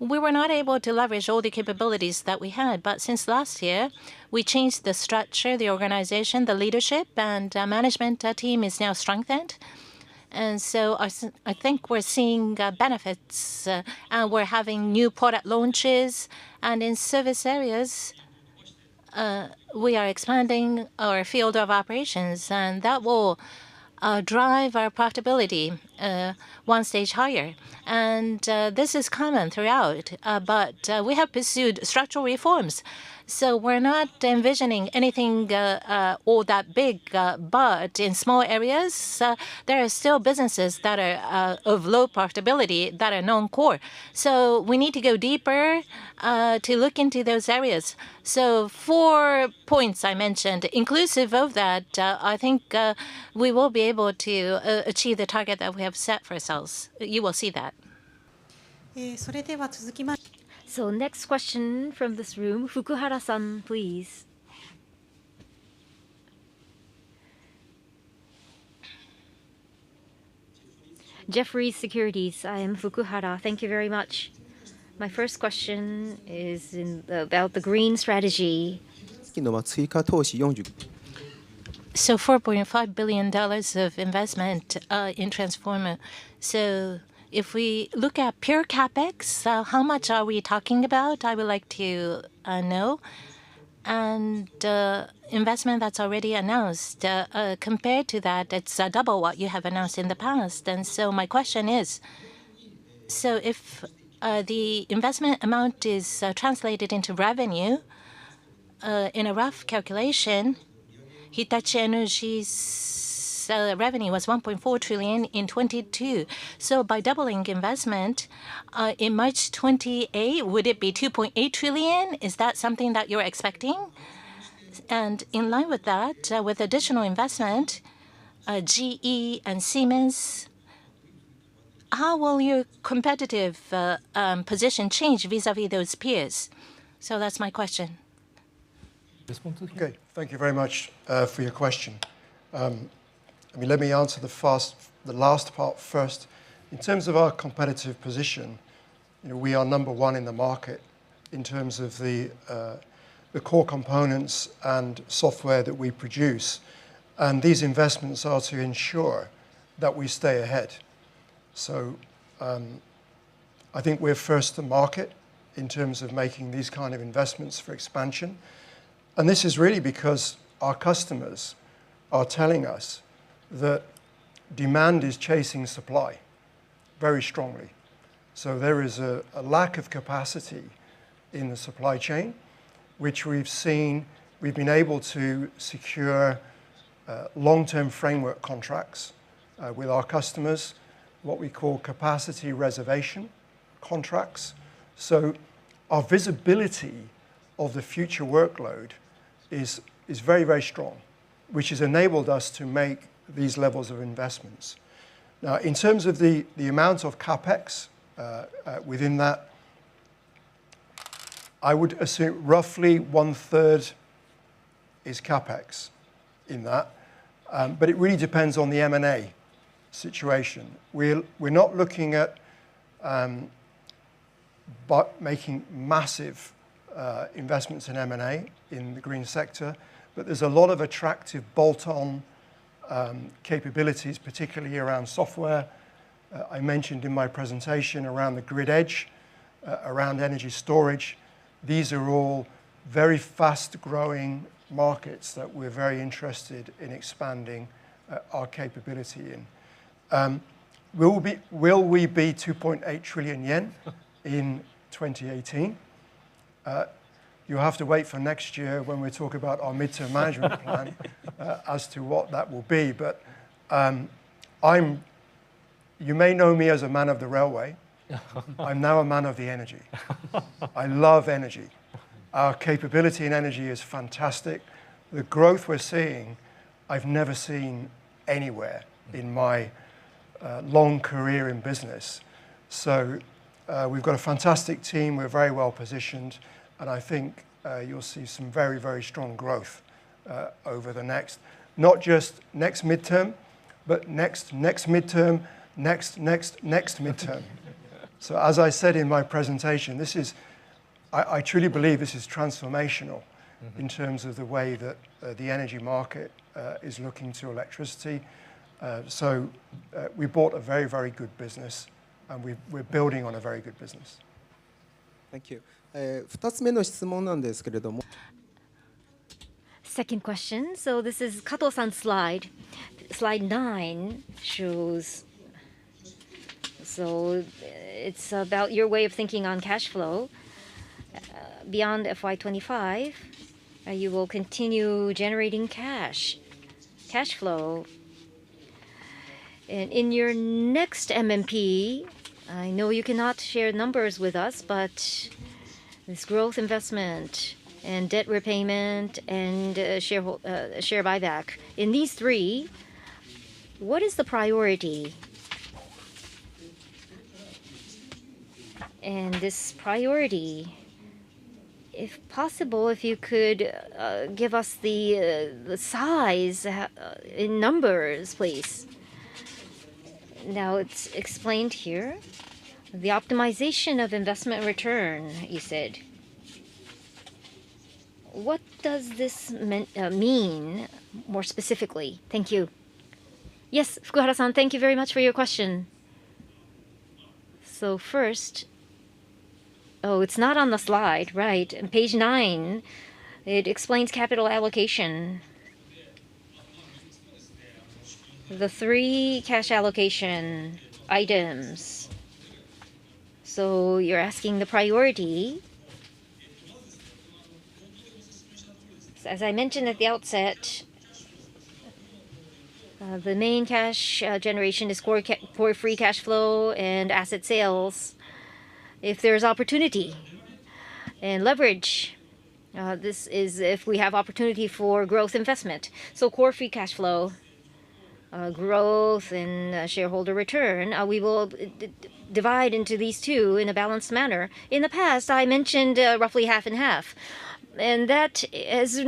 we were not able to leverage all the capabilities that we had, but since last year, we changed the structure, the organization, the leadership, and our management team is now strengthened. So I think we're seeing benefits, and we're having new product launches. In service areas, we are expanding our field of operations, and that will drive our profitability one stage higher. This is common throughout, but we have pursued structural reforms, so we're not envisioning anything all that big. But in small areas, there are still businesses that are of low profitability that are non-core. So we need to go deeper to look into those areas. Four points I mentioned. Inclusive of that, I think we will be able to achieve the target that we have set for ourselves. You will see that. Next question from this room. Fukuhara-san, please. Jefferies Securities, I am Fukuhara. Thank you very much. My first question is in about the green strategy. So $4.5 billion of investment in transformer. So if we look at pure CapEx, how much are we talking about? I would like to know. And investment that's already announced, compared to that, it's double what you have announced in the past. And so my question is: So if the investment amount is translated into revenue, in a rough calculation, Hitachi Energy's revenue was 1.4 trillion in 2022. So by doubling investment, in March 2028, would it be 2.8 trillion? Is that something that you're expecting? And in line with that, with additional investment, GE and Siemens, how will your competitive position change vis-à-vis those peers? That's my question. Okay, thank you very much for your question. I mean, let me answer the first, the last part first. In terms of our competitive position, you know, we are number one in the market in terms of the core components and software that we produce, and these investments are to ensure that we stay ahead. So, I think we're first to market in terms of making these kind of investments for expansion, and this is really because our customers are telling us that demand is chasing supply very strongly. So there is a lack of capacity in the supply chain, which we've seen. We've been able to secure long-term framework contracts with our customers, what we call capacity reservation contracts. So our visibility of the future workload is very, very strong, which has enabled us to make these levels of investments. Now, in terms of the amount of CapEx within that, I would assume roughly one third is CapEx in that. But it really depends on the M&A situation. We're not looking at making massive investments in M&A in the green sector, but there's a lot of attractive bolt-on capabilities, particularly around software. I mentioned in my presentation around the grid edge around energy storage. These are all very fast-growing markets that we're very interested in expanding our capability in. Will we be 2.8 trillion yen in 2018? You'll have to wait for next year when we talk about our midterm management plan as to what that will be. But I'm-- You may know me as a man of the railway. I'm now a man of the energy. I love energy. Our capability in energy is fantastic. The growth we're seeing, I've never seen anywhere in my long career in business. So, we've got a fantastic team. We're very well positioned, and I think, you'll see some very, very strong growth over the next... not just next midterm, but next, next, next midterm. So as I said in my presentation, this is. I truly believe this is transformational. Mm-hmm... in terms of the way that, the energy market, is looking to electricity. So, we bought a very, very good business, and we're, we're building on a very good business. Thank you. Second question. So this is Kato-san's slide. Slide 9 shows... So it's about your way of thinking on cash flow. Beyond FY 25, you will continue generating cash, cash flow. And in your next MMP, I know you cannot share numbers with us, but this growth investment and debt repayment and, share buyback, in these three, what is the priority? And this priority, if possible, if you could, give us the, the size, in numbers, please. Now, it's explained here: "The optimization of investment return," you said. What does this mean more specifically? Thank you. Yes, Fukuhara-san, thank you very much for your question. So first... It's not on the slide, right. On page 9, it explains capital allocation. The three cash allocation items. So you're asking the priority. As I mentioned at the outset, the main cash generation is Core Free Cash Flow and asset sales if there is opportunity. And leverage this is if we have opportunity for growth investment. So Core Free Cash Flow, growth and shareholder return, we will divide into these two in a balanced manner. In the past, I mentioned roughly half and half, and that has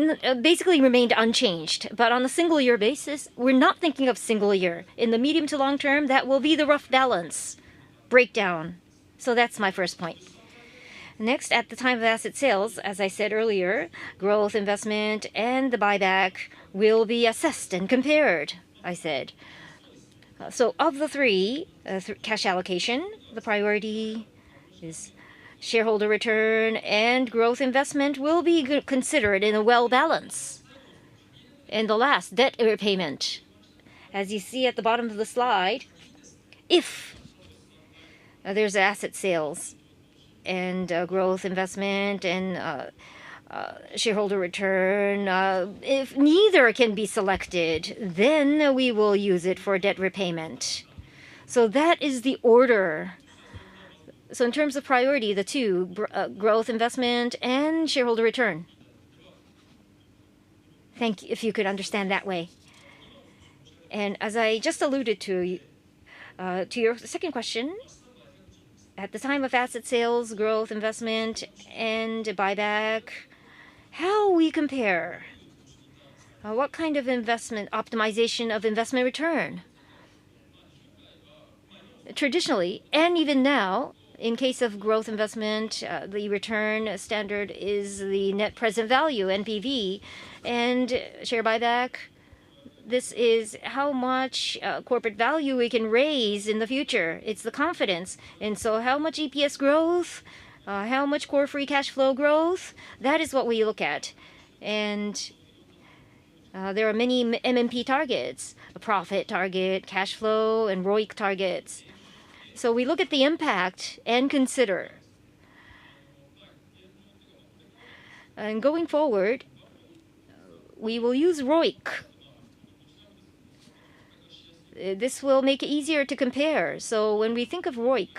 basically remained unchanged. But on a single year basis, we're not thinking of single year. In the medium to long term, that will be the rough balance breakdown. So that's my first point. Next, at the time of asset sales, as I said earlier, growth investment and the buyback will be assessed and compared, I said. So of the three, cash allocation, the priority is shareholder return, and growth investment will be considered in a well balance. And the last, debt repayment. As you see at the bottom of the slide, if there's asset sales and growth investment and shareholder return, if neither can be selected, then we will use it for debt repayment. So that is the order. So in terms of priority, the two: growth investment and shareholder return. Thank you, if you could understand that way. And as I just alluded to, to your second question-... at the time of asset sales, growth, investment, and buyback, how we compare? What kind of investment, optimization of investment return? Traditionally, and even now, in case of growth investment, the return standard is the net present value, NPV. And share buyback, this is how much corporate value we can raise in the future. It's the confidence. And so how much EPS growth, how much core free cash flow growth? That is what we look at. And there are many MMP targets: a profit target, cash flow, and ROIC targets. So we look at the impact and consider. And going forward, we will use ROIC. This will make it easier to compare. So when we think of ROIC,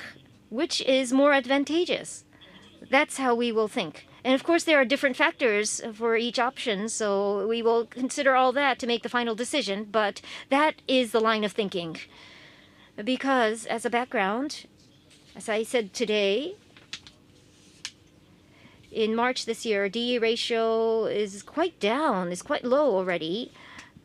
which is more advantageous? That's how we will think. Of course, there are different factors for each option, so we will consider all that to make the final decision, but that is the line of thinking. Because as a background, as I said today, in March this year, DE Ratio is quite down, it's quite low already.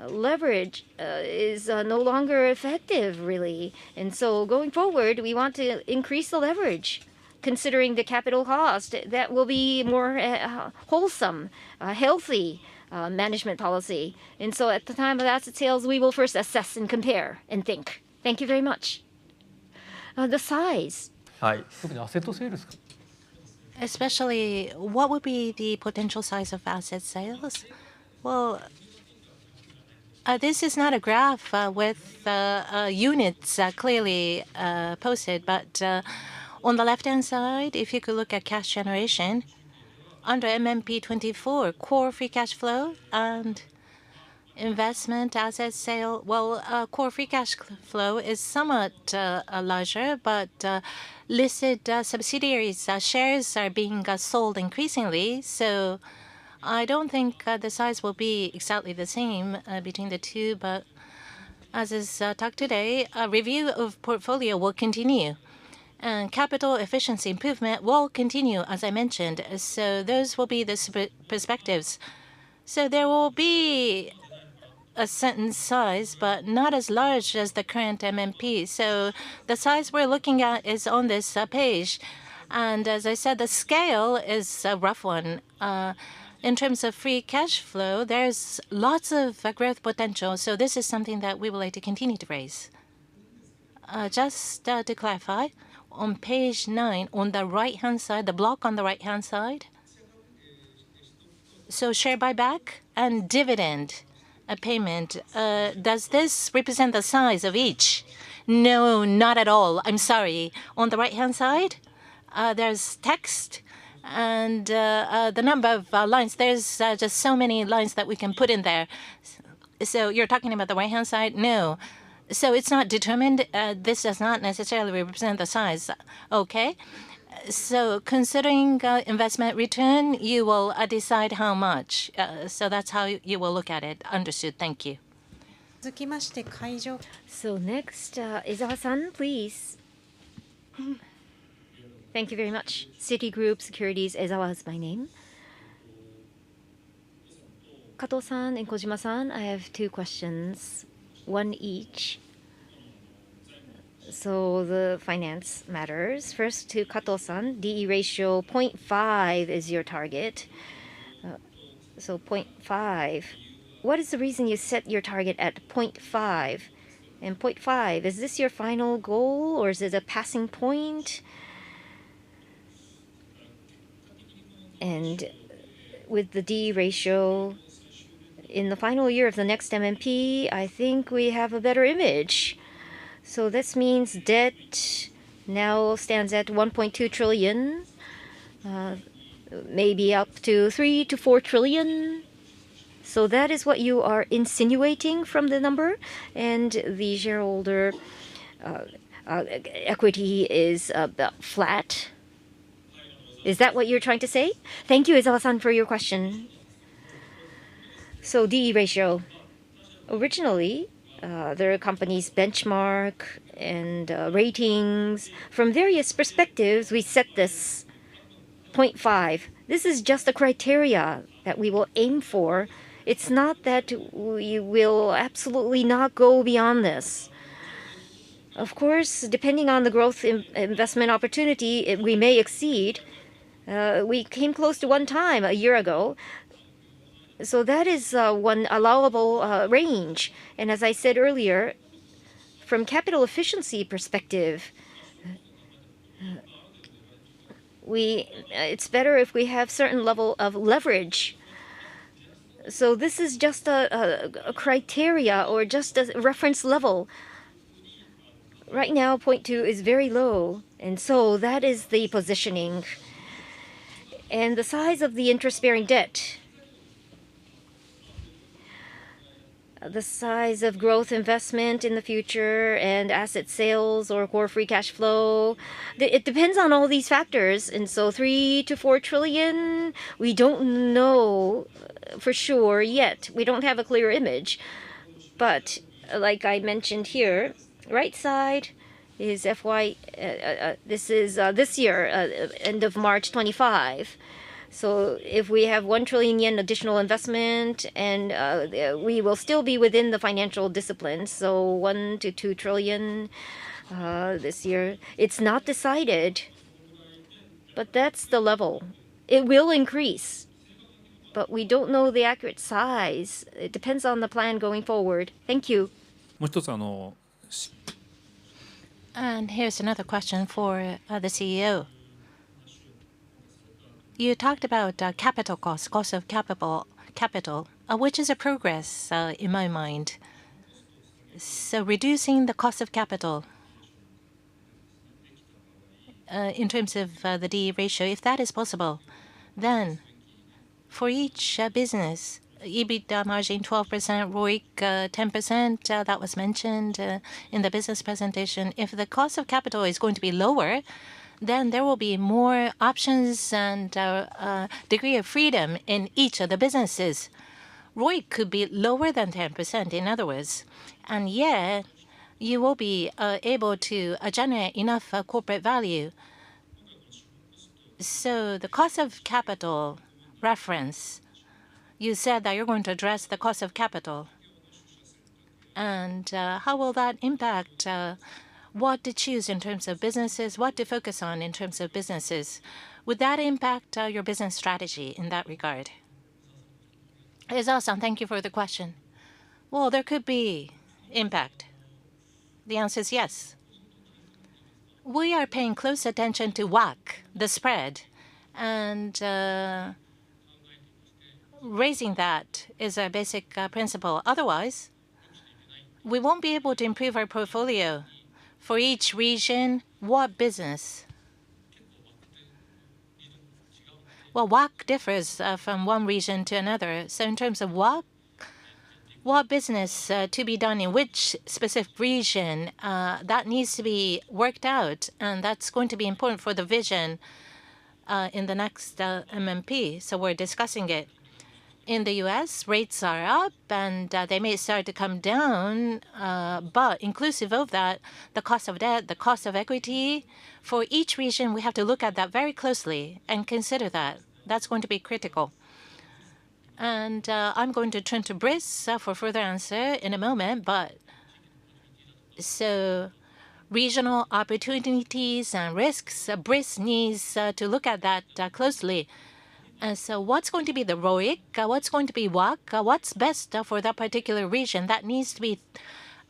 Leverage is no longer effective, really. And so going forward, we want to increase the leverage, considering the capital cost, that will be more wholesome, a healthy management policy. And so at the time of asset sales, we will first assess and compare, and think. Thank you very much. The size? Hi. Asset sales. Especially, what would be the potential size of asset sales? Well, this is not a graph with units clearly posted. But, on the left-hand side, if you could look at cash generation, under MMP 2024, core free cash flow and investment asset sale. Well, core free cash flow is somewhat larger, but listed subsidiaries shares are being sold increasingly. So I don't think the size will be exactly the same between the two. But as is talked today, a review of portfolio will continue, and capital efficiency improvement will continue, as I mentioned. So those will be the perspectives. So there will be a certain size, but not as large as the current MMP. So the size we're looking at is on this page, and as I said, the scale is a rough one. In terms of free cash flow, there's lots of growth potential, so this is something that we would like to continue to raise. Just to clarify, on page nine, on the right-hand side, the block on the right-hand side. So share buyback and dividend, a payment, does this represent the size of each? No, not at all. I'm sorry. On the right-hand side, there's text and the number of lines, there's just so many lines that we can put in there. So you're talking about the right-hand side? No. So it's not determined. This does not necessarily represent the size. Okay? So considering investment return, you will decide how much. So that's how you will look at it. Understood. Thank you. So next, Ezawa-san, please. Thank you very much. Citigroup, Ezawa is my name. Kato-san and Kojima-san, I have two questions, one each. So the finance matters. First, to Kato-san, DE ratio, 0.5 is your target. So 0.5. What is the reason you set your target at 0.5? And 0.5, is this your final goal or is it a passing point? And with the DE ratio, in the final year of the next MMP, I think we have a better image. So this means debt now stands at 1.2 trillion, maybe up to 3-4 trillion. So that is what you are insinuating from the number? And the shareholder equity is about flat. Is that what you're trying to say? Thank you, Ezawa-san, for your question. So DE ratio. Originally, there are companies' benchmark and ratings. From various perspectives, we set this 0.5. This is just a criteria that we will aim for. It's not that we will absolutely not go beyond this. Of course, depending on the growth investment opportunity, we may exceed. We came close to 1 time a year ago. So that is one allowable range. And as I said earlier, from capital efficiency perspective, we, it's better if we have certain level of leverage. So this is just a criteria or just a reference level. Right now, 0.2 is very low, and so that is the positioning. The size of the interest-bearing debt, the size of growth investment in the future, and asset sales or core free cash flow, it depends on all these factors. So 3 trillion-4 trillion, we don't know for sure yet. We don't have a clear image.... But like I mentioned here, right side is FY, this is this year, end of March 2025. So if we have 1 trillion yen additional investment, and we will still be within the financial discipline, so 1 trillion-2 trillion this year. It's not decided, but that's the level. It will increase, but we don't know the accurate size. It depends on the plan going forward. Thank you. And here's another question for the CEO. You talked about capital costs, cost of capital, capital, which is a progress in my mind. So reducing the cost of capital in terms of the DE ratio, if that is possible, then for each business, EBITA margin 12%, ROIC 10%, that was mentioned in the business presentation. If the cost of capital is going to be lower, then there will be more options and degree of freedom in each of the businesses. ROIC could be lower than 10%, in other words, and yet you will be able to generate enough corporate value. So the cost of capital reference, you said that you're going to address the cost of capital, and how will that impact what to choose in terms of businesses, what to focus on in terms of businesses? Would that impact your business strategy in that regard? Yes, awesome. Thank you for the question. Well, there could be impact. The answer is yes. We are paying close attention to WACC, the spread, and raising that is our basic principle. Otherwise, we won't be able to improve our portfolio. For each region, what business? Well, WACC differs from one region to another. So in terms of WACC, what business to be done in which specific region, that needs to be worked out, and that's going to be important for the vision in the next MMP, so we're discussing it. In the U.S., rates are up, and they may start to come down, but inclusive of that, the cost of debt, the cost of equity, for each region, we have to look at that very closely and consider that. That's going to be critical. And I'm going to turn to Brice for further answer in a moment, but... So regional opportunities and risks, Brice needs to look at that closely. And so what's going to be the ROIC? What's going to be WACC? What's best for that particular region? That needs to be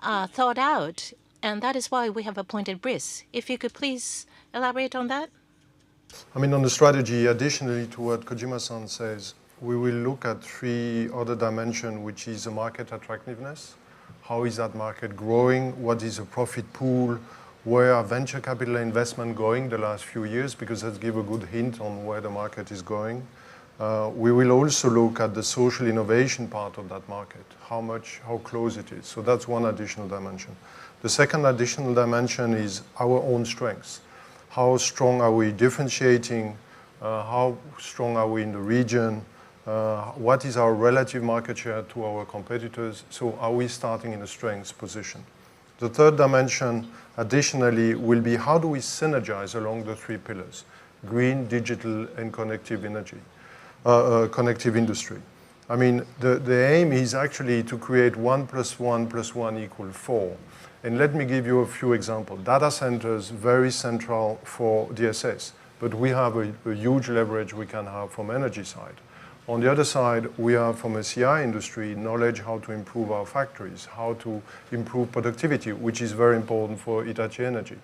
thought out, and that is why we have appointed Brice. If you could please elaborate on that. I mean, on the strategy, additionally to what Kojima-san says, we will look at three other dimension, which is the market attractiveness. How is that market growing? What is the profit pool? Where are venture capital investment going the last few years? Because that give a good hint on where the market is going. We will also look at the social innovation part of that market, how much, how close it is. So that's one additional dimension. The second additional dimension is our own strengths. How strong are we differentiating? How strong are we in the region? What is our relative market share to our competitors? So are we starting in a strengths position? The third dimension, additionally, will be: How do we synergize along the three pillars, green, digital, and connective energy, connective industry? I mean, the aim is actually to create 1 + 1 + 1 = 4. Let me give you a few example. Data centers, very central for DSS, but we have a huge leverage we can have from energy side. On the other side, we are from a CI industry, knowledge how to improve our factories, how to improve productivity, which is very important for Hitachi Energy.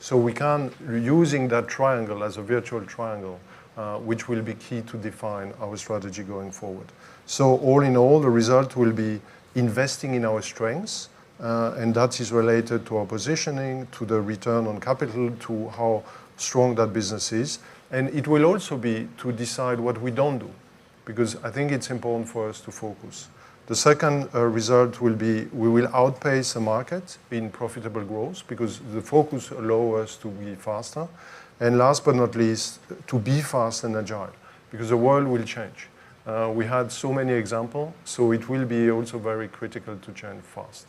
So we can, using that triangle as a virtual triangle, which will be key to define our strategy going forward. So all in all, the result will be investing in our strengths, and that is related to our positioning, to the return on capital, to how strong that business is. And it will also be to decide what we don't do, because I think it's important for us to focus. The second result will be, we will outpace the market in profitable growth, because the focus allow us to be faster. Last but not least, to be fast and agile, because the world will change. We had so many example, so it will be also very critical to change fast.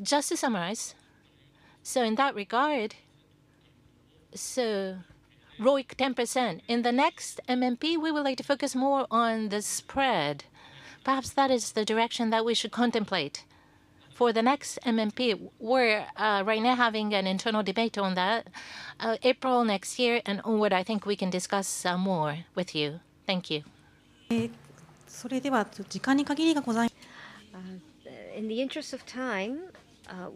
Just to summarize, so in that regard, so ROIC 10%. In the next MMP, we would like to focus more on the spread. Perhaps that is the direction that we should contemplate. For the next MMP, we're right now having an internal debate on that. April next year and onward, I think we can discuss some more with you. Thank you. In the interest of time,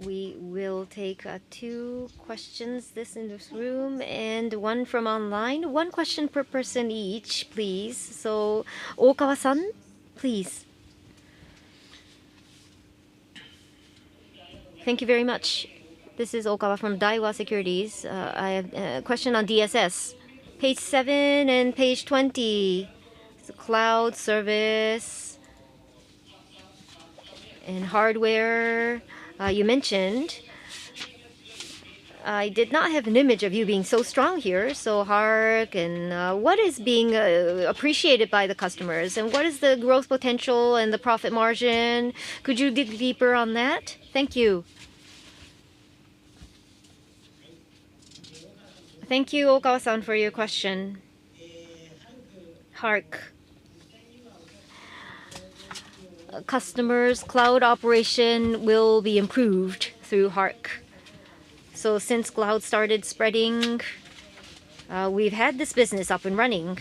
we will take two questions, this in this room and one from online. One question per person each, please. So Okawa-san, please. Thank you very much. This is Okawa from Daiwa Securities. I have a question on DSS. Page 7 and page 20, the cloud service-... and hardware, you mentioned, I did not have an image of you being so strong here, so HARC, and, what is being appreciated by the customers? And what is the growth potential and the profit margin? Could you dig deeper on that? Thank you. Thank you, Okawa-san, for your question. HARC. Customers' cloud operation will be improved through HARC. So since cloud started spreading, we've had this business up and running,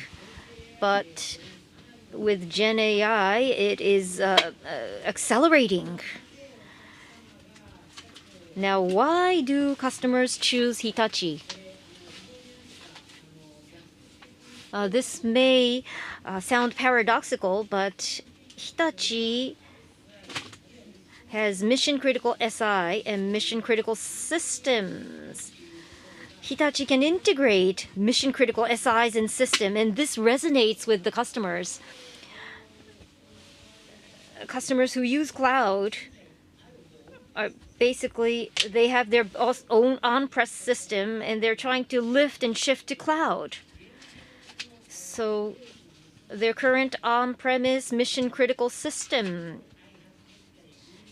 but with GenAI, it is accelerating. Now, why do customers choose Hitachi? This may sound paradoxical, but Hitachi has mission-critical SI and mission-critical systems. Hitachi can integrate mission-critical SIs and system, and this resonates with the customers. Customers who use cloud are basically, they have their own on-premise system, and they're trying to lift and shift to cloud. So their current on-premise mission-critical system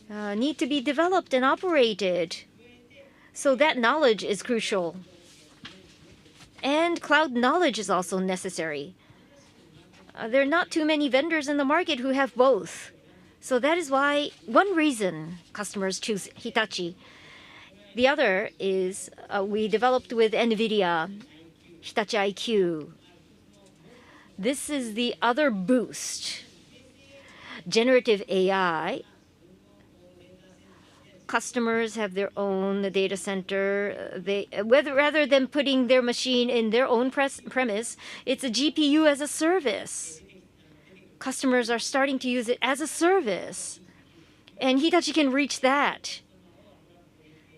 need to be developed and operated, so that knowledge is crucial. And cloud knowledge is also necessary. There are not too many vendors in the market who have both, so that is why, one reason customers choose Hitachi. The other is, we developed with NVIDIA, Hitachi iQ. This is the other boost. Generative AI, customers have their own data center, rather than putting their machine in their own premise, it's a GPU as a service. Customers are starting to use it as a service, and Hitachi can reach that.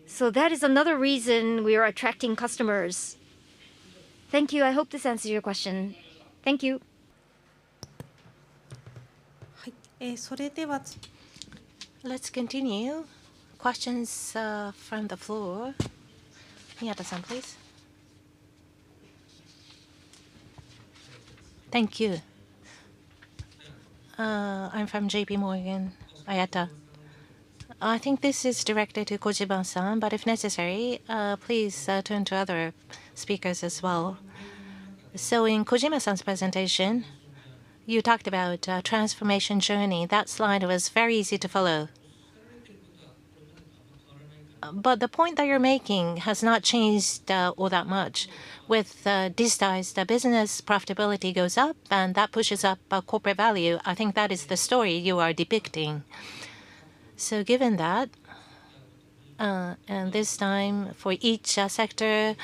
So that is another reason we are attracting customers. Thank you. I hope this answers your question. Thank you. Hi. So then let's, let's continue. Questions from the floor. Miyata-san, please. Thank you. I'm from J.P. Morgan, Ayada. I think this is directed to Kojima-san, but if necessary, please turn to other speakers as well. So in Kojima-san's presentation, you talked about transformation journey. That slide was very easy to follow. But the point that you're making has not changed all that much. With these ties, the business profitability goes up, and that pushes up our corporate value. I think that is the story you are depicting. So given that, and this time, for each sector,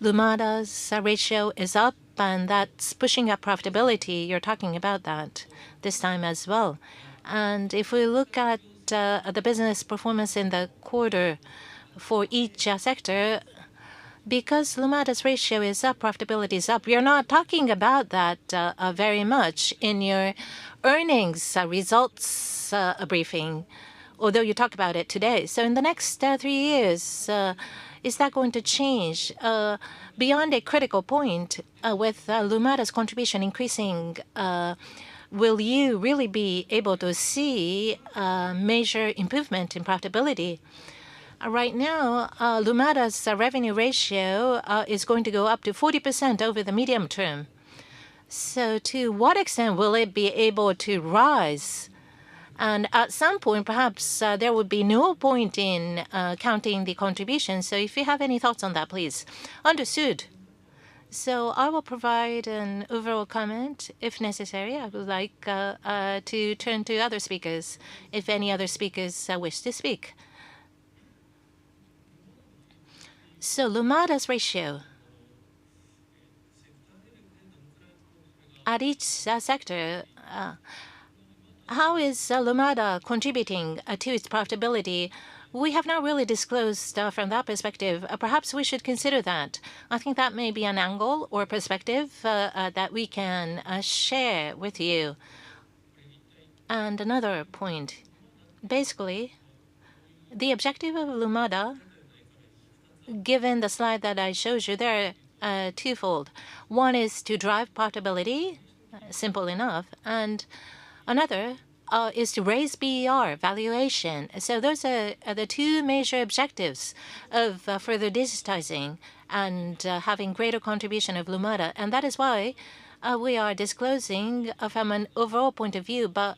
Lumada's ratio is up, and that's pushing up profitability. You're talking about that this time as well. And if we look at the business performance in the quarter for each sector, because Lumada's ratio is up, profitability is up. You're not talking about that very much in your earnings results briefing, although you talked about it today. So in the next three years, is that going to change? Beyond a critical point, with Lumada's contribution increasing, will you really be able to see major improvement in profitability? Right now, Lumada's revenue ratio is going to go up to 40% over the medium term. So to what extent will it be able to rise? And at some point, perhaps, there would be no point in counting the contribution. So if you have any thoughts on that, please. Understood. So I will provide an overall comment. If necessary, I would like to turn to other speakers, if any other speakers wish to speak. So Lumada's ratio. At each sector, how is Lumada contributing to its profitability? We have not really disclosed from that perspective. Perhaps we should consider that. I think that may be an angle or perspective that we can share with you. And another point, basically, the objective of Lumada, given the slide that I showed you there, are twofold. One is to drive profitability, simple enough, and another is to raise BER valuation. So those are the two major objectives of further digitizing and having greater contribution of Lumada, and that is why we are disclosing from an overall point of view. But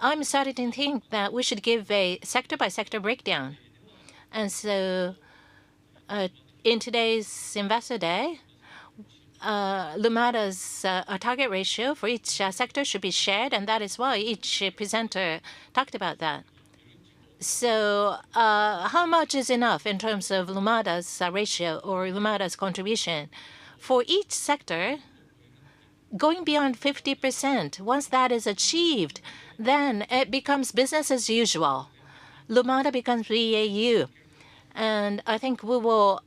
I'm starting to think that we should give a sector-by-sector breakdown. And so, in today's Investor Day, Lumada's target ratio for each sector should be shared, and that is why each presenter talked about that. So, how much is enough in terms of Lumada's ratio or Lumada's contribution? For each sector, going beyond 50%, once that is achieved, then it becomes business as usual. Lumada becomes BAU. And I think we will......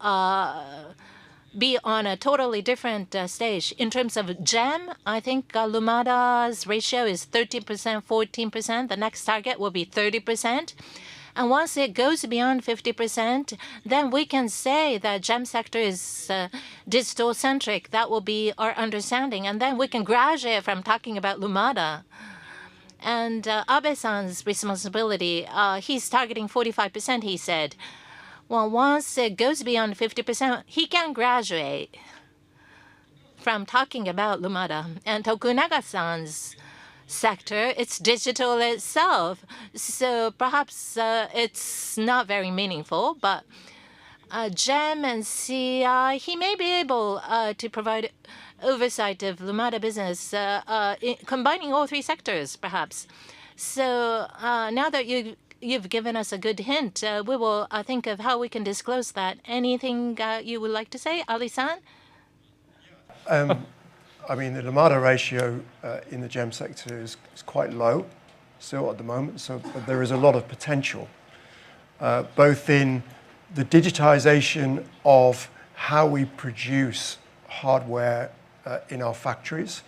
be on a totally different stage. In terms of GEM, I think, Lumada's ratio is 13%-14%. The next target will be 30%. And once it goes beyond 50%, then we can say the GEM sector is digital-centric. That will be our understanding, and then we can graduate from talking about Lumada. And Abe-san's responsibility, he's targeting 45%, he said. Well, once it goes beyond 50%, he can graduate from talking about Lumada. And Tokunaga-san's sector, it's digital itself, so perhaps it's not very meaningful. But GEM and CI, he may be able to provide oversight of Lumada business, combining all three sectors, perhaps. So now that you, you've given us a good hint, we will think of how we can disclose that. Anything you would like to say, Ali-san? I mean, the Lumada ratio in the GEM sector is quite low still at the moment, so there is a lot of potential both in the digitization of how we produce hardware in our factories.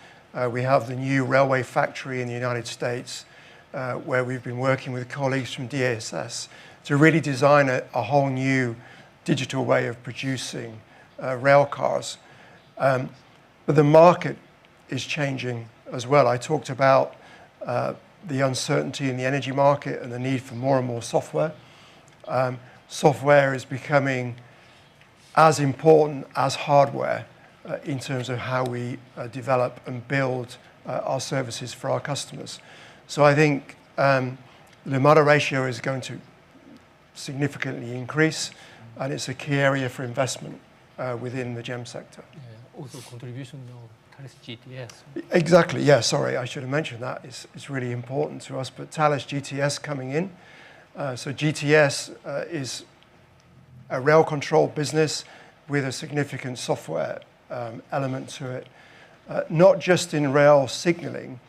We have the new railway factory in the United States, where we've been working with colleagues from DSS to really design a whole new digital way of producing rail cars. But the market is changing as well. I talked about the uncertainty in the energy market and the need for more and more software. Software is becoming as important as hardware in terms of how we develop and build our services for our customers. So I think Lumada ratio is going to significantly increase, and it's a key area for investment within the GEM sector. Yeah, also contribution of Thales GTS. Exactly, yeah. Sorry, I should have mentioned that. It's, it's really important to us, but Thales GTS coming in. So GTS is a rail control business with a significant software element to it. Not just in rail signaling,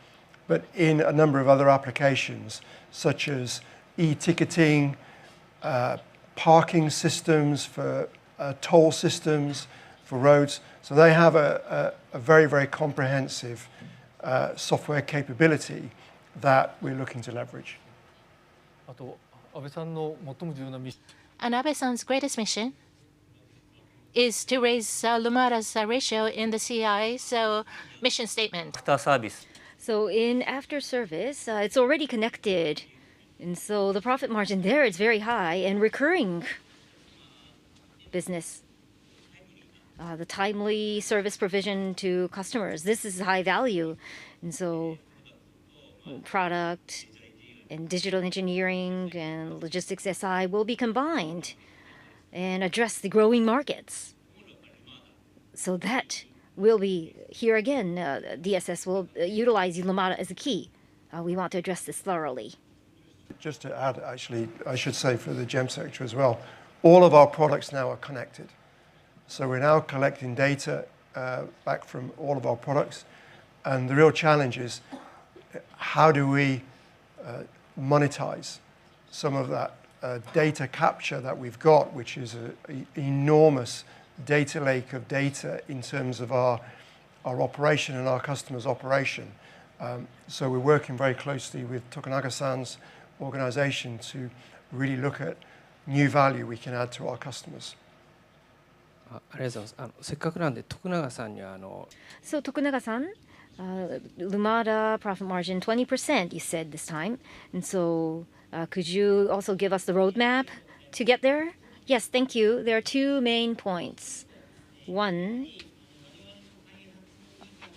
but in a number of other applications, such as e-ticketing, parking systems for, toll systems for roads. So they have a, a, a very, very comprehensive software capability that we're looking to leverage. Abe-san's greatest mission is to raise Lumada's ratio in the CI, so mission statement. After service. So in after service, it's already connected, and so the profit margin there is very high in recurring business. The timely service provision to customers, this is high value, and so product and digital engineering and logistics SI will be combined and address the growing markets. So that will be... Here again, DSS will utilize Lumada as a key. We want to address this thoroughly. Just to add, actually, I should say for the GEM sector as well, all of our products now are connected. So we're now collecting data back from all of our products, and the real challenge is, how do we monetize some of that data capture that we've got, which is an enormous data lake of data in terms of our operation and our customers' operation? So we're working very closely with Tokunaga-san's organization to really look at new value we can add to our customers. Thank you. So Tokunaga-san, Lumada profit margin 20%, you said this time, and so, could you also give us the roadmap to get there? Yes, thank you. There are two main points. One,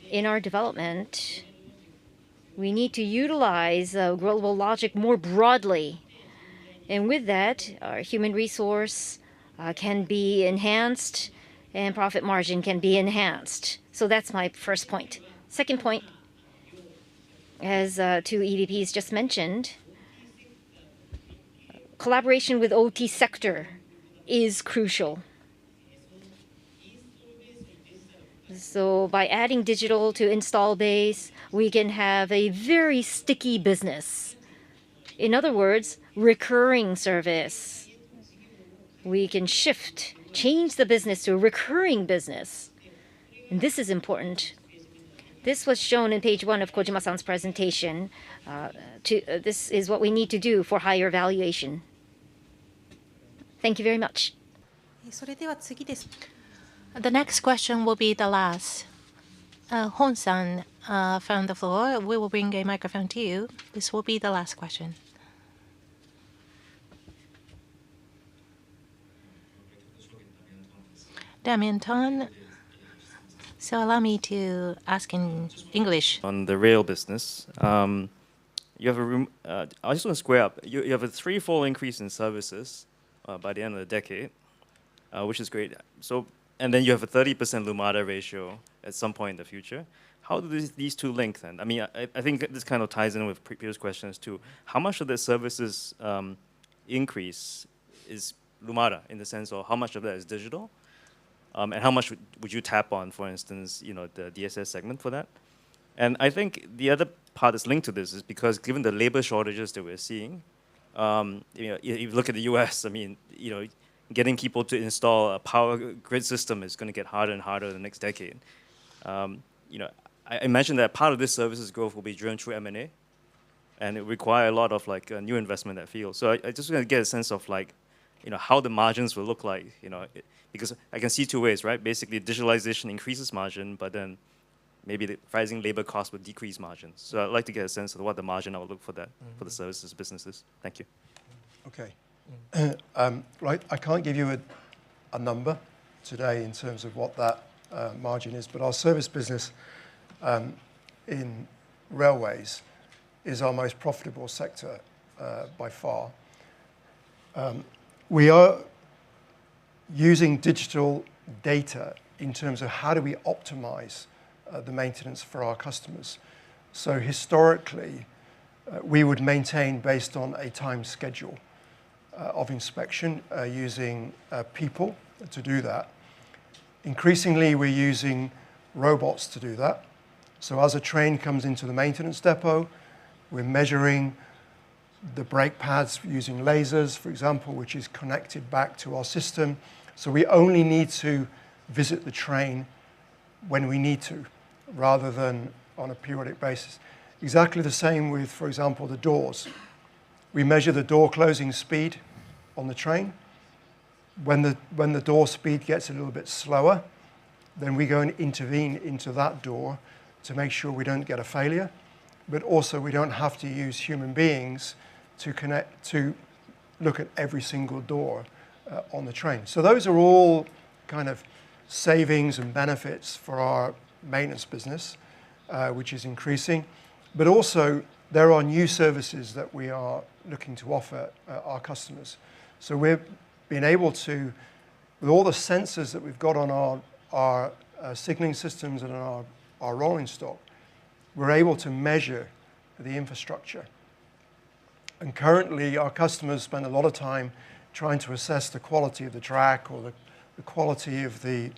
in our development, we need to utilize GlobalLogic more broadly, and with that, our human resource can be enhanced and profit margin can be enhanced. So that's my first point. Second point, as two EVPs just mentioned, collaboration with OT sector is crucial. So by adding digital to install base, we can have a very sticky business. In other words, recurring service. We can shift, change the business to a recurring business, and this is important. This was shown in page one of Kojima-san's presentation, this is what we need to do for higher valuation. Thank you very much. The next question will be the last. Thon-san, from the floor, we will bring a microphone to you. This will be the last question. Damian Thong. So allow me to ask in English. On the rail business, I just want to square up. You have a threefold increase in services by the end of the decade, which is great. So, and then you have a 30% Lumada ratio at some point in the future. How do these two link then? I mean, I think this kind of ties in with previous questions, too. How much of the services increase is Lumada, in the sense of how much of that is digital? And how much would you tap on, for instance, you know, the DSS segment for that? And I think the other part that's linked to this is because given the labor shortages that we're seeing, you know, you look at the U.S., I mean, you know, getting people to install a power grid system is gonna get harder and harder in the next decade. You know, I imagine that part of this services growth will be driven through M&A, and it require a lot of, like, new investment in that field. So I just wanna get a sense of like, you know, how the margins will look like, you know? Because I can see two ways, right? Basically, digitalization increases margin, but then maybe the rising labor costs will decrease margins. So I'd like to get a sense of what the margin I would look for that- Mm. for the services businesses. Thank you. Okay. Right, I can't give you a number today in terms of what that margin is, but our service business in railways is our most profitable sector by far. We are using digital data in terms of how do we optimize the maintenance for our customers. So historically, we would maintain based on a time schedule of inspection using people to do that. Increasingly, we're using robots to do that. So as a train comes into the maintenance depot, we're measuring the brake pads using lasers, for example, which is connected back to our system. So we only need to visit the train when we need to, rather than on a periodic basis. Exactly the same with, for example, the doors. We measure the door closing speed on the train. When the door speed gets a little bit slower, then we go and intervene into that door to make sure we don't get a failure, but also we don't have to use human beings to connect to look at every single door on the train. So those are all kind of savings and benefits for our maintenance business, which is increasing, but also there are new services that we are looking to offer our customers. So we've been able to with all the sensors that we've got on our signaling systems and on our rolling stock, we're able to measure the infrastructure. And currently, our customers spend a lot of time trying to assess the quality of the track or the quality of the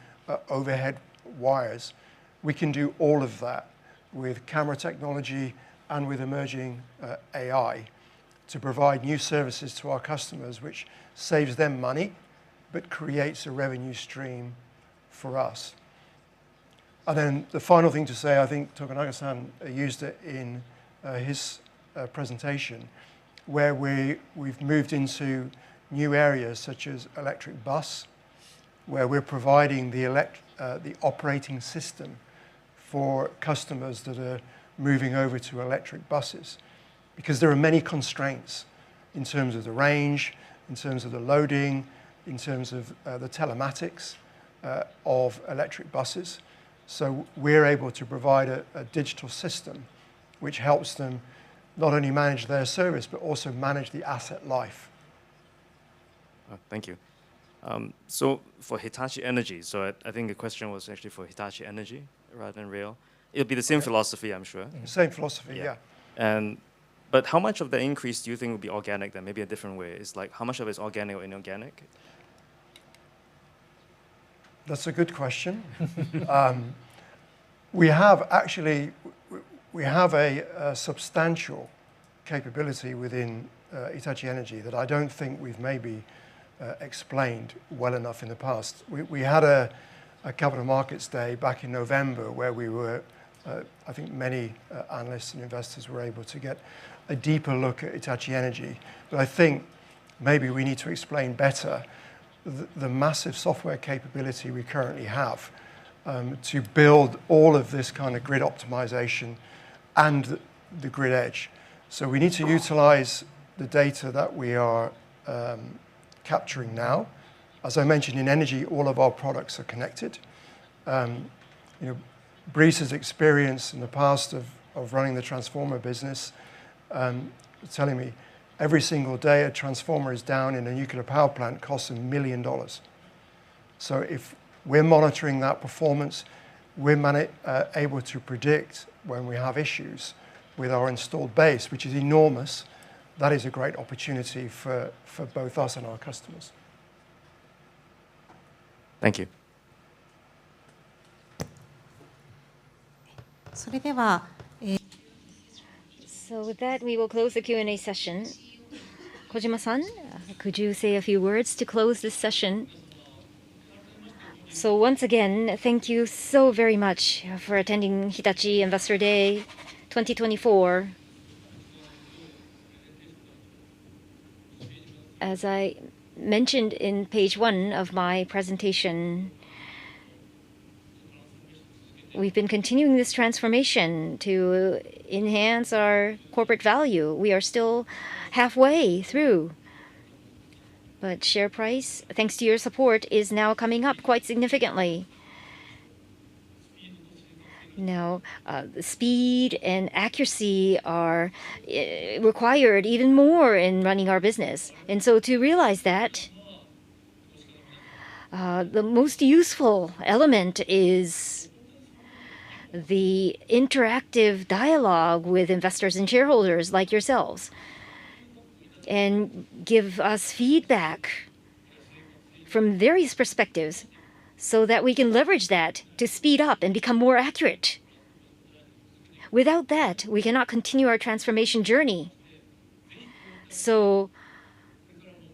overhead wires. We can do all of that with camera technology and with emerging AI to provide new services to our customers, which saves them money, but creates a revenue stream for us. And then the final thing to say, I think Tokunaga-san used it in his presentation, where we've moved into new areas, such as electric bus, where we're providing the operating system for customers that are moving over to electric buses. Because there are many constraints in terms of the range, in terms of the loading, in terms of the telematics of electric buses. So we're able to provide a digital system, which helps them not only manage their service, but also manage the asset life. Thank you. So for Hitachi Energy, so I think the question was actually for Hitachi Energy rather than Rail. It'll be the same philosophy, I'm sure. Same philosophy, yeah. Yeah. And, but how much of the increase do you think will be organic, then maybe a different way? It's like, how much of it is organic or inorganic? That's a good question. We have actually, we have a substantial capability within Hitachi Energy that I don't think we've maybe explained well enough in the past. We had a capital markets day back in November, where we were. I think many analysts and investors were able to get a deeper look at Hitachi Energy. But I think maybe we need to explain better the massive software capability we currently have to build all of this kind of grid optimization and the grid edge. So we need to utilize the data that we are capturing now. As I mentioned, in Energy, all of our products are connected. You know, Brice's experience in the past of running the transformer business, telling me every single day a transformer is down in a nuclear power plant, costs him $1 million. So if we're monitoring that performance, we're able to predict when we have issues with our installed base, which is enormous. That is a great opportunity for both us and our customers. Thank you. So with that, we will close the Q&A session. Kojima-san, could you say a few words to close this session? So once again, thank you so very much for attending Hitachi Investor Day 2024. As I mentioned in page 1 of my presentation, we've been continuing this transformation to enhance our corporate value. We are still halfway through, but share price, thanks to your support, is now coming up quite significantly. Now, speed and accuracy are required even more in running our business, and so to realize that, the most useful element is the interactive dialogue with investors and shareholders like yourselves. And give us feedback from various perspectives so that we can leverage that to speed up and become more accurate. Without that, we cannot continue our transformation journey. So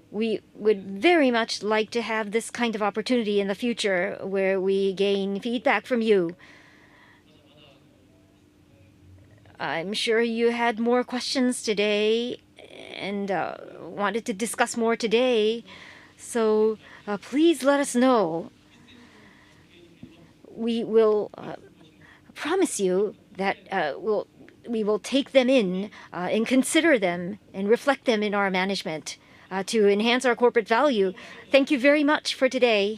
we would very much like to have this kind of opportunity in the future, where we gain feedback from you. I'm sure you had more questions today and wanted to discuss more today, so please let us know. We will promise you that we'll, we will take them in and consider them, and reflect them in our management to enhance our corporate value. Thank you very much for today.